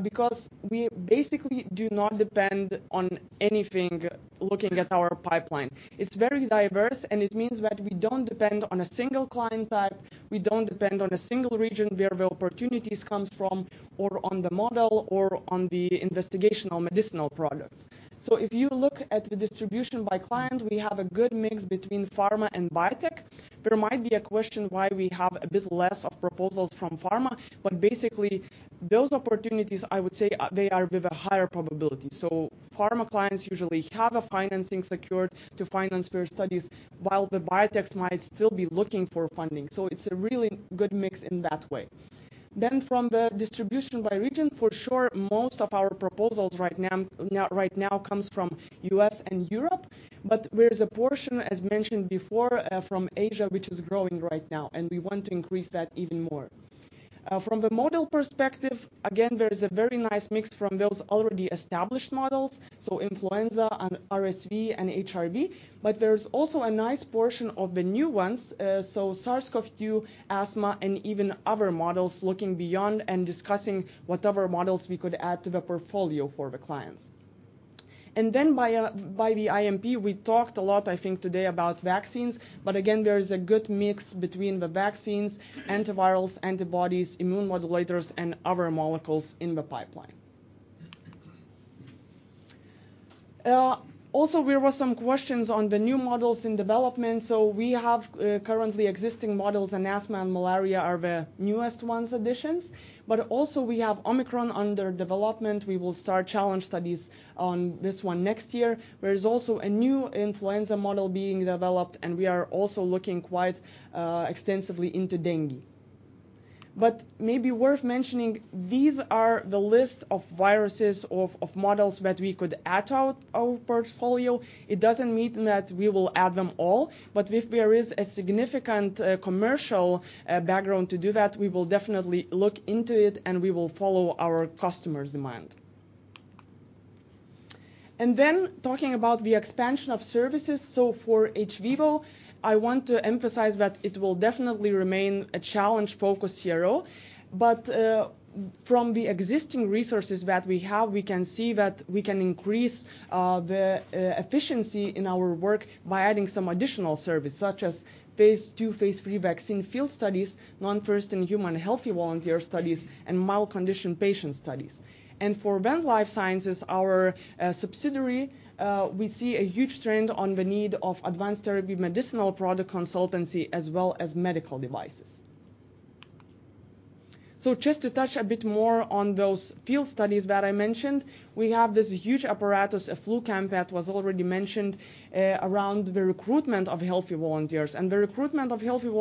because we basically do not depend on anything looking at our pipeline. It's very diverse, and it means that we don't depend on a single client type, we don't depend on a single region where the opportunities comes from or on the model or on the investigational medicinal products. If you look at the distribution by client, we have a good mix between pharma and biotech. There might be a question why we have a bit less of proposals from pharma, but basically those opportunities, I would say, they are with a higher probability. Pharma clients usually have a financing secured to finance their studies while the biotechs might still be looking for funding. It's a really good mix in that way. From the distribution by region, for sure, most of our proposals right now come from U.S. and Europe, but there's a portion, as mentioned before, from Asia, which is growing right now, and we want to increase that even more. From the model perspective, again, there is a very nice mix from those already established models, so influenza and RSV and HRV, but there's also a nice portion of the new ones, so SARS-CoV-2, asthma, and even other models looking beyond and discussing whatever models we could add to the portfolio for the clients. By the IMP, we talked a lot, I think, today about vaccines, but again, there is a good mix between the vaccines, antivirals, antibodies, immune modulators, and other molecules in the pipeline. Also there were some questions on the new models in development. We have currently existing models, and asthma and malaria are the newest ones, additions. We have Omicron under development. We will start challenge studies on this one next year. There is also a new influenza model being developed, and we are also looking quite extensively into dengue. Maybe worth mentioning, these are the list of viruses of models that we could add to our portfolio. It doesn't mean that we will add them all, but if there is a significant commercial background to do that, we will definitely look into it, and we will follow our customers' demand. Talking about the expansion of services, so for hVIVO, I want to emphasize that it will definitely remain a challenge-focused CRO. From the existing resources that we have, we can see that we can increase the efficiency in our work by adding some additional services, such as phase II, phase III vaccine field studies, non-first-in-human healthy volunteer studies, and mild condition patient studies. For Venn Life Sciences, our subsidiary, we see a huge trend on the need of advanced therapy medicinal product consultancy as well as medical devices. Just to touch a bit more on those field studies that I mentioned, we have this huge apparatus of FluCamp that was already mentioned around the recruitment of healthy volunteers. The recruitment of healthy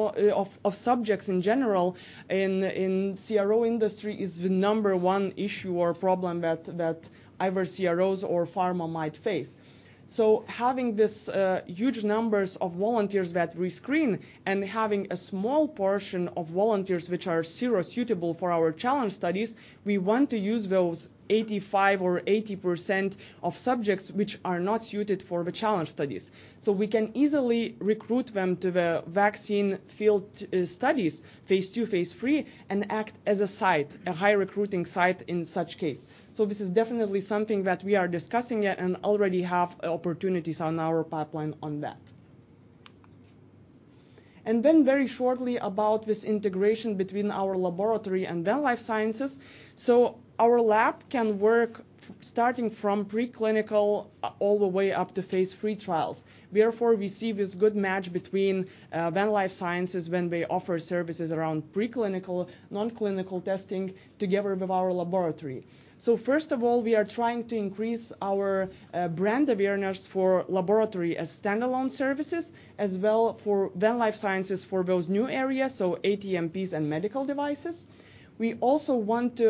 subjects in general in the CRO industry is the number one issue or problem that either CROs or pharma might face. Having this huge numbers of volunteers that we screen and having a small portion of volunteers which are CRO suitable for our challenge studies, we want to use those 85 or 80 percent of subjects which are not suited for the challenge studies. We can easily recruit them to the vaccine field studies, phase II, phase III, and act as a site, a high recruiting site in such case. This is definitely something that we are discussing and already have opportunities on our pipeline on that. Very shortly about this integration between our laboratory and Venn Life Sciences. Our lab can work starting from preclinical all the way up to phase III trials. Therefore, we see this good match between Venn Life Sciences when we offer services around preclinical, non-clinical testing together with our laboratory. First of all, we are trying to increase our brand awareness for laboratory as standalone services, as well for Venn Life Sciences for those new areas, so ATMPs and medical devices. We also want to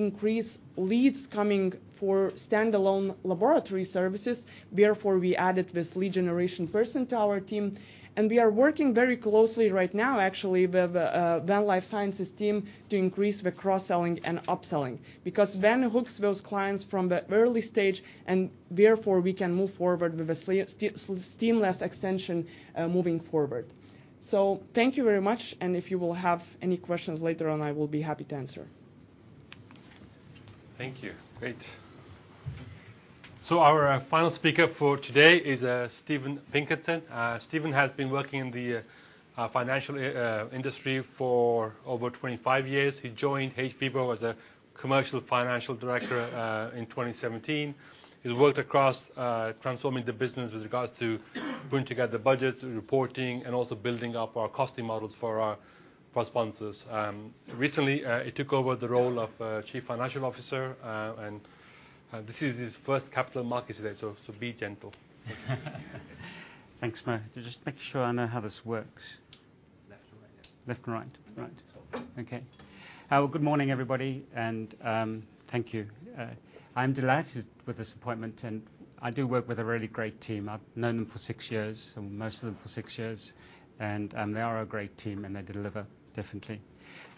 increase leads coming for standalone laboratory services. Therefore, we added this lead generation person to our team, and we are working very closely right now actually with the Venn Life Sciences team to increase the cross-selling and upselling because Venn hooks those clients from the early stage, and therefore we can move forward with the seamless extension moving forward. Thank you very much, and if you will have any questions later on, I will be happy to answer. Thank you. Great. Our final speaker for today is Stephen Pinkerton. Stephen has been working in the financial industry for over 25 years. He joined hVIVO as a Commercial Financial Director in 2017. He's worked across transforming the business with regards to putting together budgets, reporting, and also building up our costing models for our sponsors. Recently, he took over the role of Chief Financial Officer, and this is his first capital markets day, so be gentle. Thanks, Mo Khan. Just making sure I know how this works. Left and right, yeah. Left and right. Right. That's all. Well, good morning, everybody, and thank you. I'm delighted with this appointment, and I do work with a really great team. I've known them for six years, or most of them for six years. They are a great team, and they deliver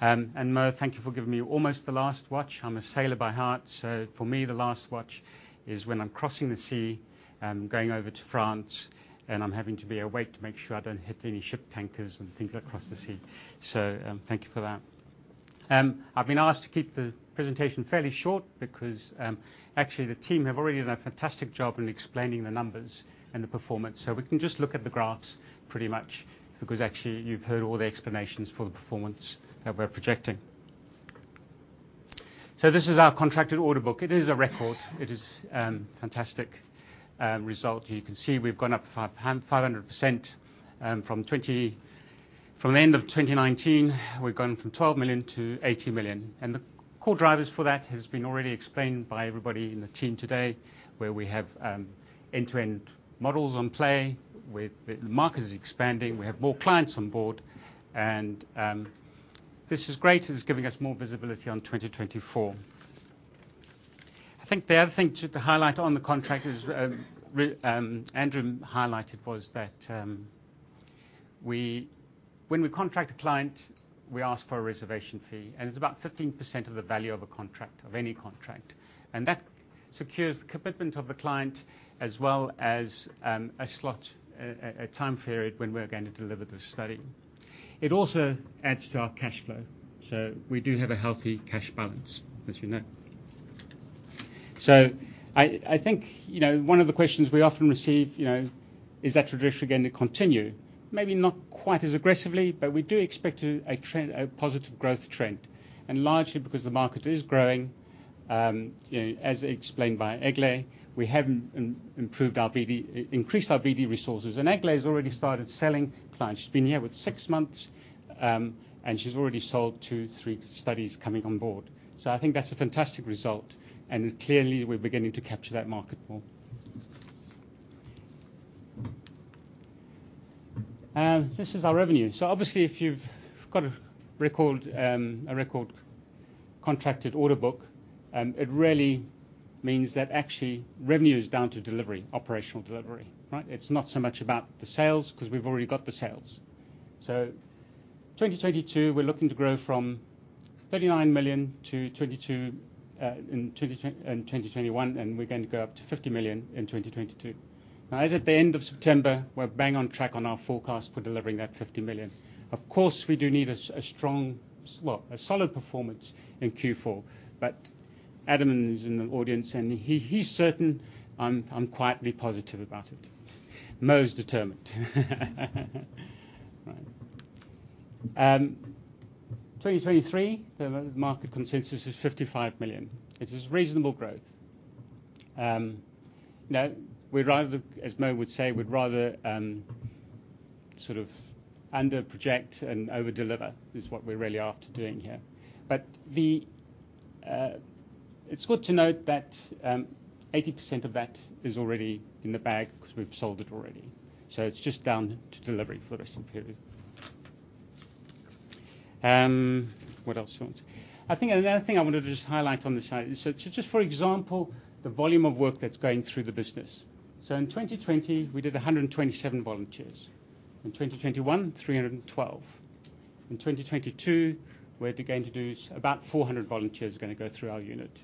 differently. Mo, thank you for giving me almost the last watch. I'm a sailor by heart, so for me, the last watch is when I'm crossing the sea and going over to France, and I'm having to be awake to make sure I don't hit any ship tankers and things like across the sea. Thank you for that. I've been asked to keep the presentation fairly short because actually the team have already done a fantastic job in explaining the numbers and the performance. We can just look at the graphs pretty much because actually you've heard all the explanations for the performance that we're projecting. This is our contracted order book. It is a record. It is fantastic result. You can see we've gone up 500%, from the end of 2019, we've gone from 12 million to 18 million. The core drivers for that has been already explained by everybody in the team today, where we have end-to-end models in play. The market is expanding. We have more clients on board and this is great. It's giving us more visibility on 2024. I think the other thing to highlight on the contract is, Andrew highlighted that when we contract a client, we ask for a reservation fee, and it's about 15% of the value of a contract, of any contract. That secures the commitment of the client as well as a slot, a time period when we're going to deliver the study. It also adds to our cash flow, so we do have a healthy cash balance, as you know. I think, you know, one of the questions we often receive, you know, is that trajectory going to continue? Maybe not quite as aggressively, but we do expect a trend, a positive growth trend and largely because the market is growing. As explained by Eglė, we have improved our BD, increased our BD resources. Eglė has already started selling to clients. She's been here for six months, and she's already sold two, three studies coming on board. I think that's a fantastic result and clearly we're beginning to capture that market more. This is our revenue. Obviously, if you've got a record contracted order book, it really means that actually revenue is down to delivery, operational delivery, right? It's not so much about the sales because we've already got the sales. 2022, we're looking to grow from 22 million in 2021 to 39 million in 2022, and we're going to go up to 50 million in 2022. Now, as at the end of September, we're bang on track on our forecast for delivering that 50 million. Of course, we do need a strong, solid performance in Q4. Adam is in the audience, and he's certain I'm quietly positive about it. Mo is determined. 2023, the market consensus is 55 million. It is reasonable growth. Now we'd rather, as Mo would say, sort of under-project and over-deliver is what we're really after doing here. The... It's good to note that 80% of that is already in the bag 'cause we've sold it already. It's just down to delivery for the rest of the period. What else do I want to say? I think another thing I wanted to just highlight on this slide is just for example, the volume of work that's going through the business. In 2020, we did 127 volunteers. In 2021, 312. In 2022, we're going to do about 400 volunteers are gonna go through our unit.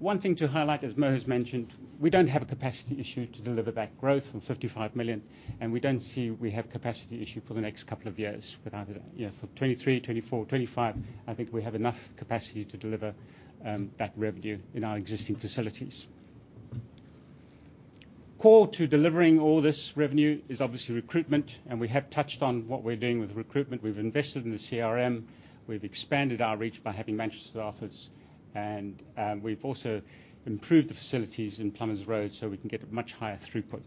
One thing to highlight, as Mo has mentioned, we don't have a capacity issue to deliver that growth of 55 million, and we don't see we have capacity issue for the next couple of years without it. You know, for 2023, 2024, 2025, I think we have enough capacity to deliver that revenue in our existing facilities. Core to delivering all this revenue is obviously recruitment, and we have touched on what we're doing with recruitment. We've invested in the CRM. We've expanded our reach by having Manchester office and we've also improved the facilities in Plumbers Row, so we can get a much higher throughput.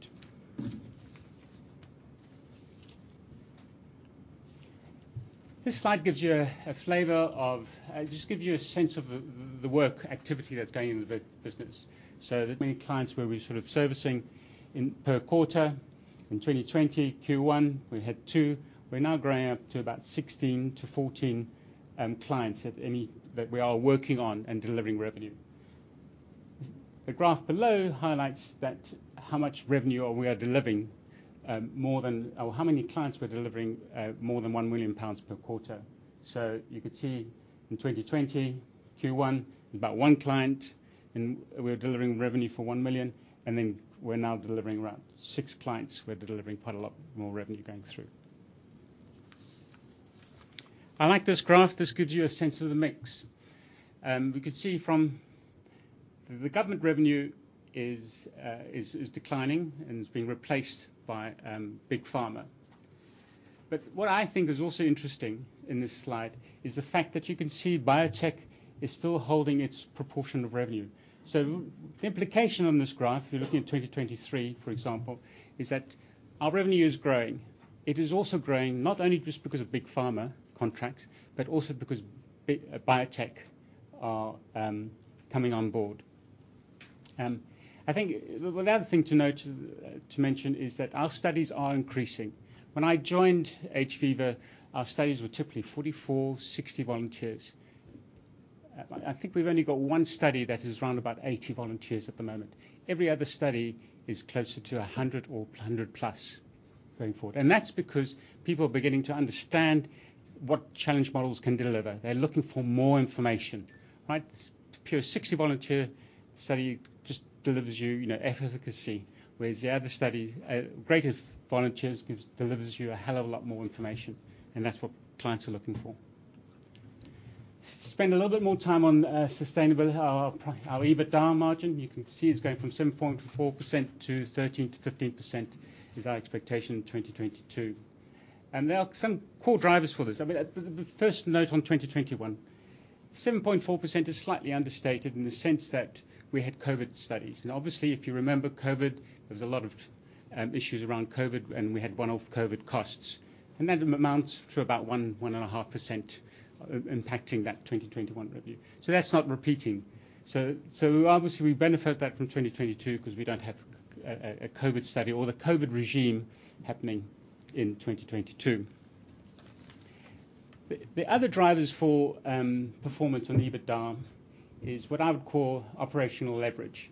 This slide gives you a flavor of just gives you a sense of the work activity that's going in the business. The many clients where we're sort of servicing in per quarter. In 2020 Q1, we had two. We're now growing up to about 16-14 clients at any that we are working on and delivering revenue. The graph below highlights that how much revenue we are delivering, more than. How many clients we're delivering more than 1 million pounds per quarter. You could see in 2020 Q1, about one client, and we were delivering revenue for 1 million, and then we're now delivering around six clients. We're delivering quite a lot more revenue going through. I like this graph. This gives you a sense of the mix. We could see from the government revenue is declining and is being replaced by big pharma. What I think is also interesting in this slide is the fact that you can see biotech is still holding its proportion of revenue. The implication on this graph, if you're looking at 2023, for example, is that our revenue is growing. It is also growing not only just because of big pharma contracts but also because biotech are coming on board. I think the other thing to note to mention is that our studies are increasing. When I joined hVIVO, our studies were typically 44-60 volunteers. I think we've only got one study that is around about 80 volunteers at the moment. Every other study is closer to 100 or 100 plus going forward. That's because people are beginning to understand what challenge models can deliver. They're looking for more information, right? Pure 60-volunteer study just delivers you know efficacy, whereas the other study, greater volunteers delivers you a hell of a lot more information, and that's what clients are looking for. Spend a little bit more time on sustainability. Our EBITDA margin, you can see it's going from 7.4%-13%-15% is our expectation in 2022. There are some core drivers for this. I mean, the first note on 2021, 7.4% is slightly understated in the sense that we had COVID studies. Obviously, if you remember COVID, there was a lot of issues around COVID, and we had one-off COVID costs. That amounts to about 1.5%, impacting that 2021 revenue. That's not repeating. So obviously we benefit from that in 2022 because we don't have a COVID study or the COVID regime happening in 2022. The other drivers for performance in the EBITDA are what I would call operational leverage.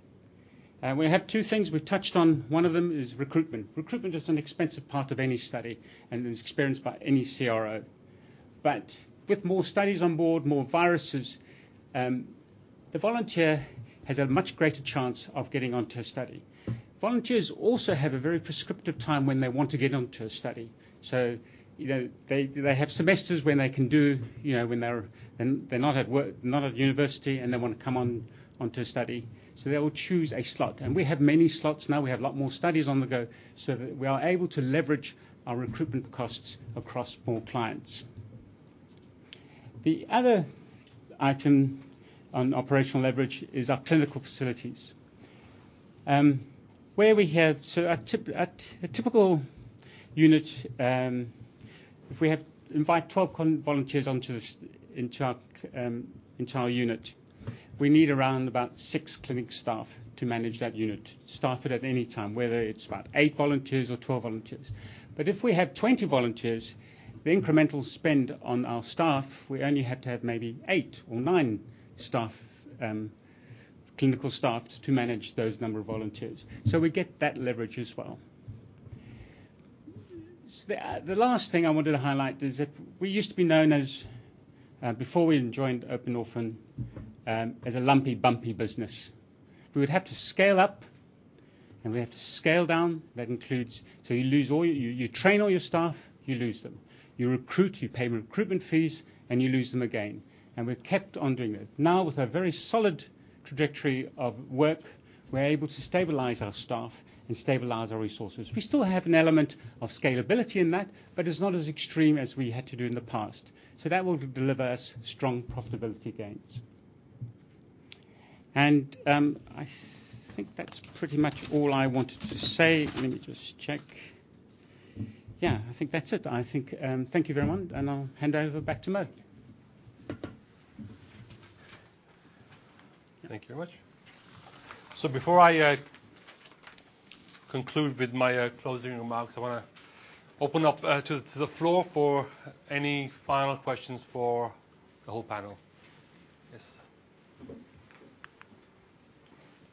We have two things we've touched on. One of them is recruitment. Recruitment is an expensive part of any study and is incurred by any CRO. with more studies on board, more viruses, the volunteer has a much greater chance of getting onto a study. Volunteers also have a very prescriptive time when they want to get onto a study. You know, they have semesters when they can do, you know, when they're not at work, not at university, and they wanna come on, onto a study. They will choose a slot. We have many slots now. We have a lot more studies on the go, so that we are able to leverage our recruitment costs across more clients. The other item on operational leverage is our clinical facilities, where we have at a typical unit, if we have. Invite 12 volunteers onto the entire unit. We need around 6 clinical staff to manage that unit, staffed at any time, whether it's about eight volunteers or 12 volunteers. If we have 20 volunteers, the incremental spend on our staff, we only had to have maybe eight or nine staff, clinical staff to manage those number of volunteers. We get that leverage as well. The last thing I wanted to highlight is that we used to be known as, before we even joined Open Orphan, as a lumpy bumpy business. We would have to scale up, and we have to scale down. That includes. You train all your staff, you lose them. You recruit, you pay recruitment fees, and you lose them again. We've kept on doing that. Now, with a very solid trajectory of work, we're able to stabilize our staff and stabilize our resources. We still have an element of scalability in that, but it's not as extreme as we had to do in the past. That will deliver us strong profitability gains. I think that's pretty much all I wanted to say. Let me just check. Yeah. I think that's it. I think, thank you, everyone, and I'll hand over back to Mo. Thank you very much. Before I conclude with my closing remarks, I wanna open up to the floor for any final questions for the whole panel. Yes.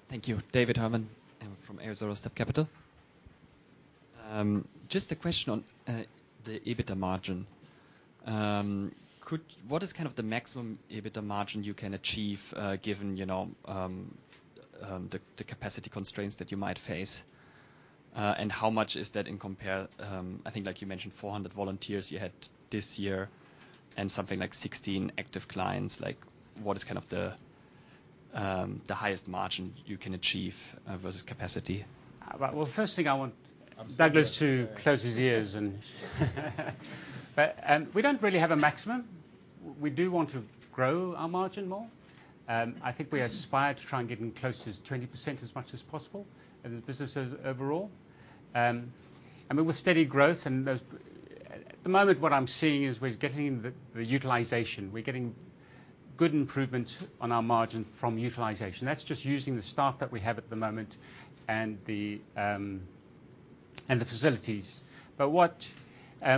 Thank you. David Herrmann. I'm from AozoraStep Capital. Just a question on the EBITDA margin. What is kind of the maximum EBITDA margin you can achieve, given, you know, the capacity constraints that you might face? How much is that in comparison, I think like you mentioned 400 volunteers you had this year and something like 16 active clients. Like, what is kind of the highest margin you can achieve, versus capacity? Well, first thing I want. I'm sorry. Yeah We don't really have a maximum. We do want to grow our margin more. I think we aspire to try and getting closer to 20% as much as possible as a business overall. With steady growth and those. At the moment, what I'm seeing is we're getting the utilization. We're getting good improvements on our margin from utilization. That's just using the staff that we have at the moment and the facilities. What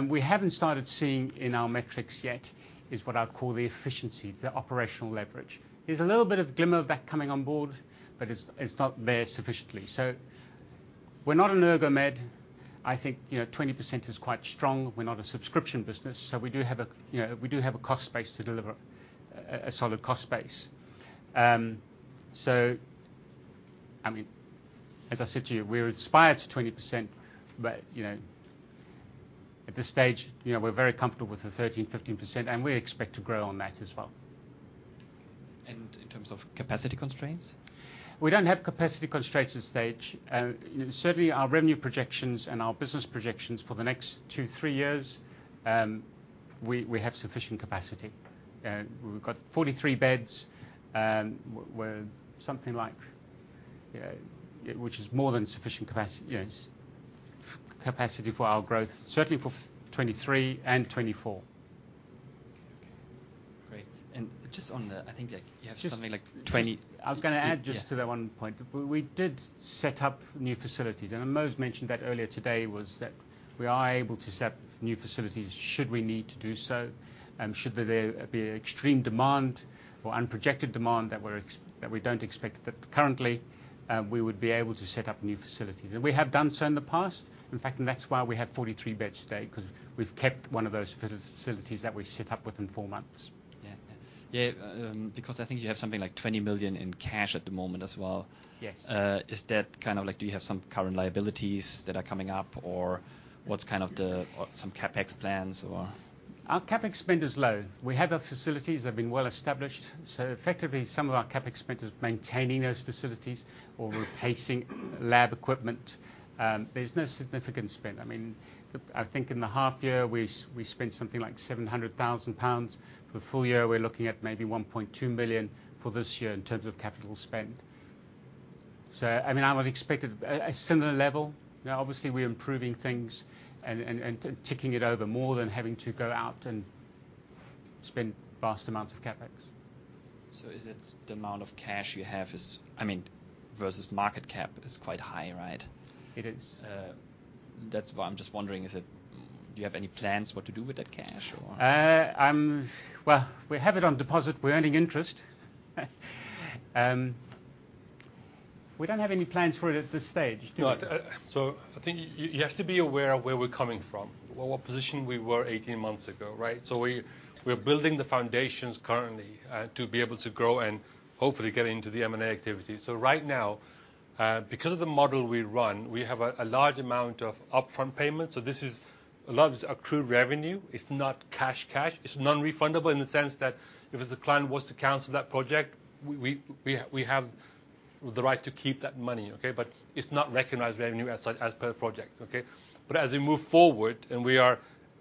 we haven't started seeing in our metrics yet is what I'd call the efficiency, the operational leverage. There's a little bit of glimmer of that coming on board, but it's not there sufficiently. We're not an Ergomed plc. I think, you know, 20% is quite strong. We're not a subscription business, so we do have a cost base to deliver, a solid cost base. I mean, as I said to you, we aspire to 20% but, you know, at this stage, you know, we're very comfortable with the 13%-15%, and we expect to grow on that as well. In terms of capacity constraints? We don't have capacity constraints at this stage. Certainly our revenue projections and our business projections for the next two, three years, we have sufficient capacity. We've got 43 beds. We're something like, which is more than sufficient capacity, you know, capacity for our growth, certainly for 2023 and 2024. Great. Just on the, I think, like, you have something like 20- Just, I was gonna add just to that one point. We did set up new facilities, and Mo's mentioned that earlier today, as that we are able to set up new facilities should we need to do so. Should there be extreme demand or unexpected demand that we don't expect but currently, we would be able to set up new facilities. We have done so in the past. In fact, that's why we have 43 beds today, 'cause we've kept one of those facilities that we set up within four months. Yeah, because I think you have something like 20 million in cash at the moment as well. Yes. Is that kind of like, do you have some current liabilities that are coming up? Or what's kind of the some CapEx plans or? Our CapEx spend is low. We have other facilities that have been well established. Effectively, some of our CapEx spend is maintaining those facilities or replacing lab equipment. There's no significant spend. I mean, I think in the half year we spent something like 700,000 pounds. For the full year, we're looking at maybe 1.2 million for this year in terms of capital spend. I mean, I would expect a similar level. Now obviously we're improving things and ticking it over more than having to go out and spend vast amounts of CapEx. Is it the amount of cash you have I mean, versus market cap is quite high, right? It is. That's why I'm just wondering, do you have any plans what to do with that cash or? Well, we have it on deposit. We're earning interest. We don't have any plans for it at this stage. Do we? No. I think you have to be aware of where we're coming from. What position we were 18 months ago, right? We're building the foundations currently to be able to grow and hopefully get into the M&A activity. Right now, because of the model we run, we have a large amount of upfront payments. This is a lot of accrued revenue. It's not cash. It's non-refundable in the sense that if the client was to cancel that project, we have the right to keep that money. Okay? It's not recognized revenue as per project. Okay? As we move forward, and we are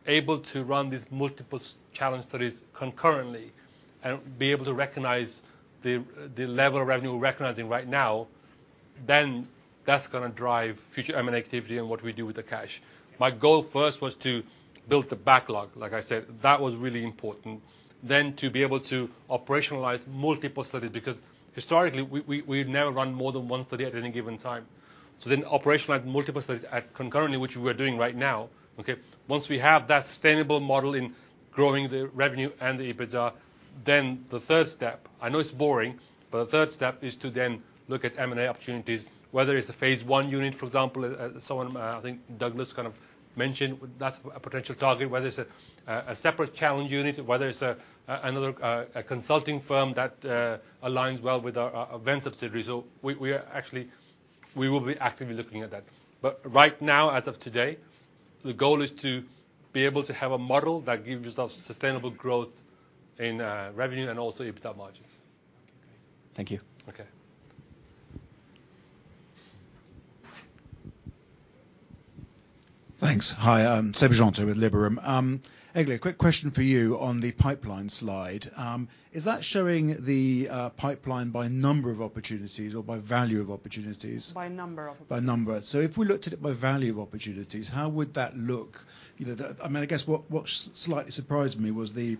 able to run these multiple challenge studies concurrently and be able to recognize the level of revenue we're recognizing right now, then that's gonna drive future M&A activity and what we do with the cash. My goal first was to build the backlog. Like I said, that was really important. Then to be able to operationalize multiple studies because historically, we've never run more than one study at any given time. Operationalize multiple studies concurrently, which we're doing right now. Once we have that sustainable model in growing the revenue and the EBITDA, then the third step, I know it's boring, but the third step is to then look at M&A opportunities, whether it's a phase I unit, for example, someone, I think Douglas kind of mentioned that's a potential target. Whether it's a separate challenge unit, whether it's another consulting firm that aligns well with our event subsidiary. We are actually. We will be actively looking at that. But right now, as of today, the goal is to be able to have a model that gives us sustainable growth in revenue and also EBITDA margins. Okay. Great. Thank you. Okay. Thanks. Hi, I'm Seb Jantet with Liberum. Eglė, a quick question for you on the pipeline slide. Is that showing the pipeline by number of opportunities or by value of opportunities? By number of opportunities. By number. If we looked at it by value of opportunities, how would that look? You know, I mean, I guess what slightly surprised me was the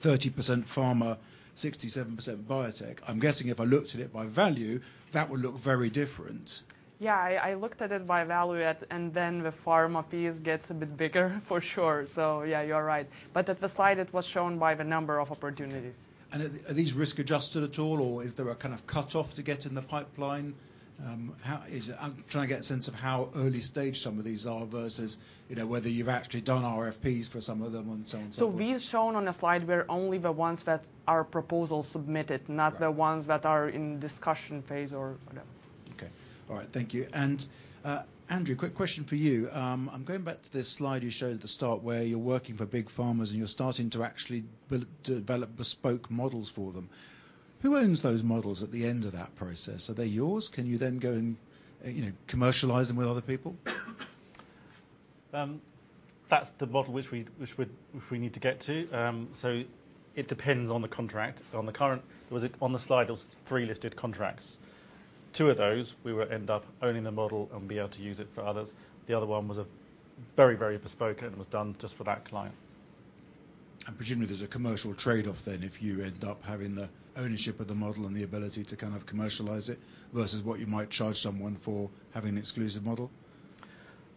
30% pharma, 67% biotech. I'm guessing if I looked at it by value, that would look very different. Yeah. I looked at it by value and then the pharma piece gets a bit bigger, for sure. Yeah, you're right. At the slide, it was shown by the number of opportunities. Are these risk-adjusted at all, or is there a kind of cutoff to get in the pipeline? I'm trying to get a sense of how early stage some of these are versus, you know, whether you've actually done RFPs for some of them and so on and so forth. These shown on the slide were only the ones that are proposals submitted. Right not the ones that are in discussion phase or, you know. Okay. All right. Thank you. Andrew, quick question for you. I'm going back to this slide you showed at the start where you're working for big pharmas and you're starting to actually develop bespoke models for them. Who owns those models at the end of that process? Are they yours? Can you then go and, you know, commercialize them with other people? That's the model which we need to get to. So it depends on the contract. On the slide, it was three listed contracts. Two of those, we would end up owning the model and be able to use it for others. The other one was a very, very bespoke and was done just for that client. Presumably there's a commercial trade-off then if you end up having the ownership of the model and the ability to kind of commercialize it versus what you might charge someone for having an exclusive model.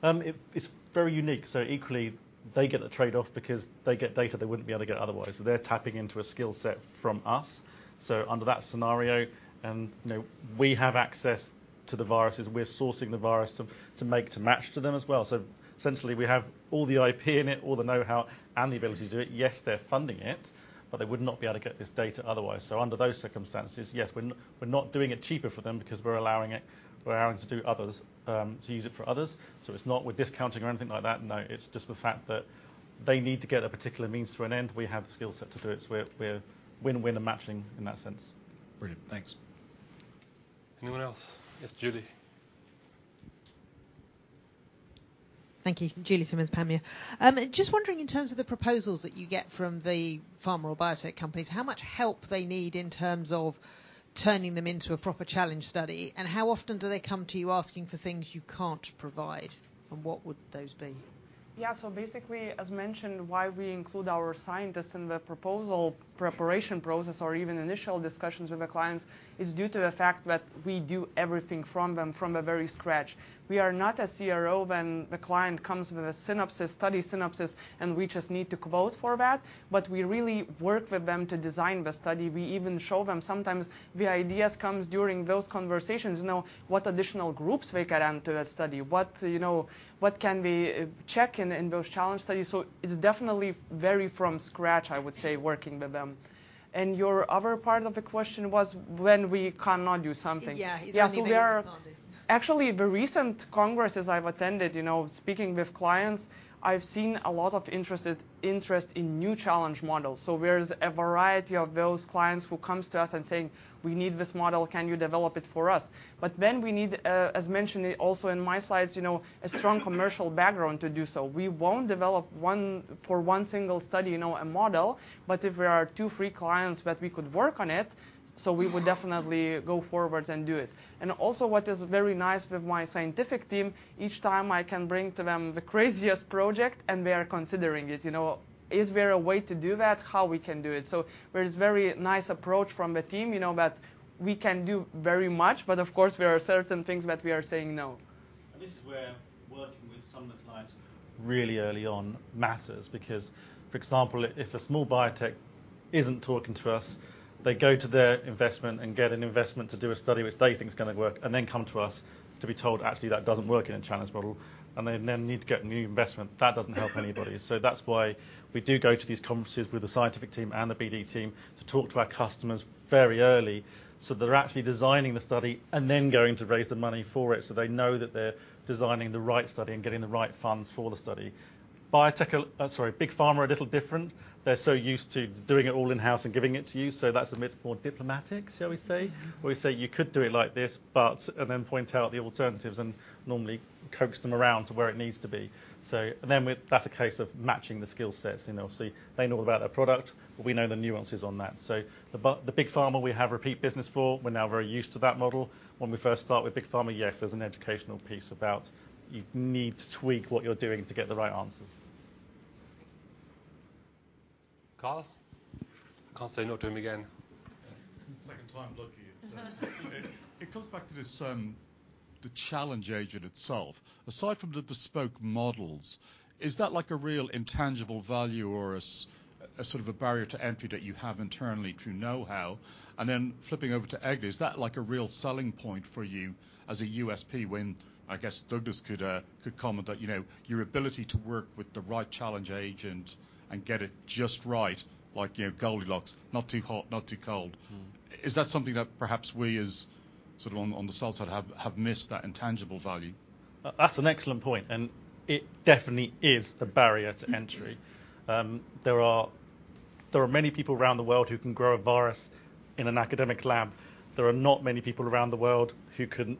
It's very unique. Equally, they get a trade-off because they get data they wouldn't be able to get otherwise. They're tapping into a skill set from us. Under that scenario, you know, we have access to the viruses. We're sourcing the virus to make to match to them as well. Essentially, we have all the IP in it, all the know-how and the ability to do it. Yes, they're funding it, but they would not be able to get this data otherwise. Under those circumstances, yes, we're not doing it cheaper for them because we're allowing it. We're allowing to do others to use it for others. It's not we're discounting or anything like that. No, it's just the fact that they need to get a particular means to an end. We have the skill set to do it, so we're win-win and matching in that sense. Brilliant. Thanks. Anyone else? Yes, Julie. Thank you. Julie Simmonds, Panmure. Just wondering in terms of the proposals that you get from the pharma or biotech companies, how much help they need in terms of turning them into a proper challenge study, and how often do they come to you asking for things you can't provide, and what would those be? Yeah. Basically, as mentioned, why we include our scientists in the proposal preparation process or even initial discussions with the clients, is due to the fact that we do everything from them from the very scratch. We are not a CRO when the client comes with a synopsis, study synopsis, and we just need to quote for that, but we really work with them to design the study. We even show them sometimes the ideas comes during those conversations, you know, what additional groups we could add to the study, what, you know, what can we check in those challenge studies. It's definitely very from scratch, I would say, working with them. Your other part of the question was when we cannot do something. Yeah, is there anything you can't do? Actually, the recent congresses I've attended, you know, speaking with clients, I've seen a lot of interest in new challenge models. There's a variety of those clients who comes to us and saying, "We need this model. Can you develop it for us?" We need, as mentioned also in my slides, you know, a strong commercial background to do so. We won't develop one for one single study, you know, a model, but if there are two, three clients that we could work on it, we would definitely go forward and do it. What is very nice with my scientific team, each time I can bring to them the craziest project, and they are considering it. You know, is there a way to do that? How we can do it? There is very nice approach from the team, you know, that we can do very much, but of course, there are certain things that we are saying no. This is where working with some of the clients really early on matters because, for example, if a small biotech isn't talking to us, they go to their investment and get an investment to do a study which they think is gonna work and then come to us to be told, "Actually, that doesn't work in a challenge model." They then need to get new investment. That doesn't help anybody. Mm-hmm. That's why we do go to these conferences with the scientific team and the BD team to talk to our customers very early, so they're actually designing the study and then going to raise the money for it, so they know that they're designing the right study and getting the right funds for the study. Biotech, sorry, Big Pharma are a little different. They're so used to doing it all in-house and giving it to you, so that's a bit more diplomatic, shall we say? We say, "You could do it like this, but" and then point out the alternatives and normally coax them around to where it needs to be. That's a case of matching the skillsets, you know. They know about their product, but we know the nuances on that. The Big Pharma we have repeat business for, we're now very used to that model. When we first start with Big Pharma, yes, there's an educational piece about you need to tweak what you're doing to get the right answers. Thank you. Carl? I can't say no to him again. Second time lucky. It comes back to this, the challenge agent itself. Aside from the bespoke models, is that like a real intangible value or a sort of a barrier to entry that you have internally to know how? Then flipping over to Eglė, is that like a real selling point for you as a USP when, I guess Douglas could comment that, you know, your ability to work with the right challenge agent and get it just right, like, you know, Goldilocks, not too hot, not too cold. Mm-hmm. Is that something that perhaps we as sort of on the sales side have missed that intangible value? That's an excellent point, and it definitely is a barrier to entry. There are many people around the world who can grow a virus in an academic lab. There are not many people around the world who can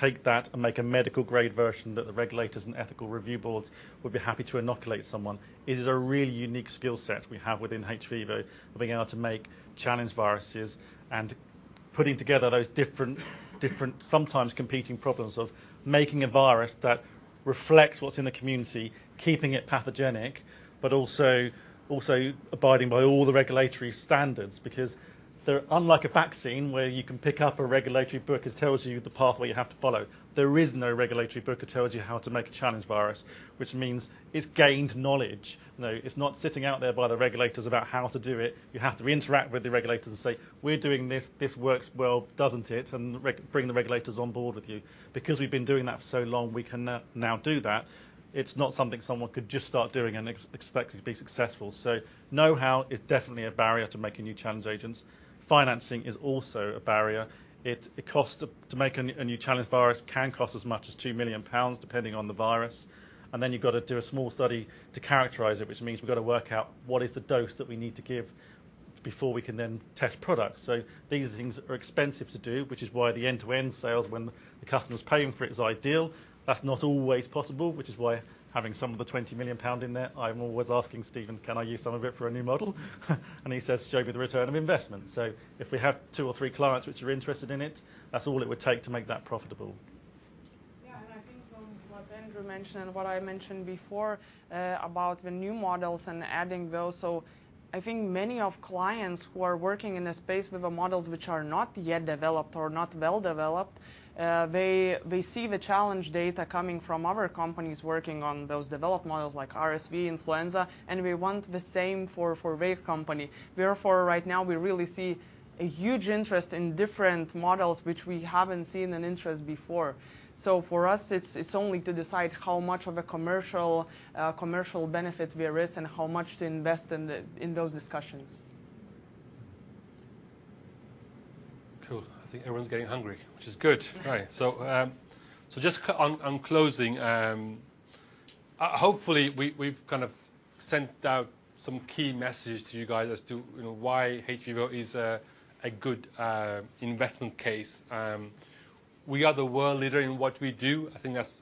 take that and make a medical-grade version that the regulators and ethical review boards would be happy to inoculate someone. It is a really unique skill set we have within hVIVO of being able to make challenge viruses and putting together those different, sometimes competing problems of making a virus that reflects what's in the community, keeping it pathogenic, but also abiding by all the regulatory standards because they're unlike a vaccine, where you can pick up a regulatory book, it tells you the pathway you have to follow. There is no regulatory book that tells you how to make a challenge virus, which means it's gained knowledge. You know, it's not sitting out there by the regulators about how to do it. You have to interact with the regulators and say, "We're doing this. This works well, doesn't it?" Re-bring the regulators on board with you. Because we've been doing that for so long, we can now do that. It's not something someone could just start doing and expect it to be successful. Know-how is definitely a barrier to making new challenge agents. Financing is also a barrier. It costs to make a new challenge virus can cost as much as 2 million pounds, depending on the virus. You've got to do a small study to characterize it, which means we've got to work out what is the dose that we need to give before we can then test products. These are the things that are expensive to do, which is why the end-to-end sales, when the customer's paying for it, is ideal. That's not always possible, which is why having some of the 20 million pound in there, I'm always asking Stephen, "Can I use some of it for a new model?" He says, "Show me the return on investment." If we have two or three clients which are interested in it, that's all it would take to make that profitable. Yeah, I think from what Andrew mentioned and what I mentioned before, about the new models and adding those, I think many of clients who are working in a space with the models which are not yet developed or not well developed, they see the challenge data coming from other companies working on those developed models like RSV, influenza, and we want the same for their company. Therefore, right now, we really see a huge interest in different models which we haven't seen an interest before. For us, it's only to decide how much of a commercial benefit we risk and how much to invest in those discussions. Cool. I think everyone's getting hungry, which is good. Right. Just on closing, hopefully, we've kind of sent out some key messages to you guys as to, you know, why hVIVO is a good investment case. We are the world leader in what we do. I think that's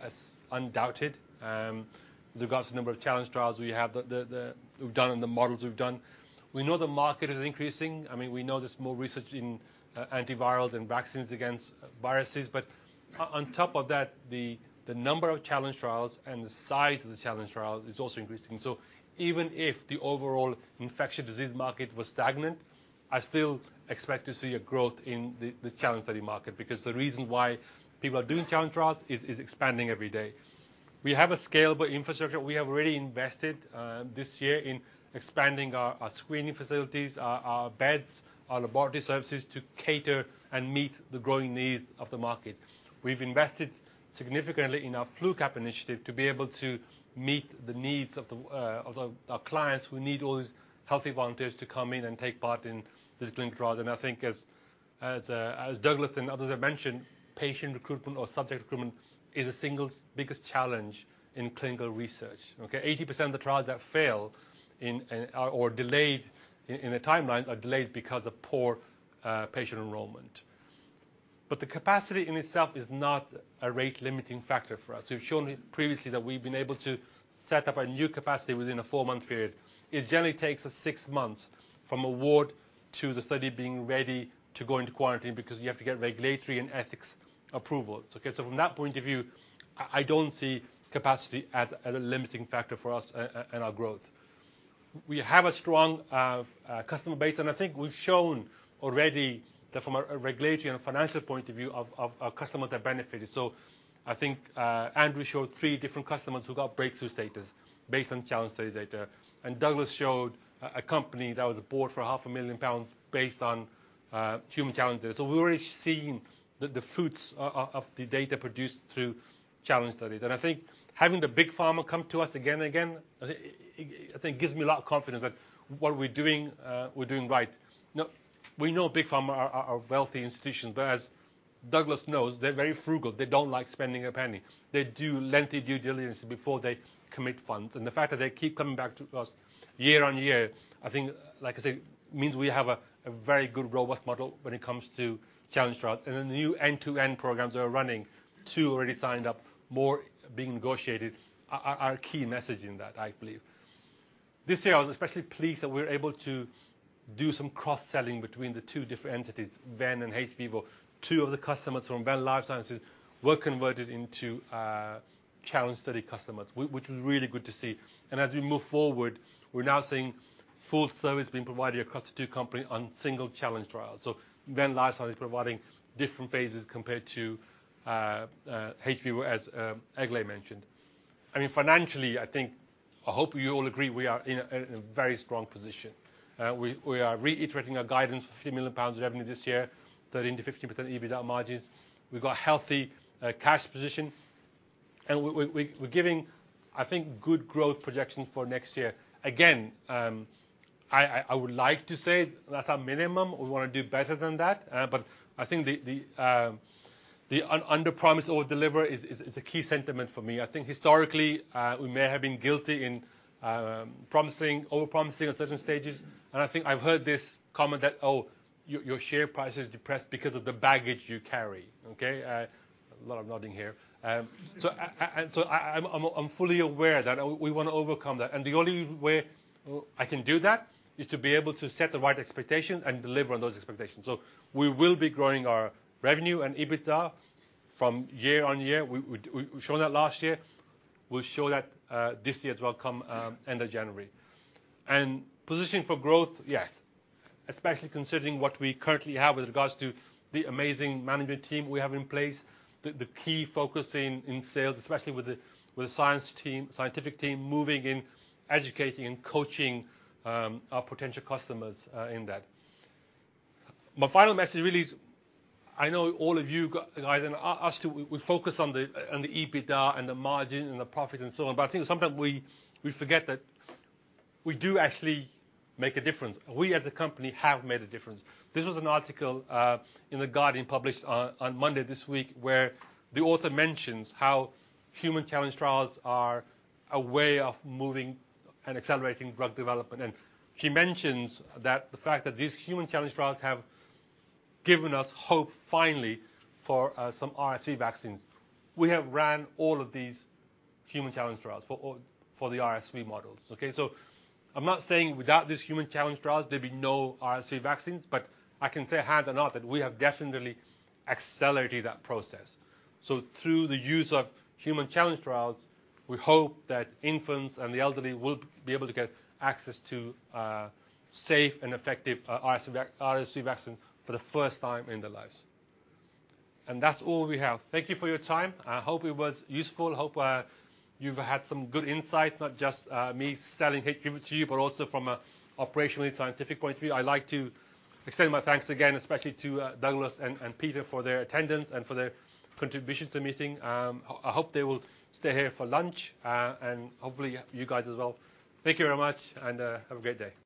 as undoubted with regards to the number of challenge trials we have, we've done and the models we've done. We know the market is increasing. I mean, we know there's more research in antivirals and vaccines against viruses. On top of that, the number of challenge trials and the size of the challenge trials is also increasing. Even if the overall infectious disease market was stagnant, I still expect to see a growth in the challenge study market because the reason why people are doing challenge trials is expanding every day. We have a scalable infrastructure. We have already invested this year in expanding our screening facilities, our beds, our laboratory services to cater and meet the growing needs of the market. We've invested significantly in our FluCamp initiative to be able to meet the needs of our clients who need all these healthy volunteers to come in and take part in these clinical trials. I think as Douglas and others have mentioned, patient recruitment or subject recruitment is the single biggest challenge in clinical research, okay. 80% of the trials that fail in or delayed in the timeline are delayed because of poor patient enrollment. The capacity in itself is not a rate-limiting factor for us. We've shown previously that we've been able to set up a new capacity within a four-month period. It generally takes us six months from award to the study being ready to go into quarantine because you have to get regulatory and ethics approval. Okay, from that point of view, I don't see capacity as a limiting factor for us and our growth. We have a strong customer base, and I think we've shown already that from a regulatory and a financial point of view our customers have benefited. I think Andrew showed three different customers who got breakthrough status based on challenge study data. Douglas showed a company that was bought for half a million pounds based on human challenges. We're already seeing the fruits of the data produced through challenge studies. I think having the big pharma come to us again and again gives me a lot of confidence that what we're doing, we're doing right. We know big pharma are wealthy institutions, but as Douglas knows, they're very frugal. They don't like spending a penny. They do lengthy due diligence before they commit funds. The fact that they keep coming back to us year on year, I think, like I say, means we have a very good, robust model when it comes to challenge trials. The new end-to-end programs that are running, two already signed up, more being negotiated, are key messaging that, I believe. This year, I was especially pleased that we were able to do some cross-selling between the two different entities, Venn Life Sciences and hVIVO. Two of the customers from Venn Life Sciences were converted into challenge study customers, which was really good to see. As we move forward, we're now seeing full service being provided across the two companies on single challenge trials. Venn Life Sciences is providing different phases compared to hVIVO, as Egle mentioned. I mean, financially, I think, I hope you all agree we are in a very strong position. We are reiterating our guidance for 3 million pounds of revenue this year, 13%-15% EBITDA margins. We've got healthy cash position, and we're giving, I think, good growth projection for next year. Again, I would like to say that's our minimum. We wanna do better than that. I think the underpromise and overdeliver is a key sentiment for me. I think historically, we may have been guilty of overpromising at certain stages. I think I've heard this comment that, "Oh, your share price is depressed because of the baggage you carry." Okay. A lot of nodding here. I'm fully aware that we wanna overcome that. The only way I can do that is to be able to set the right expectations and deliver on those expectations. We will be growing our revenue and EBITDA year on year. We've shown that last year. We'll show that this year as well, come end of January. Positioning for growth, yes, especially considering what we currently have with regards to the amazing management team we have in place. The key focusing in sales, especially with the scientific team, moving and educating and coaching our potential customers in that. My final message really is I know all of you guys and us too, we focus on the EBITDA and the margin and the profits and so on, but I think sometimes we forget that we do actually make a difference. We as a company have made a difference. This was an article in The Guardian, published on Monday this week, where the author mentions how human challenge trials are a way of moving and accelerating drug development. She mentions that the fact that these human challenge trials have given us hope finally for some RSV vaccines. We have ran all of these human challenge trials for the RSV models. I'm not saying without these human challenge trials, there'd be no RSV vaccines, but I can say hand on heart that we have definitely accelerated that process. Through the use of human challenge trials, we hope that infants and the elderly will be able to get access to safe and effective RSV vaccine for the first time in their lives. That's all we have. Thank you for your time. I hope it was useful. I hope you've had some good insight, not just me selling hVIVO to you, but also from a operationally scientific point of view. I'd like to extend my thanks again, especially to Douglas and Peter for their attendance and for their contributions to the meeting. I hope they will stay here for lunch, and hopefully you guys as well. Thank you very much and have a great day.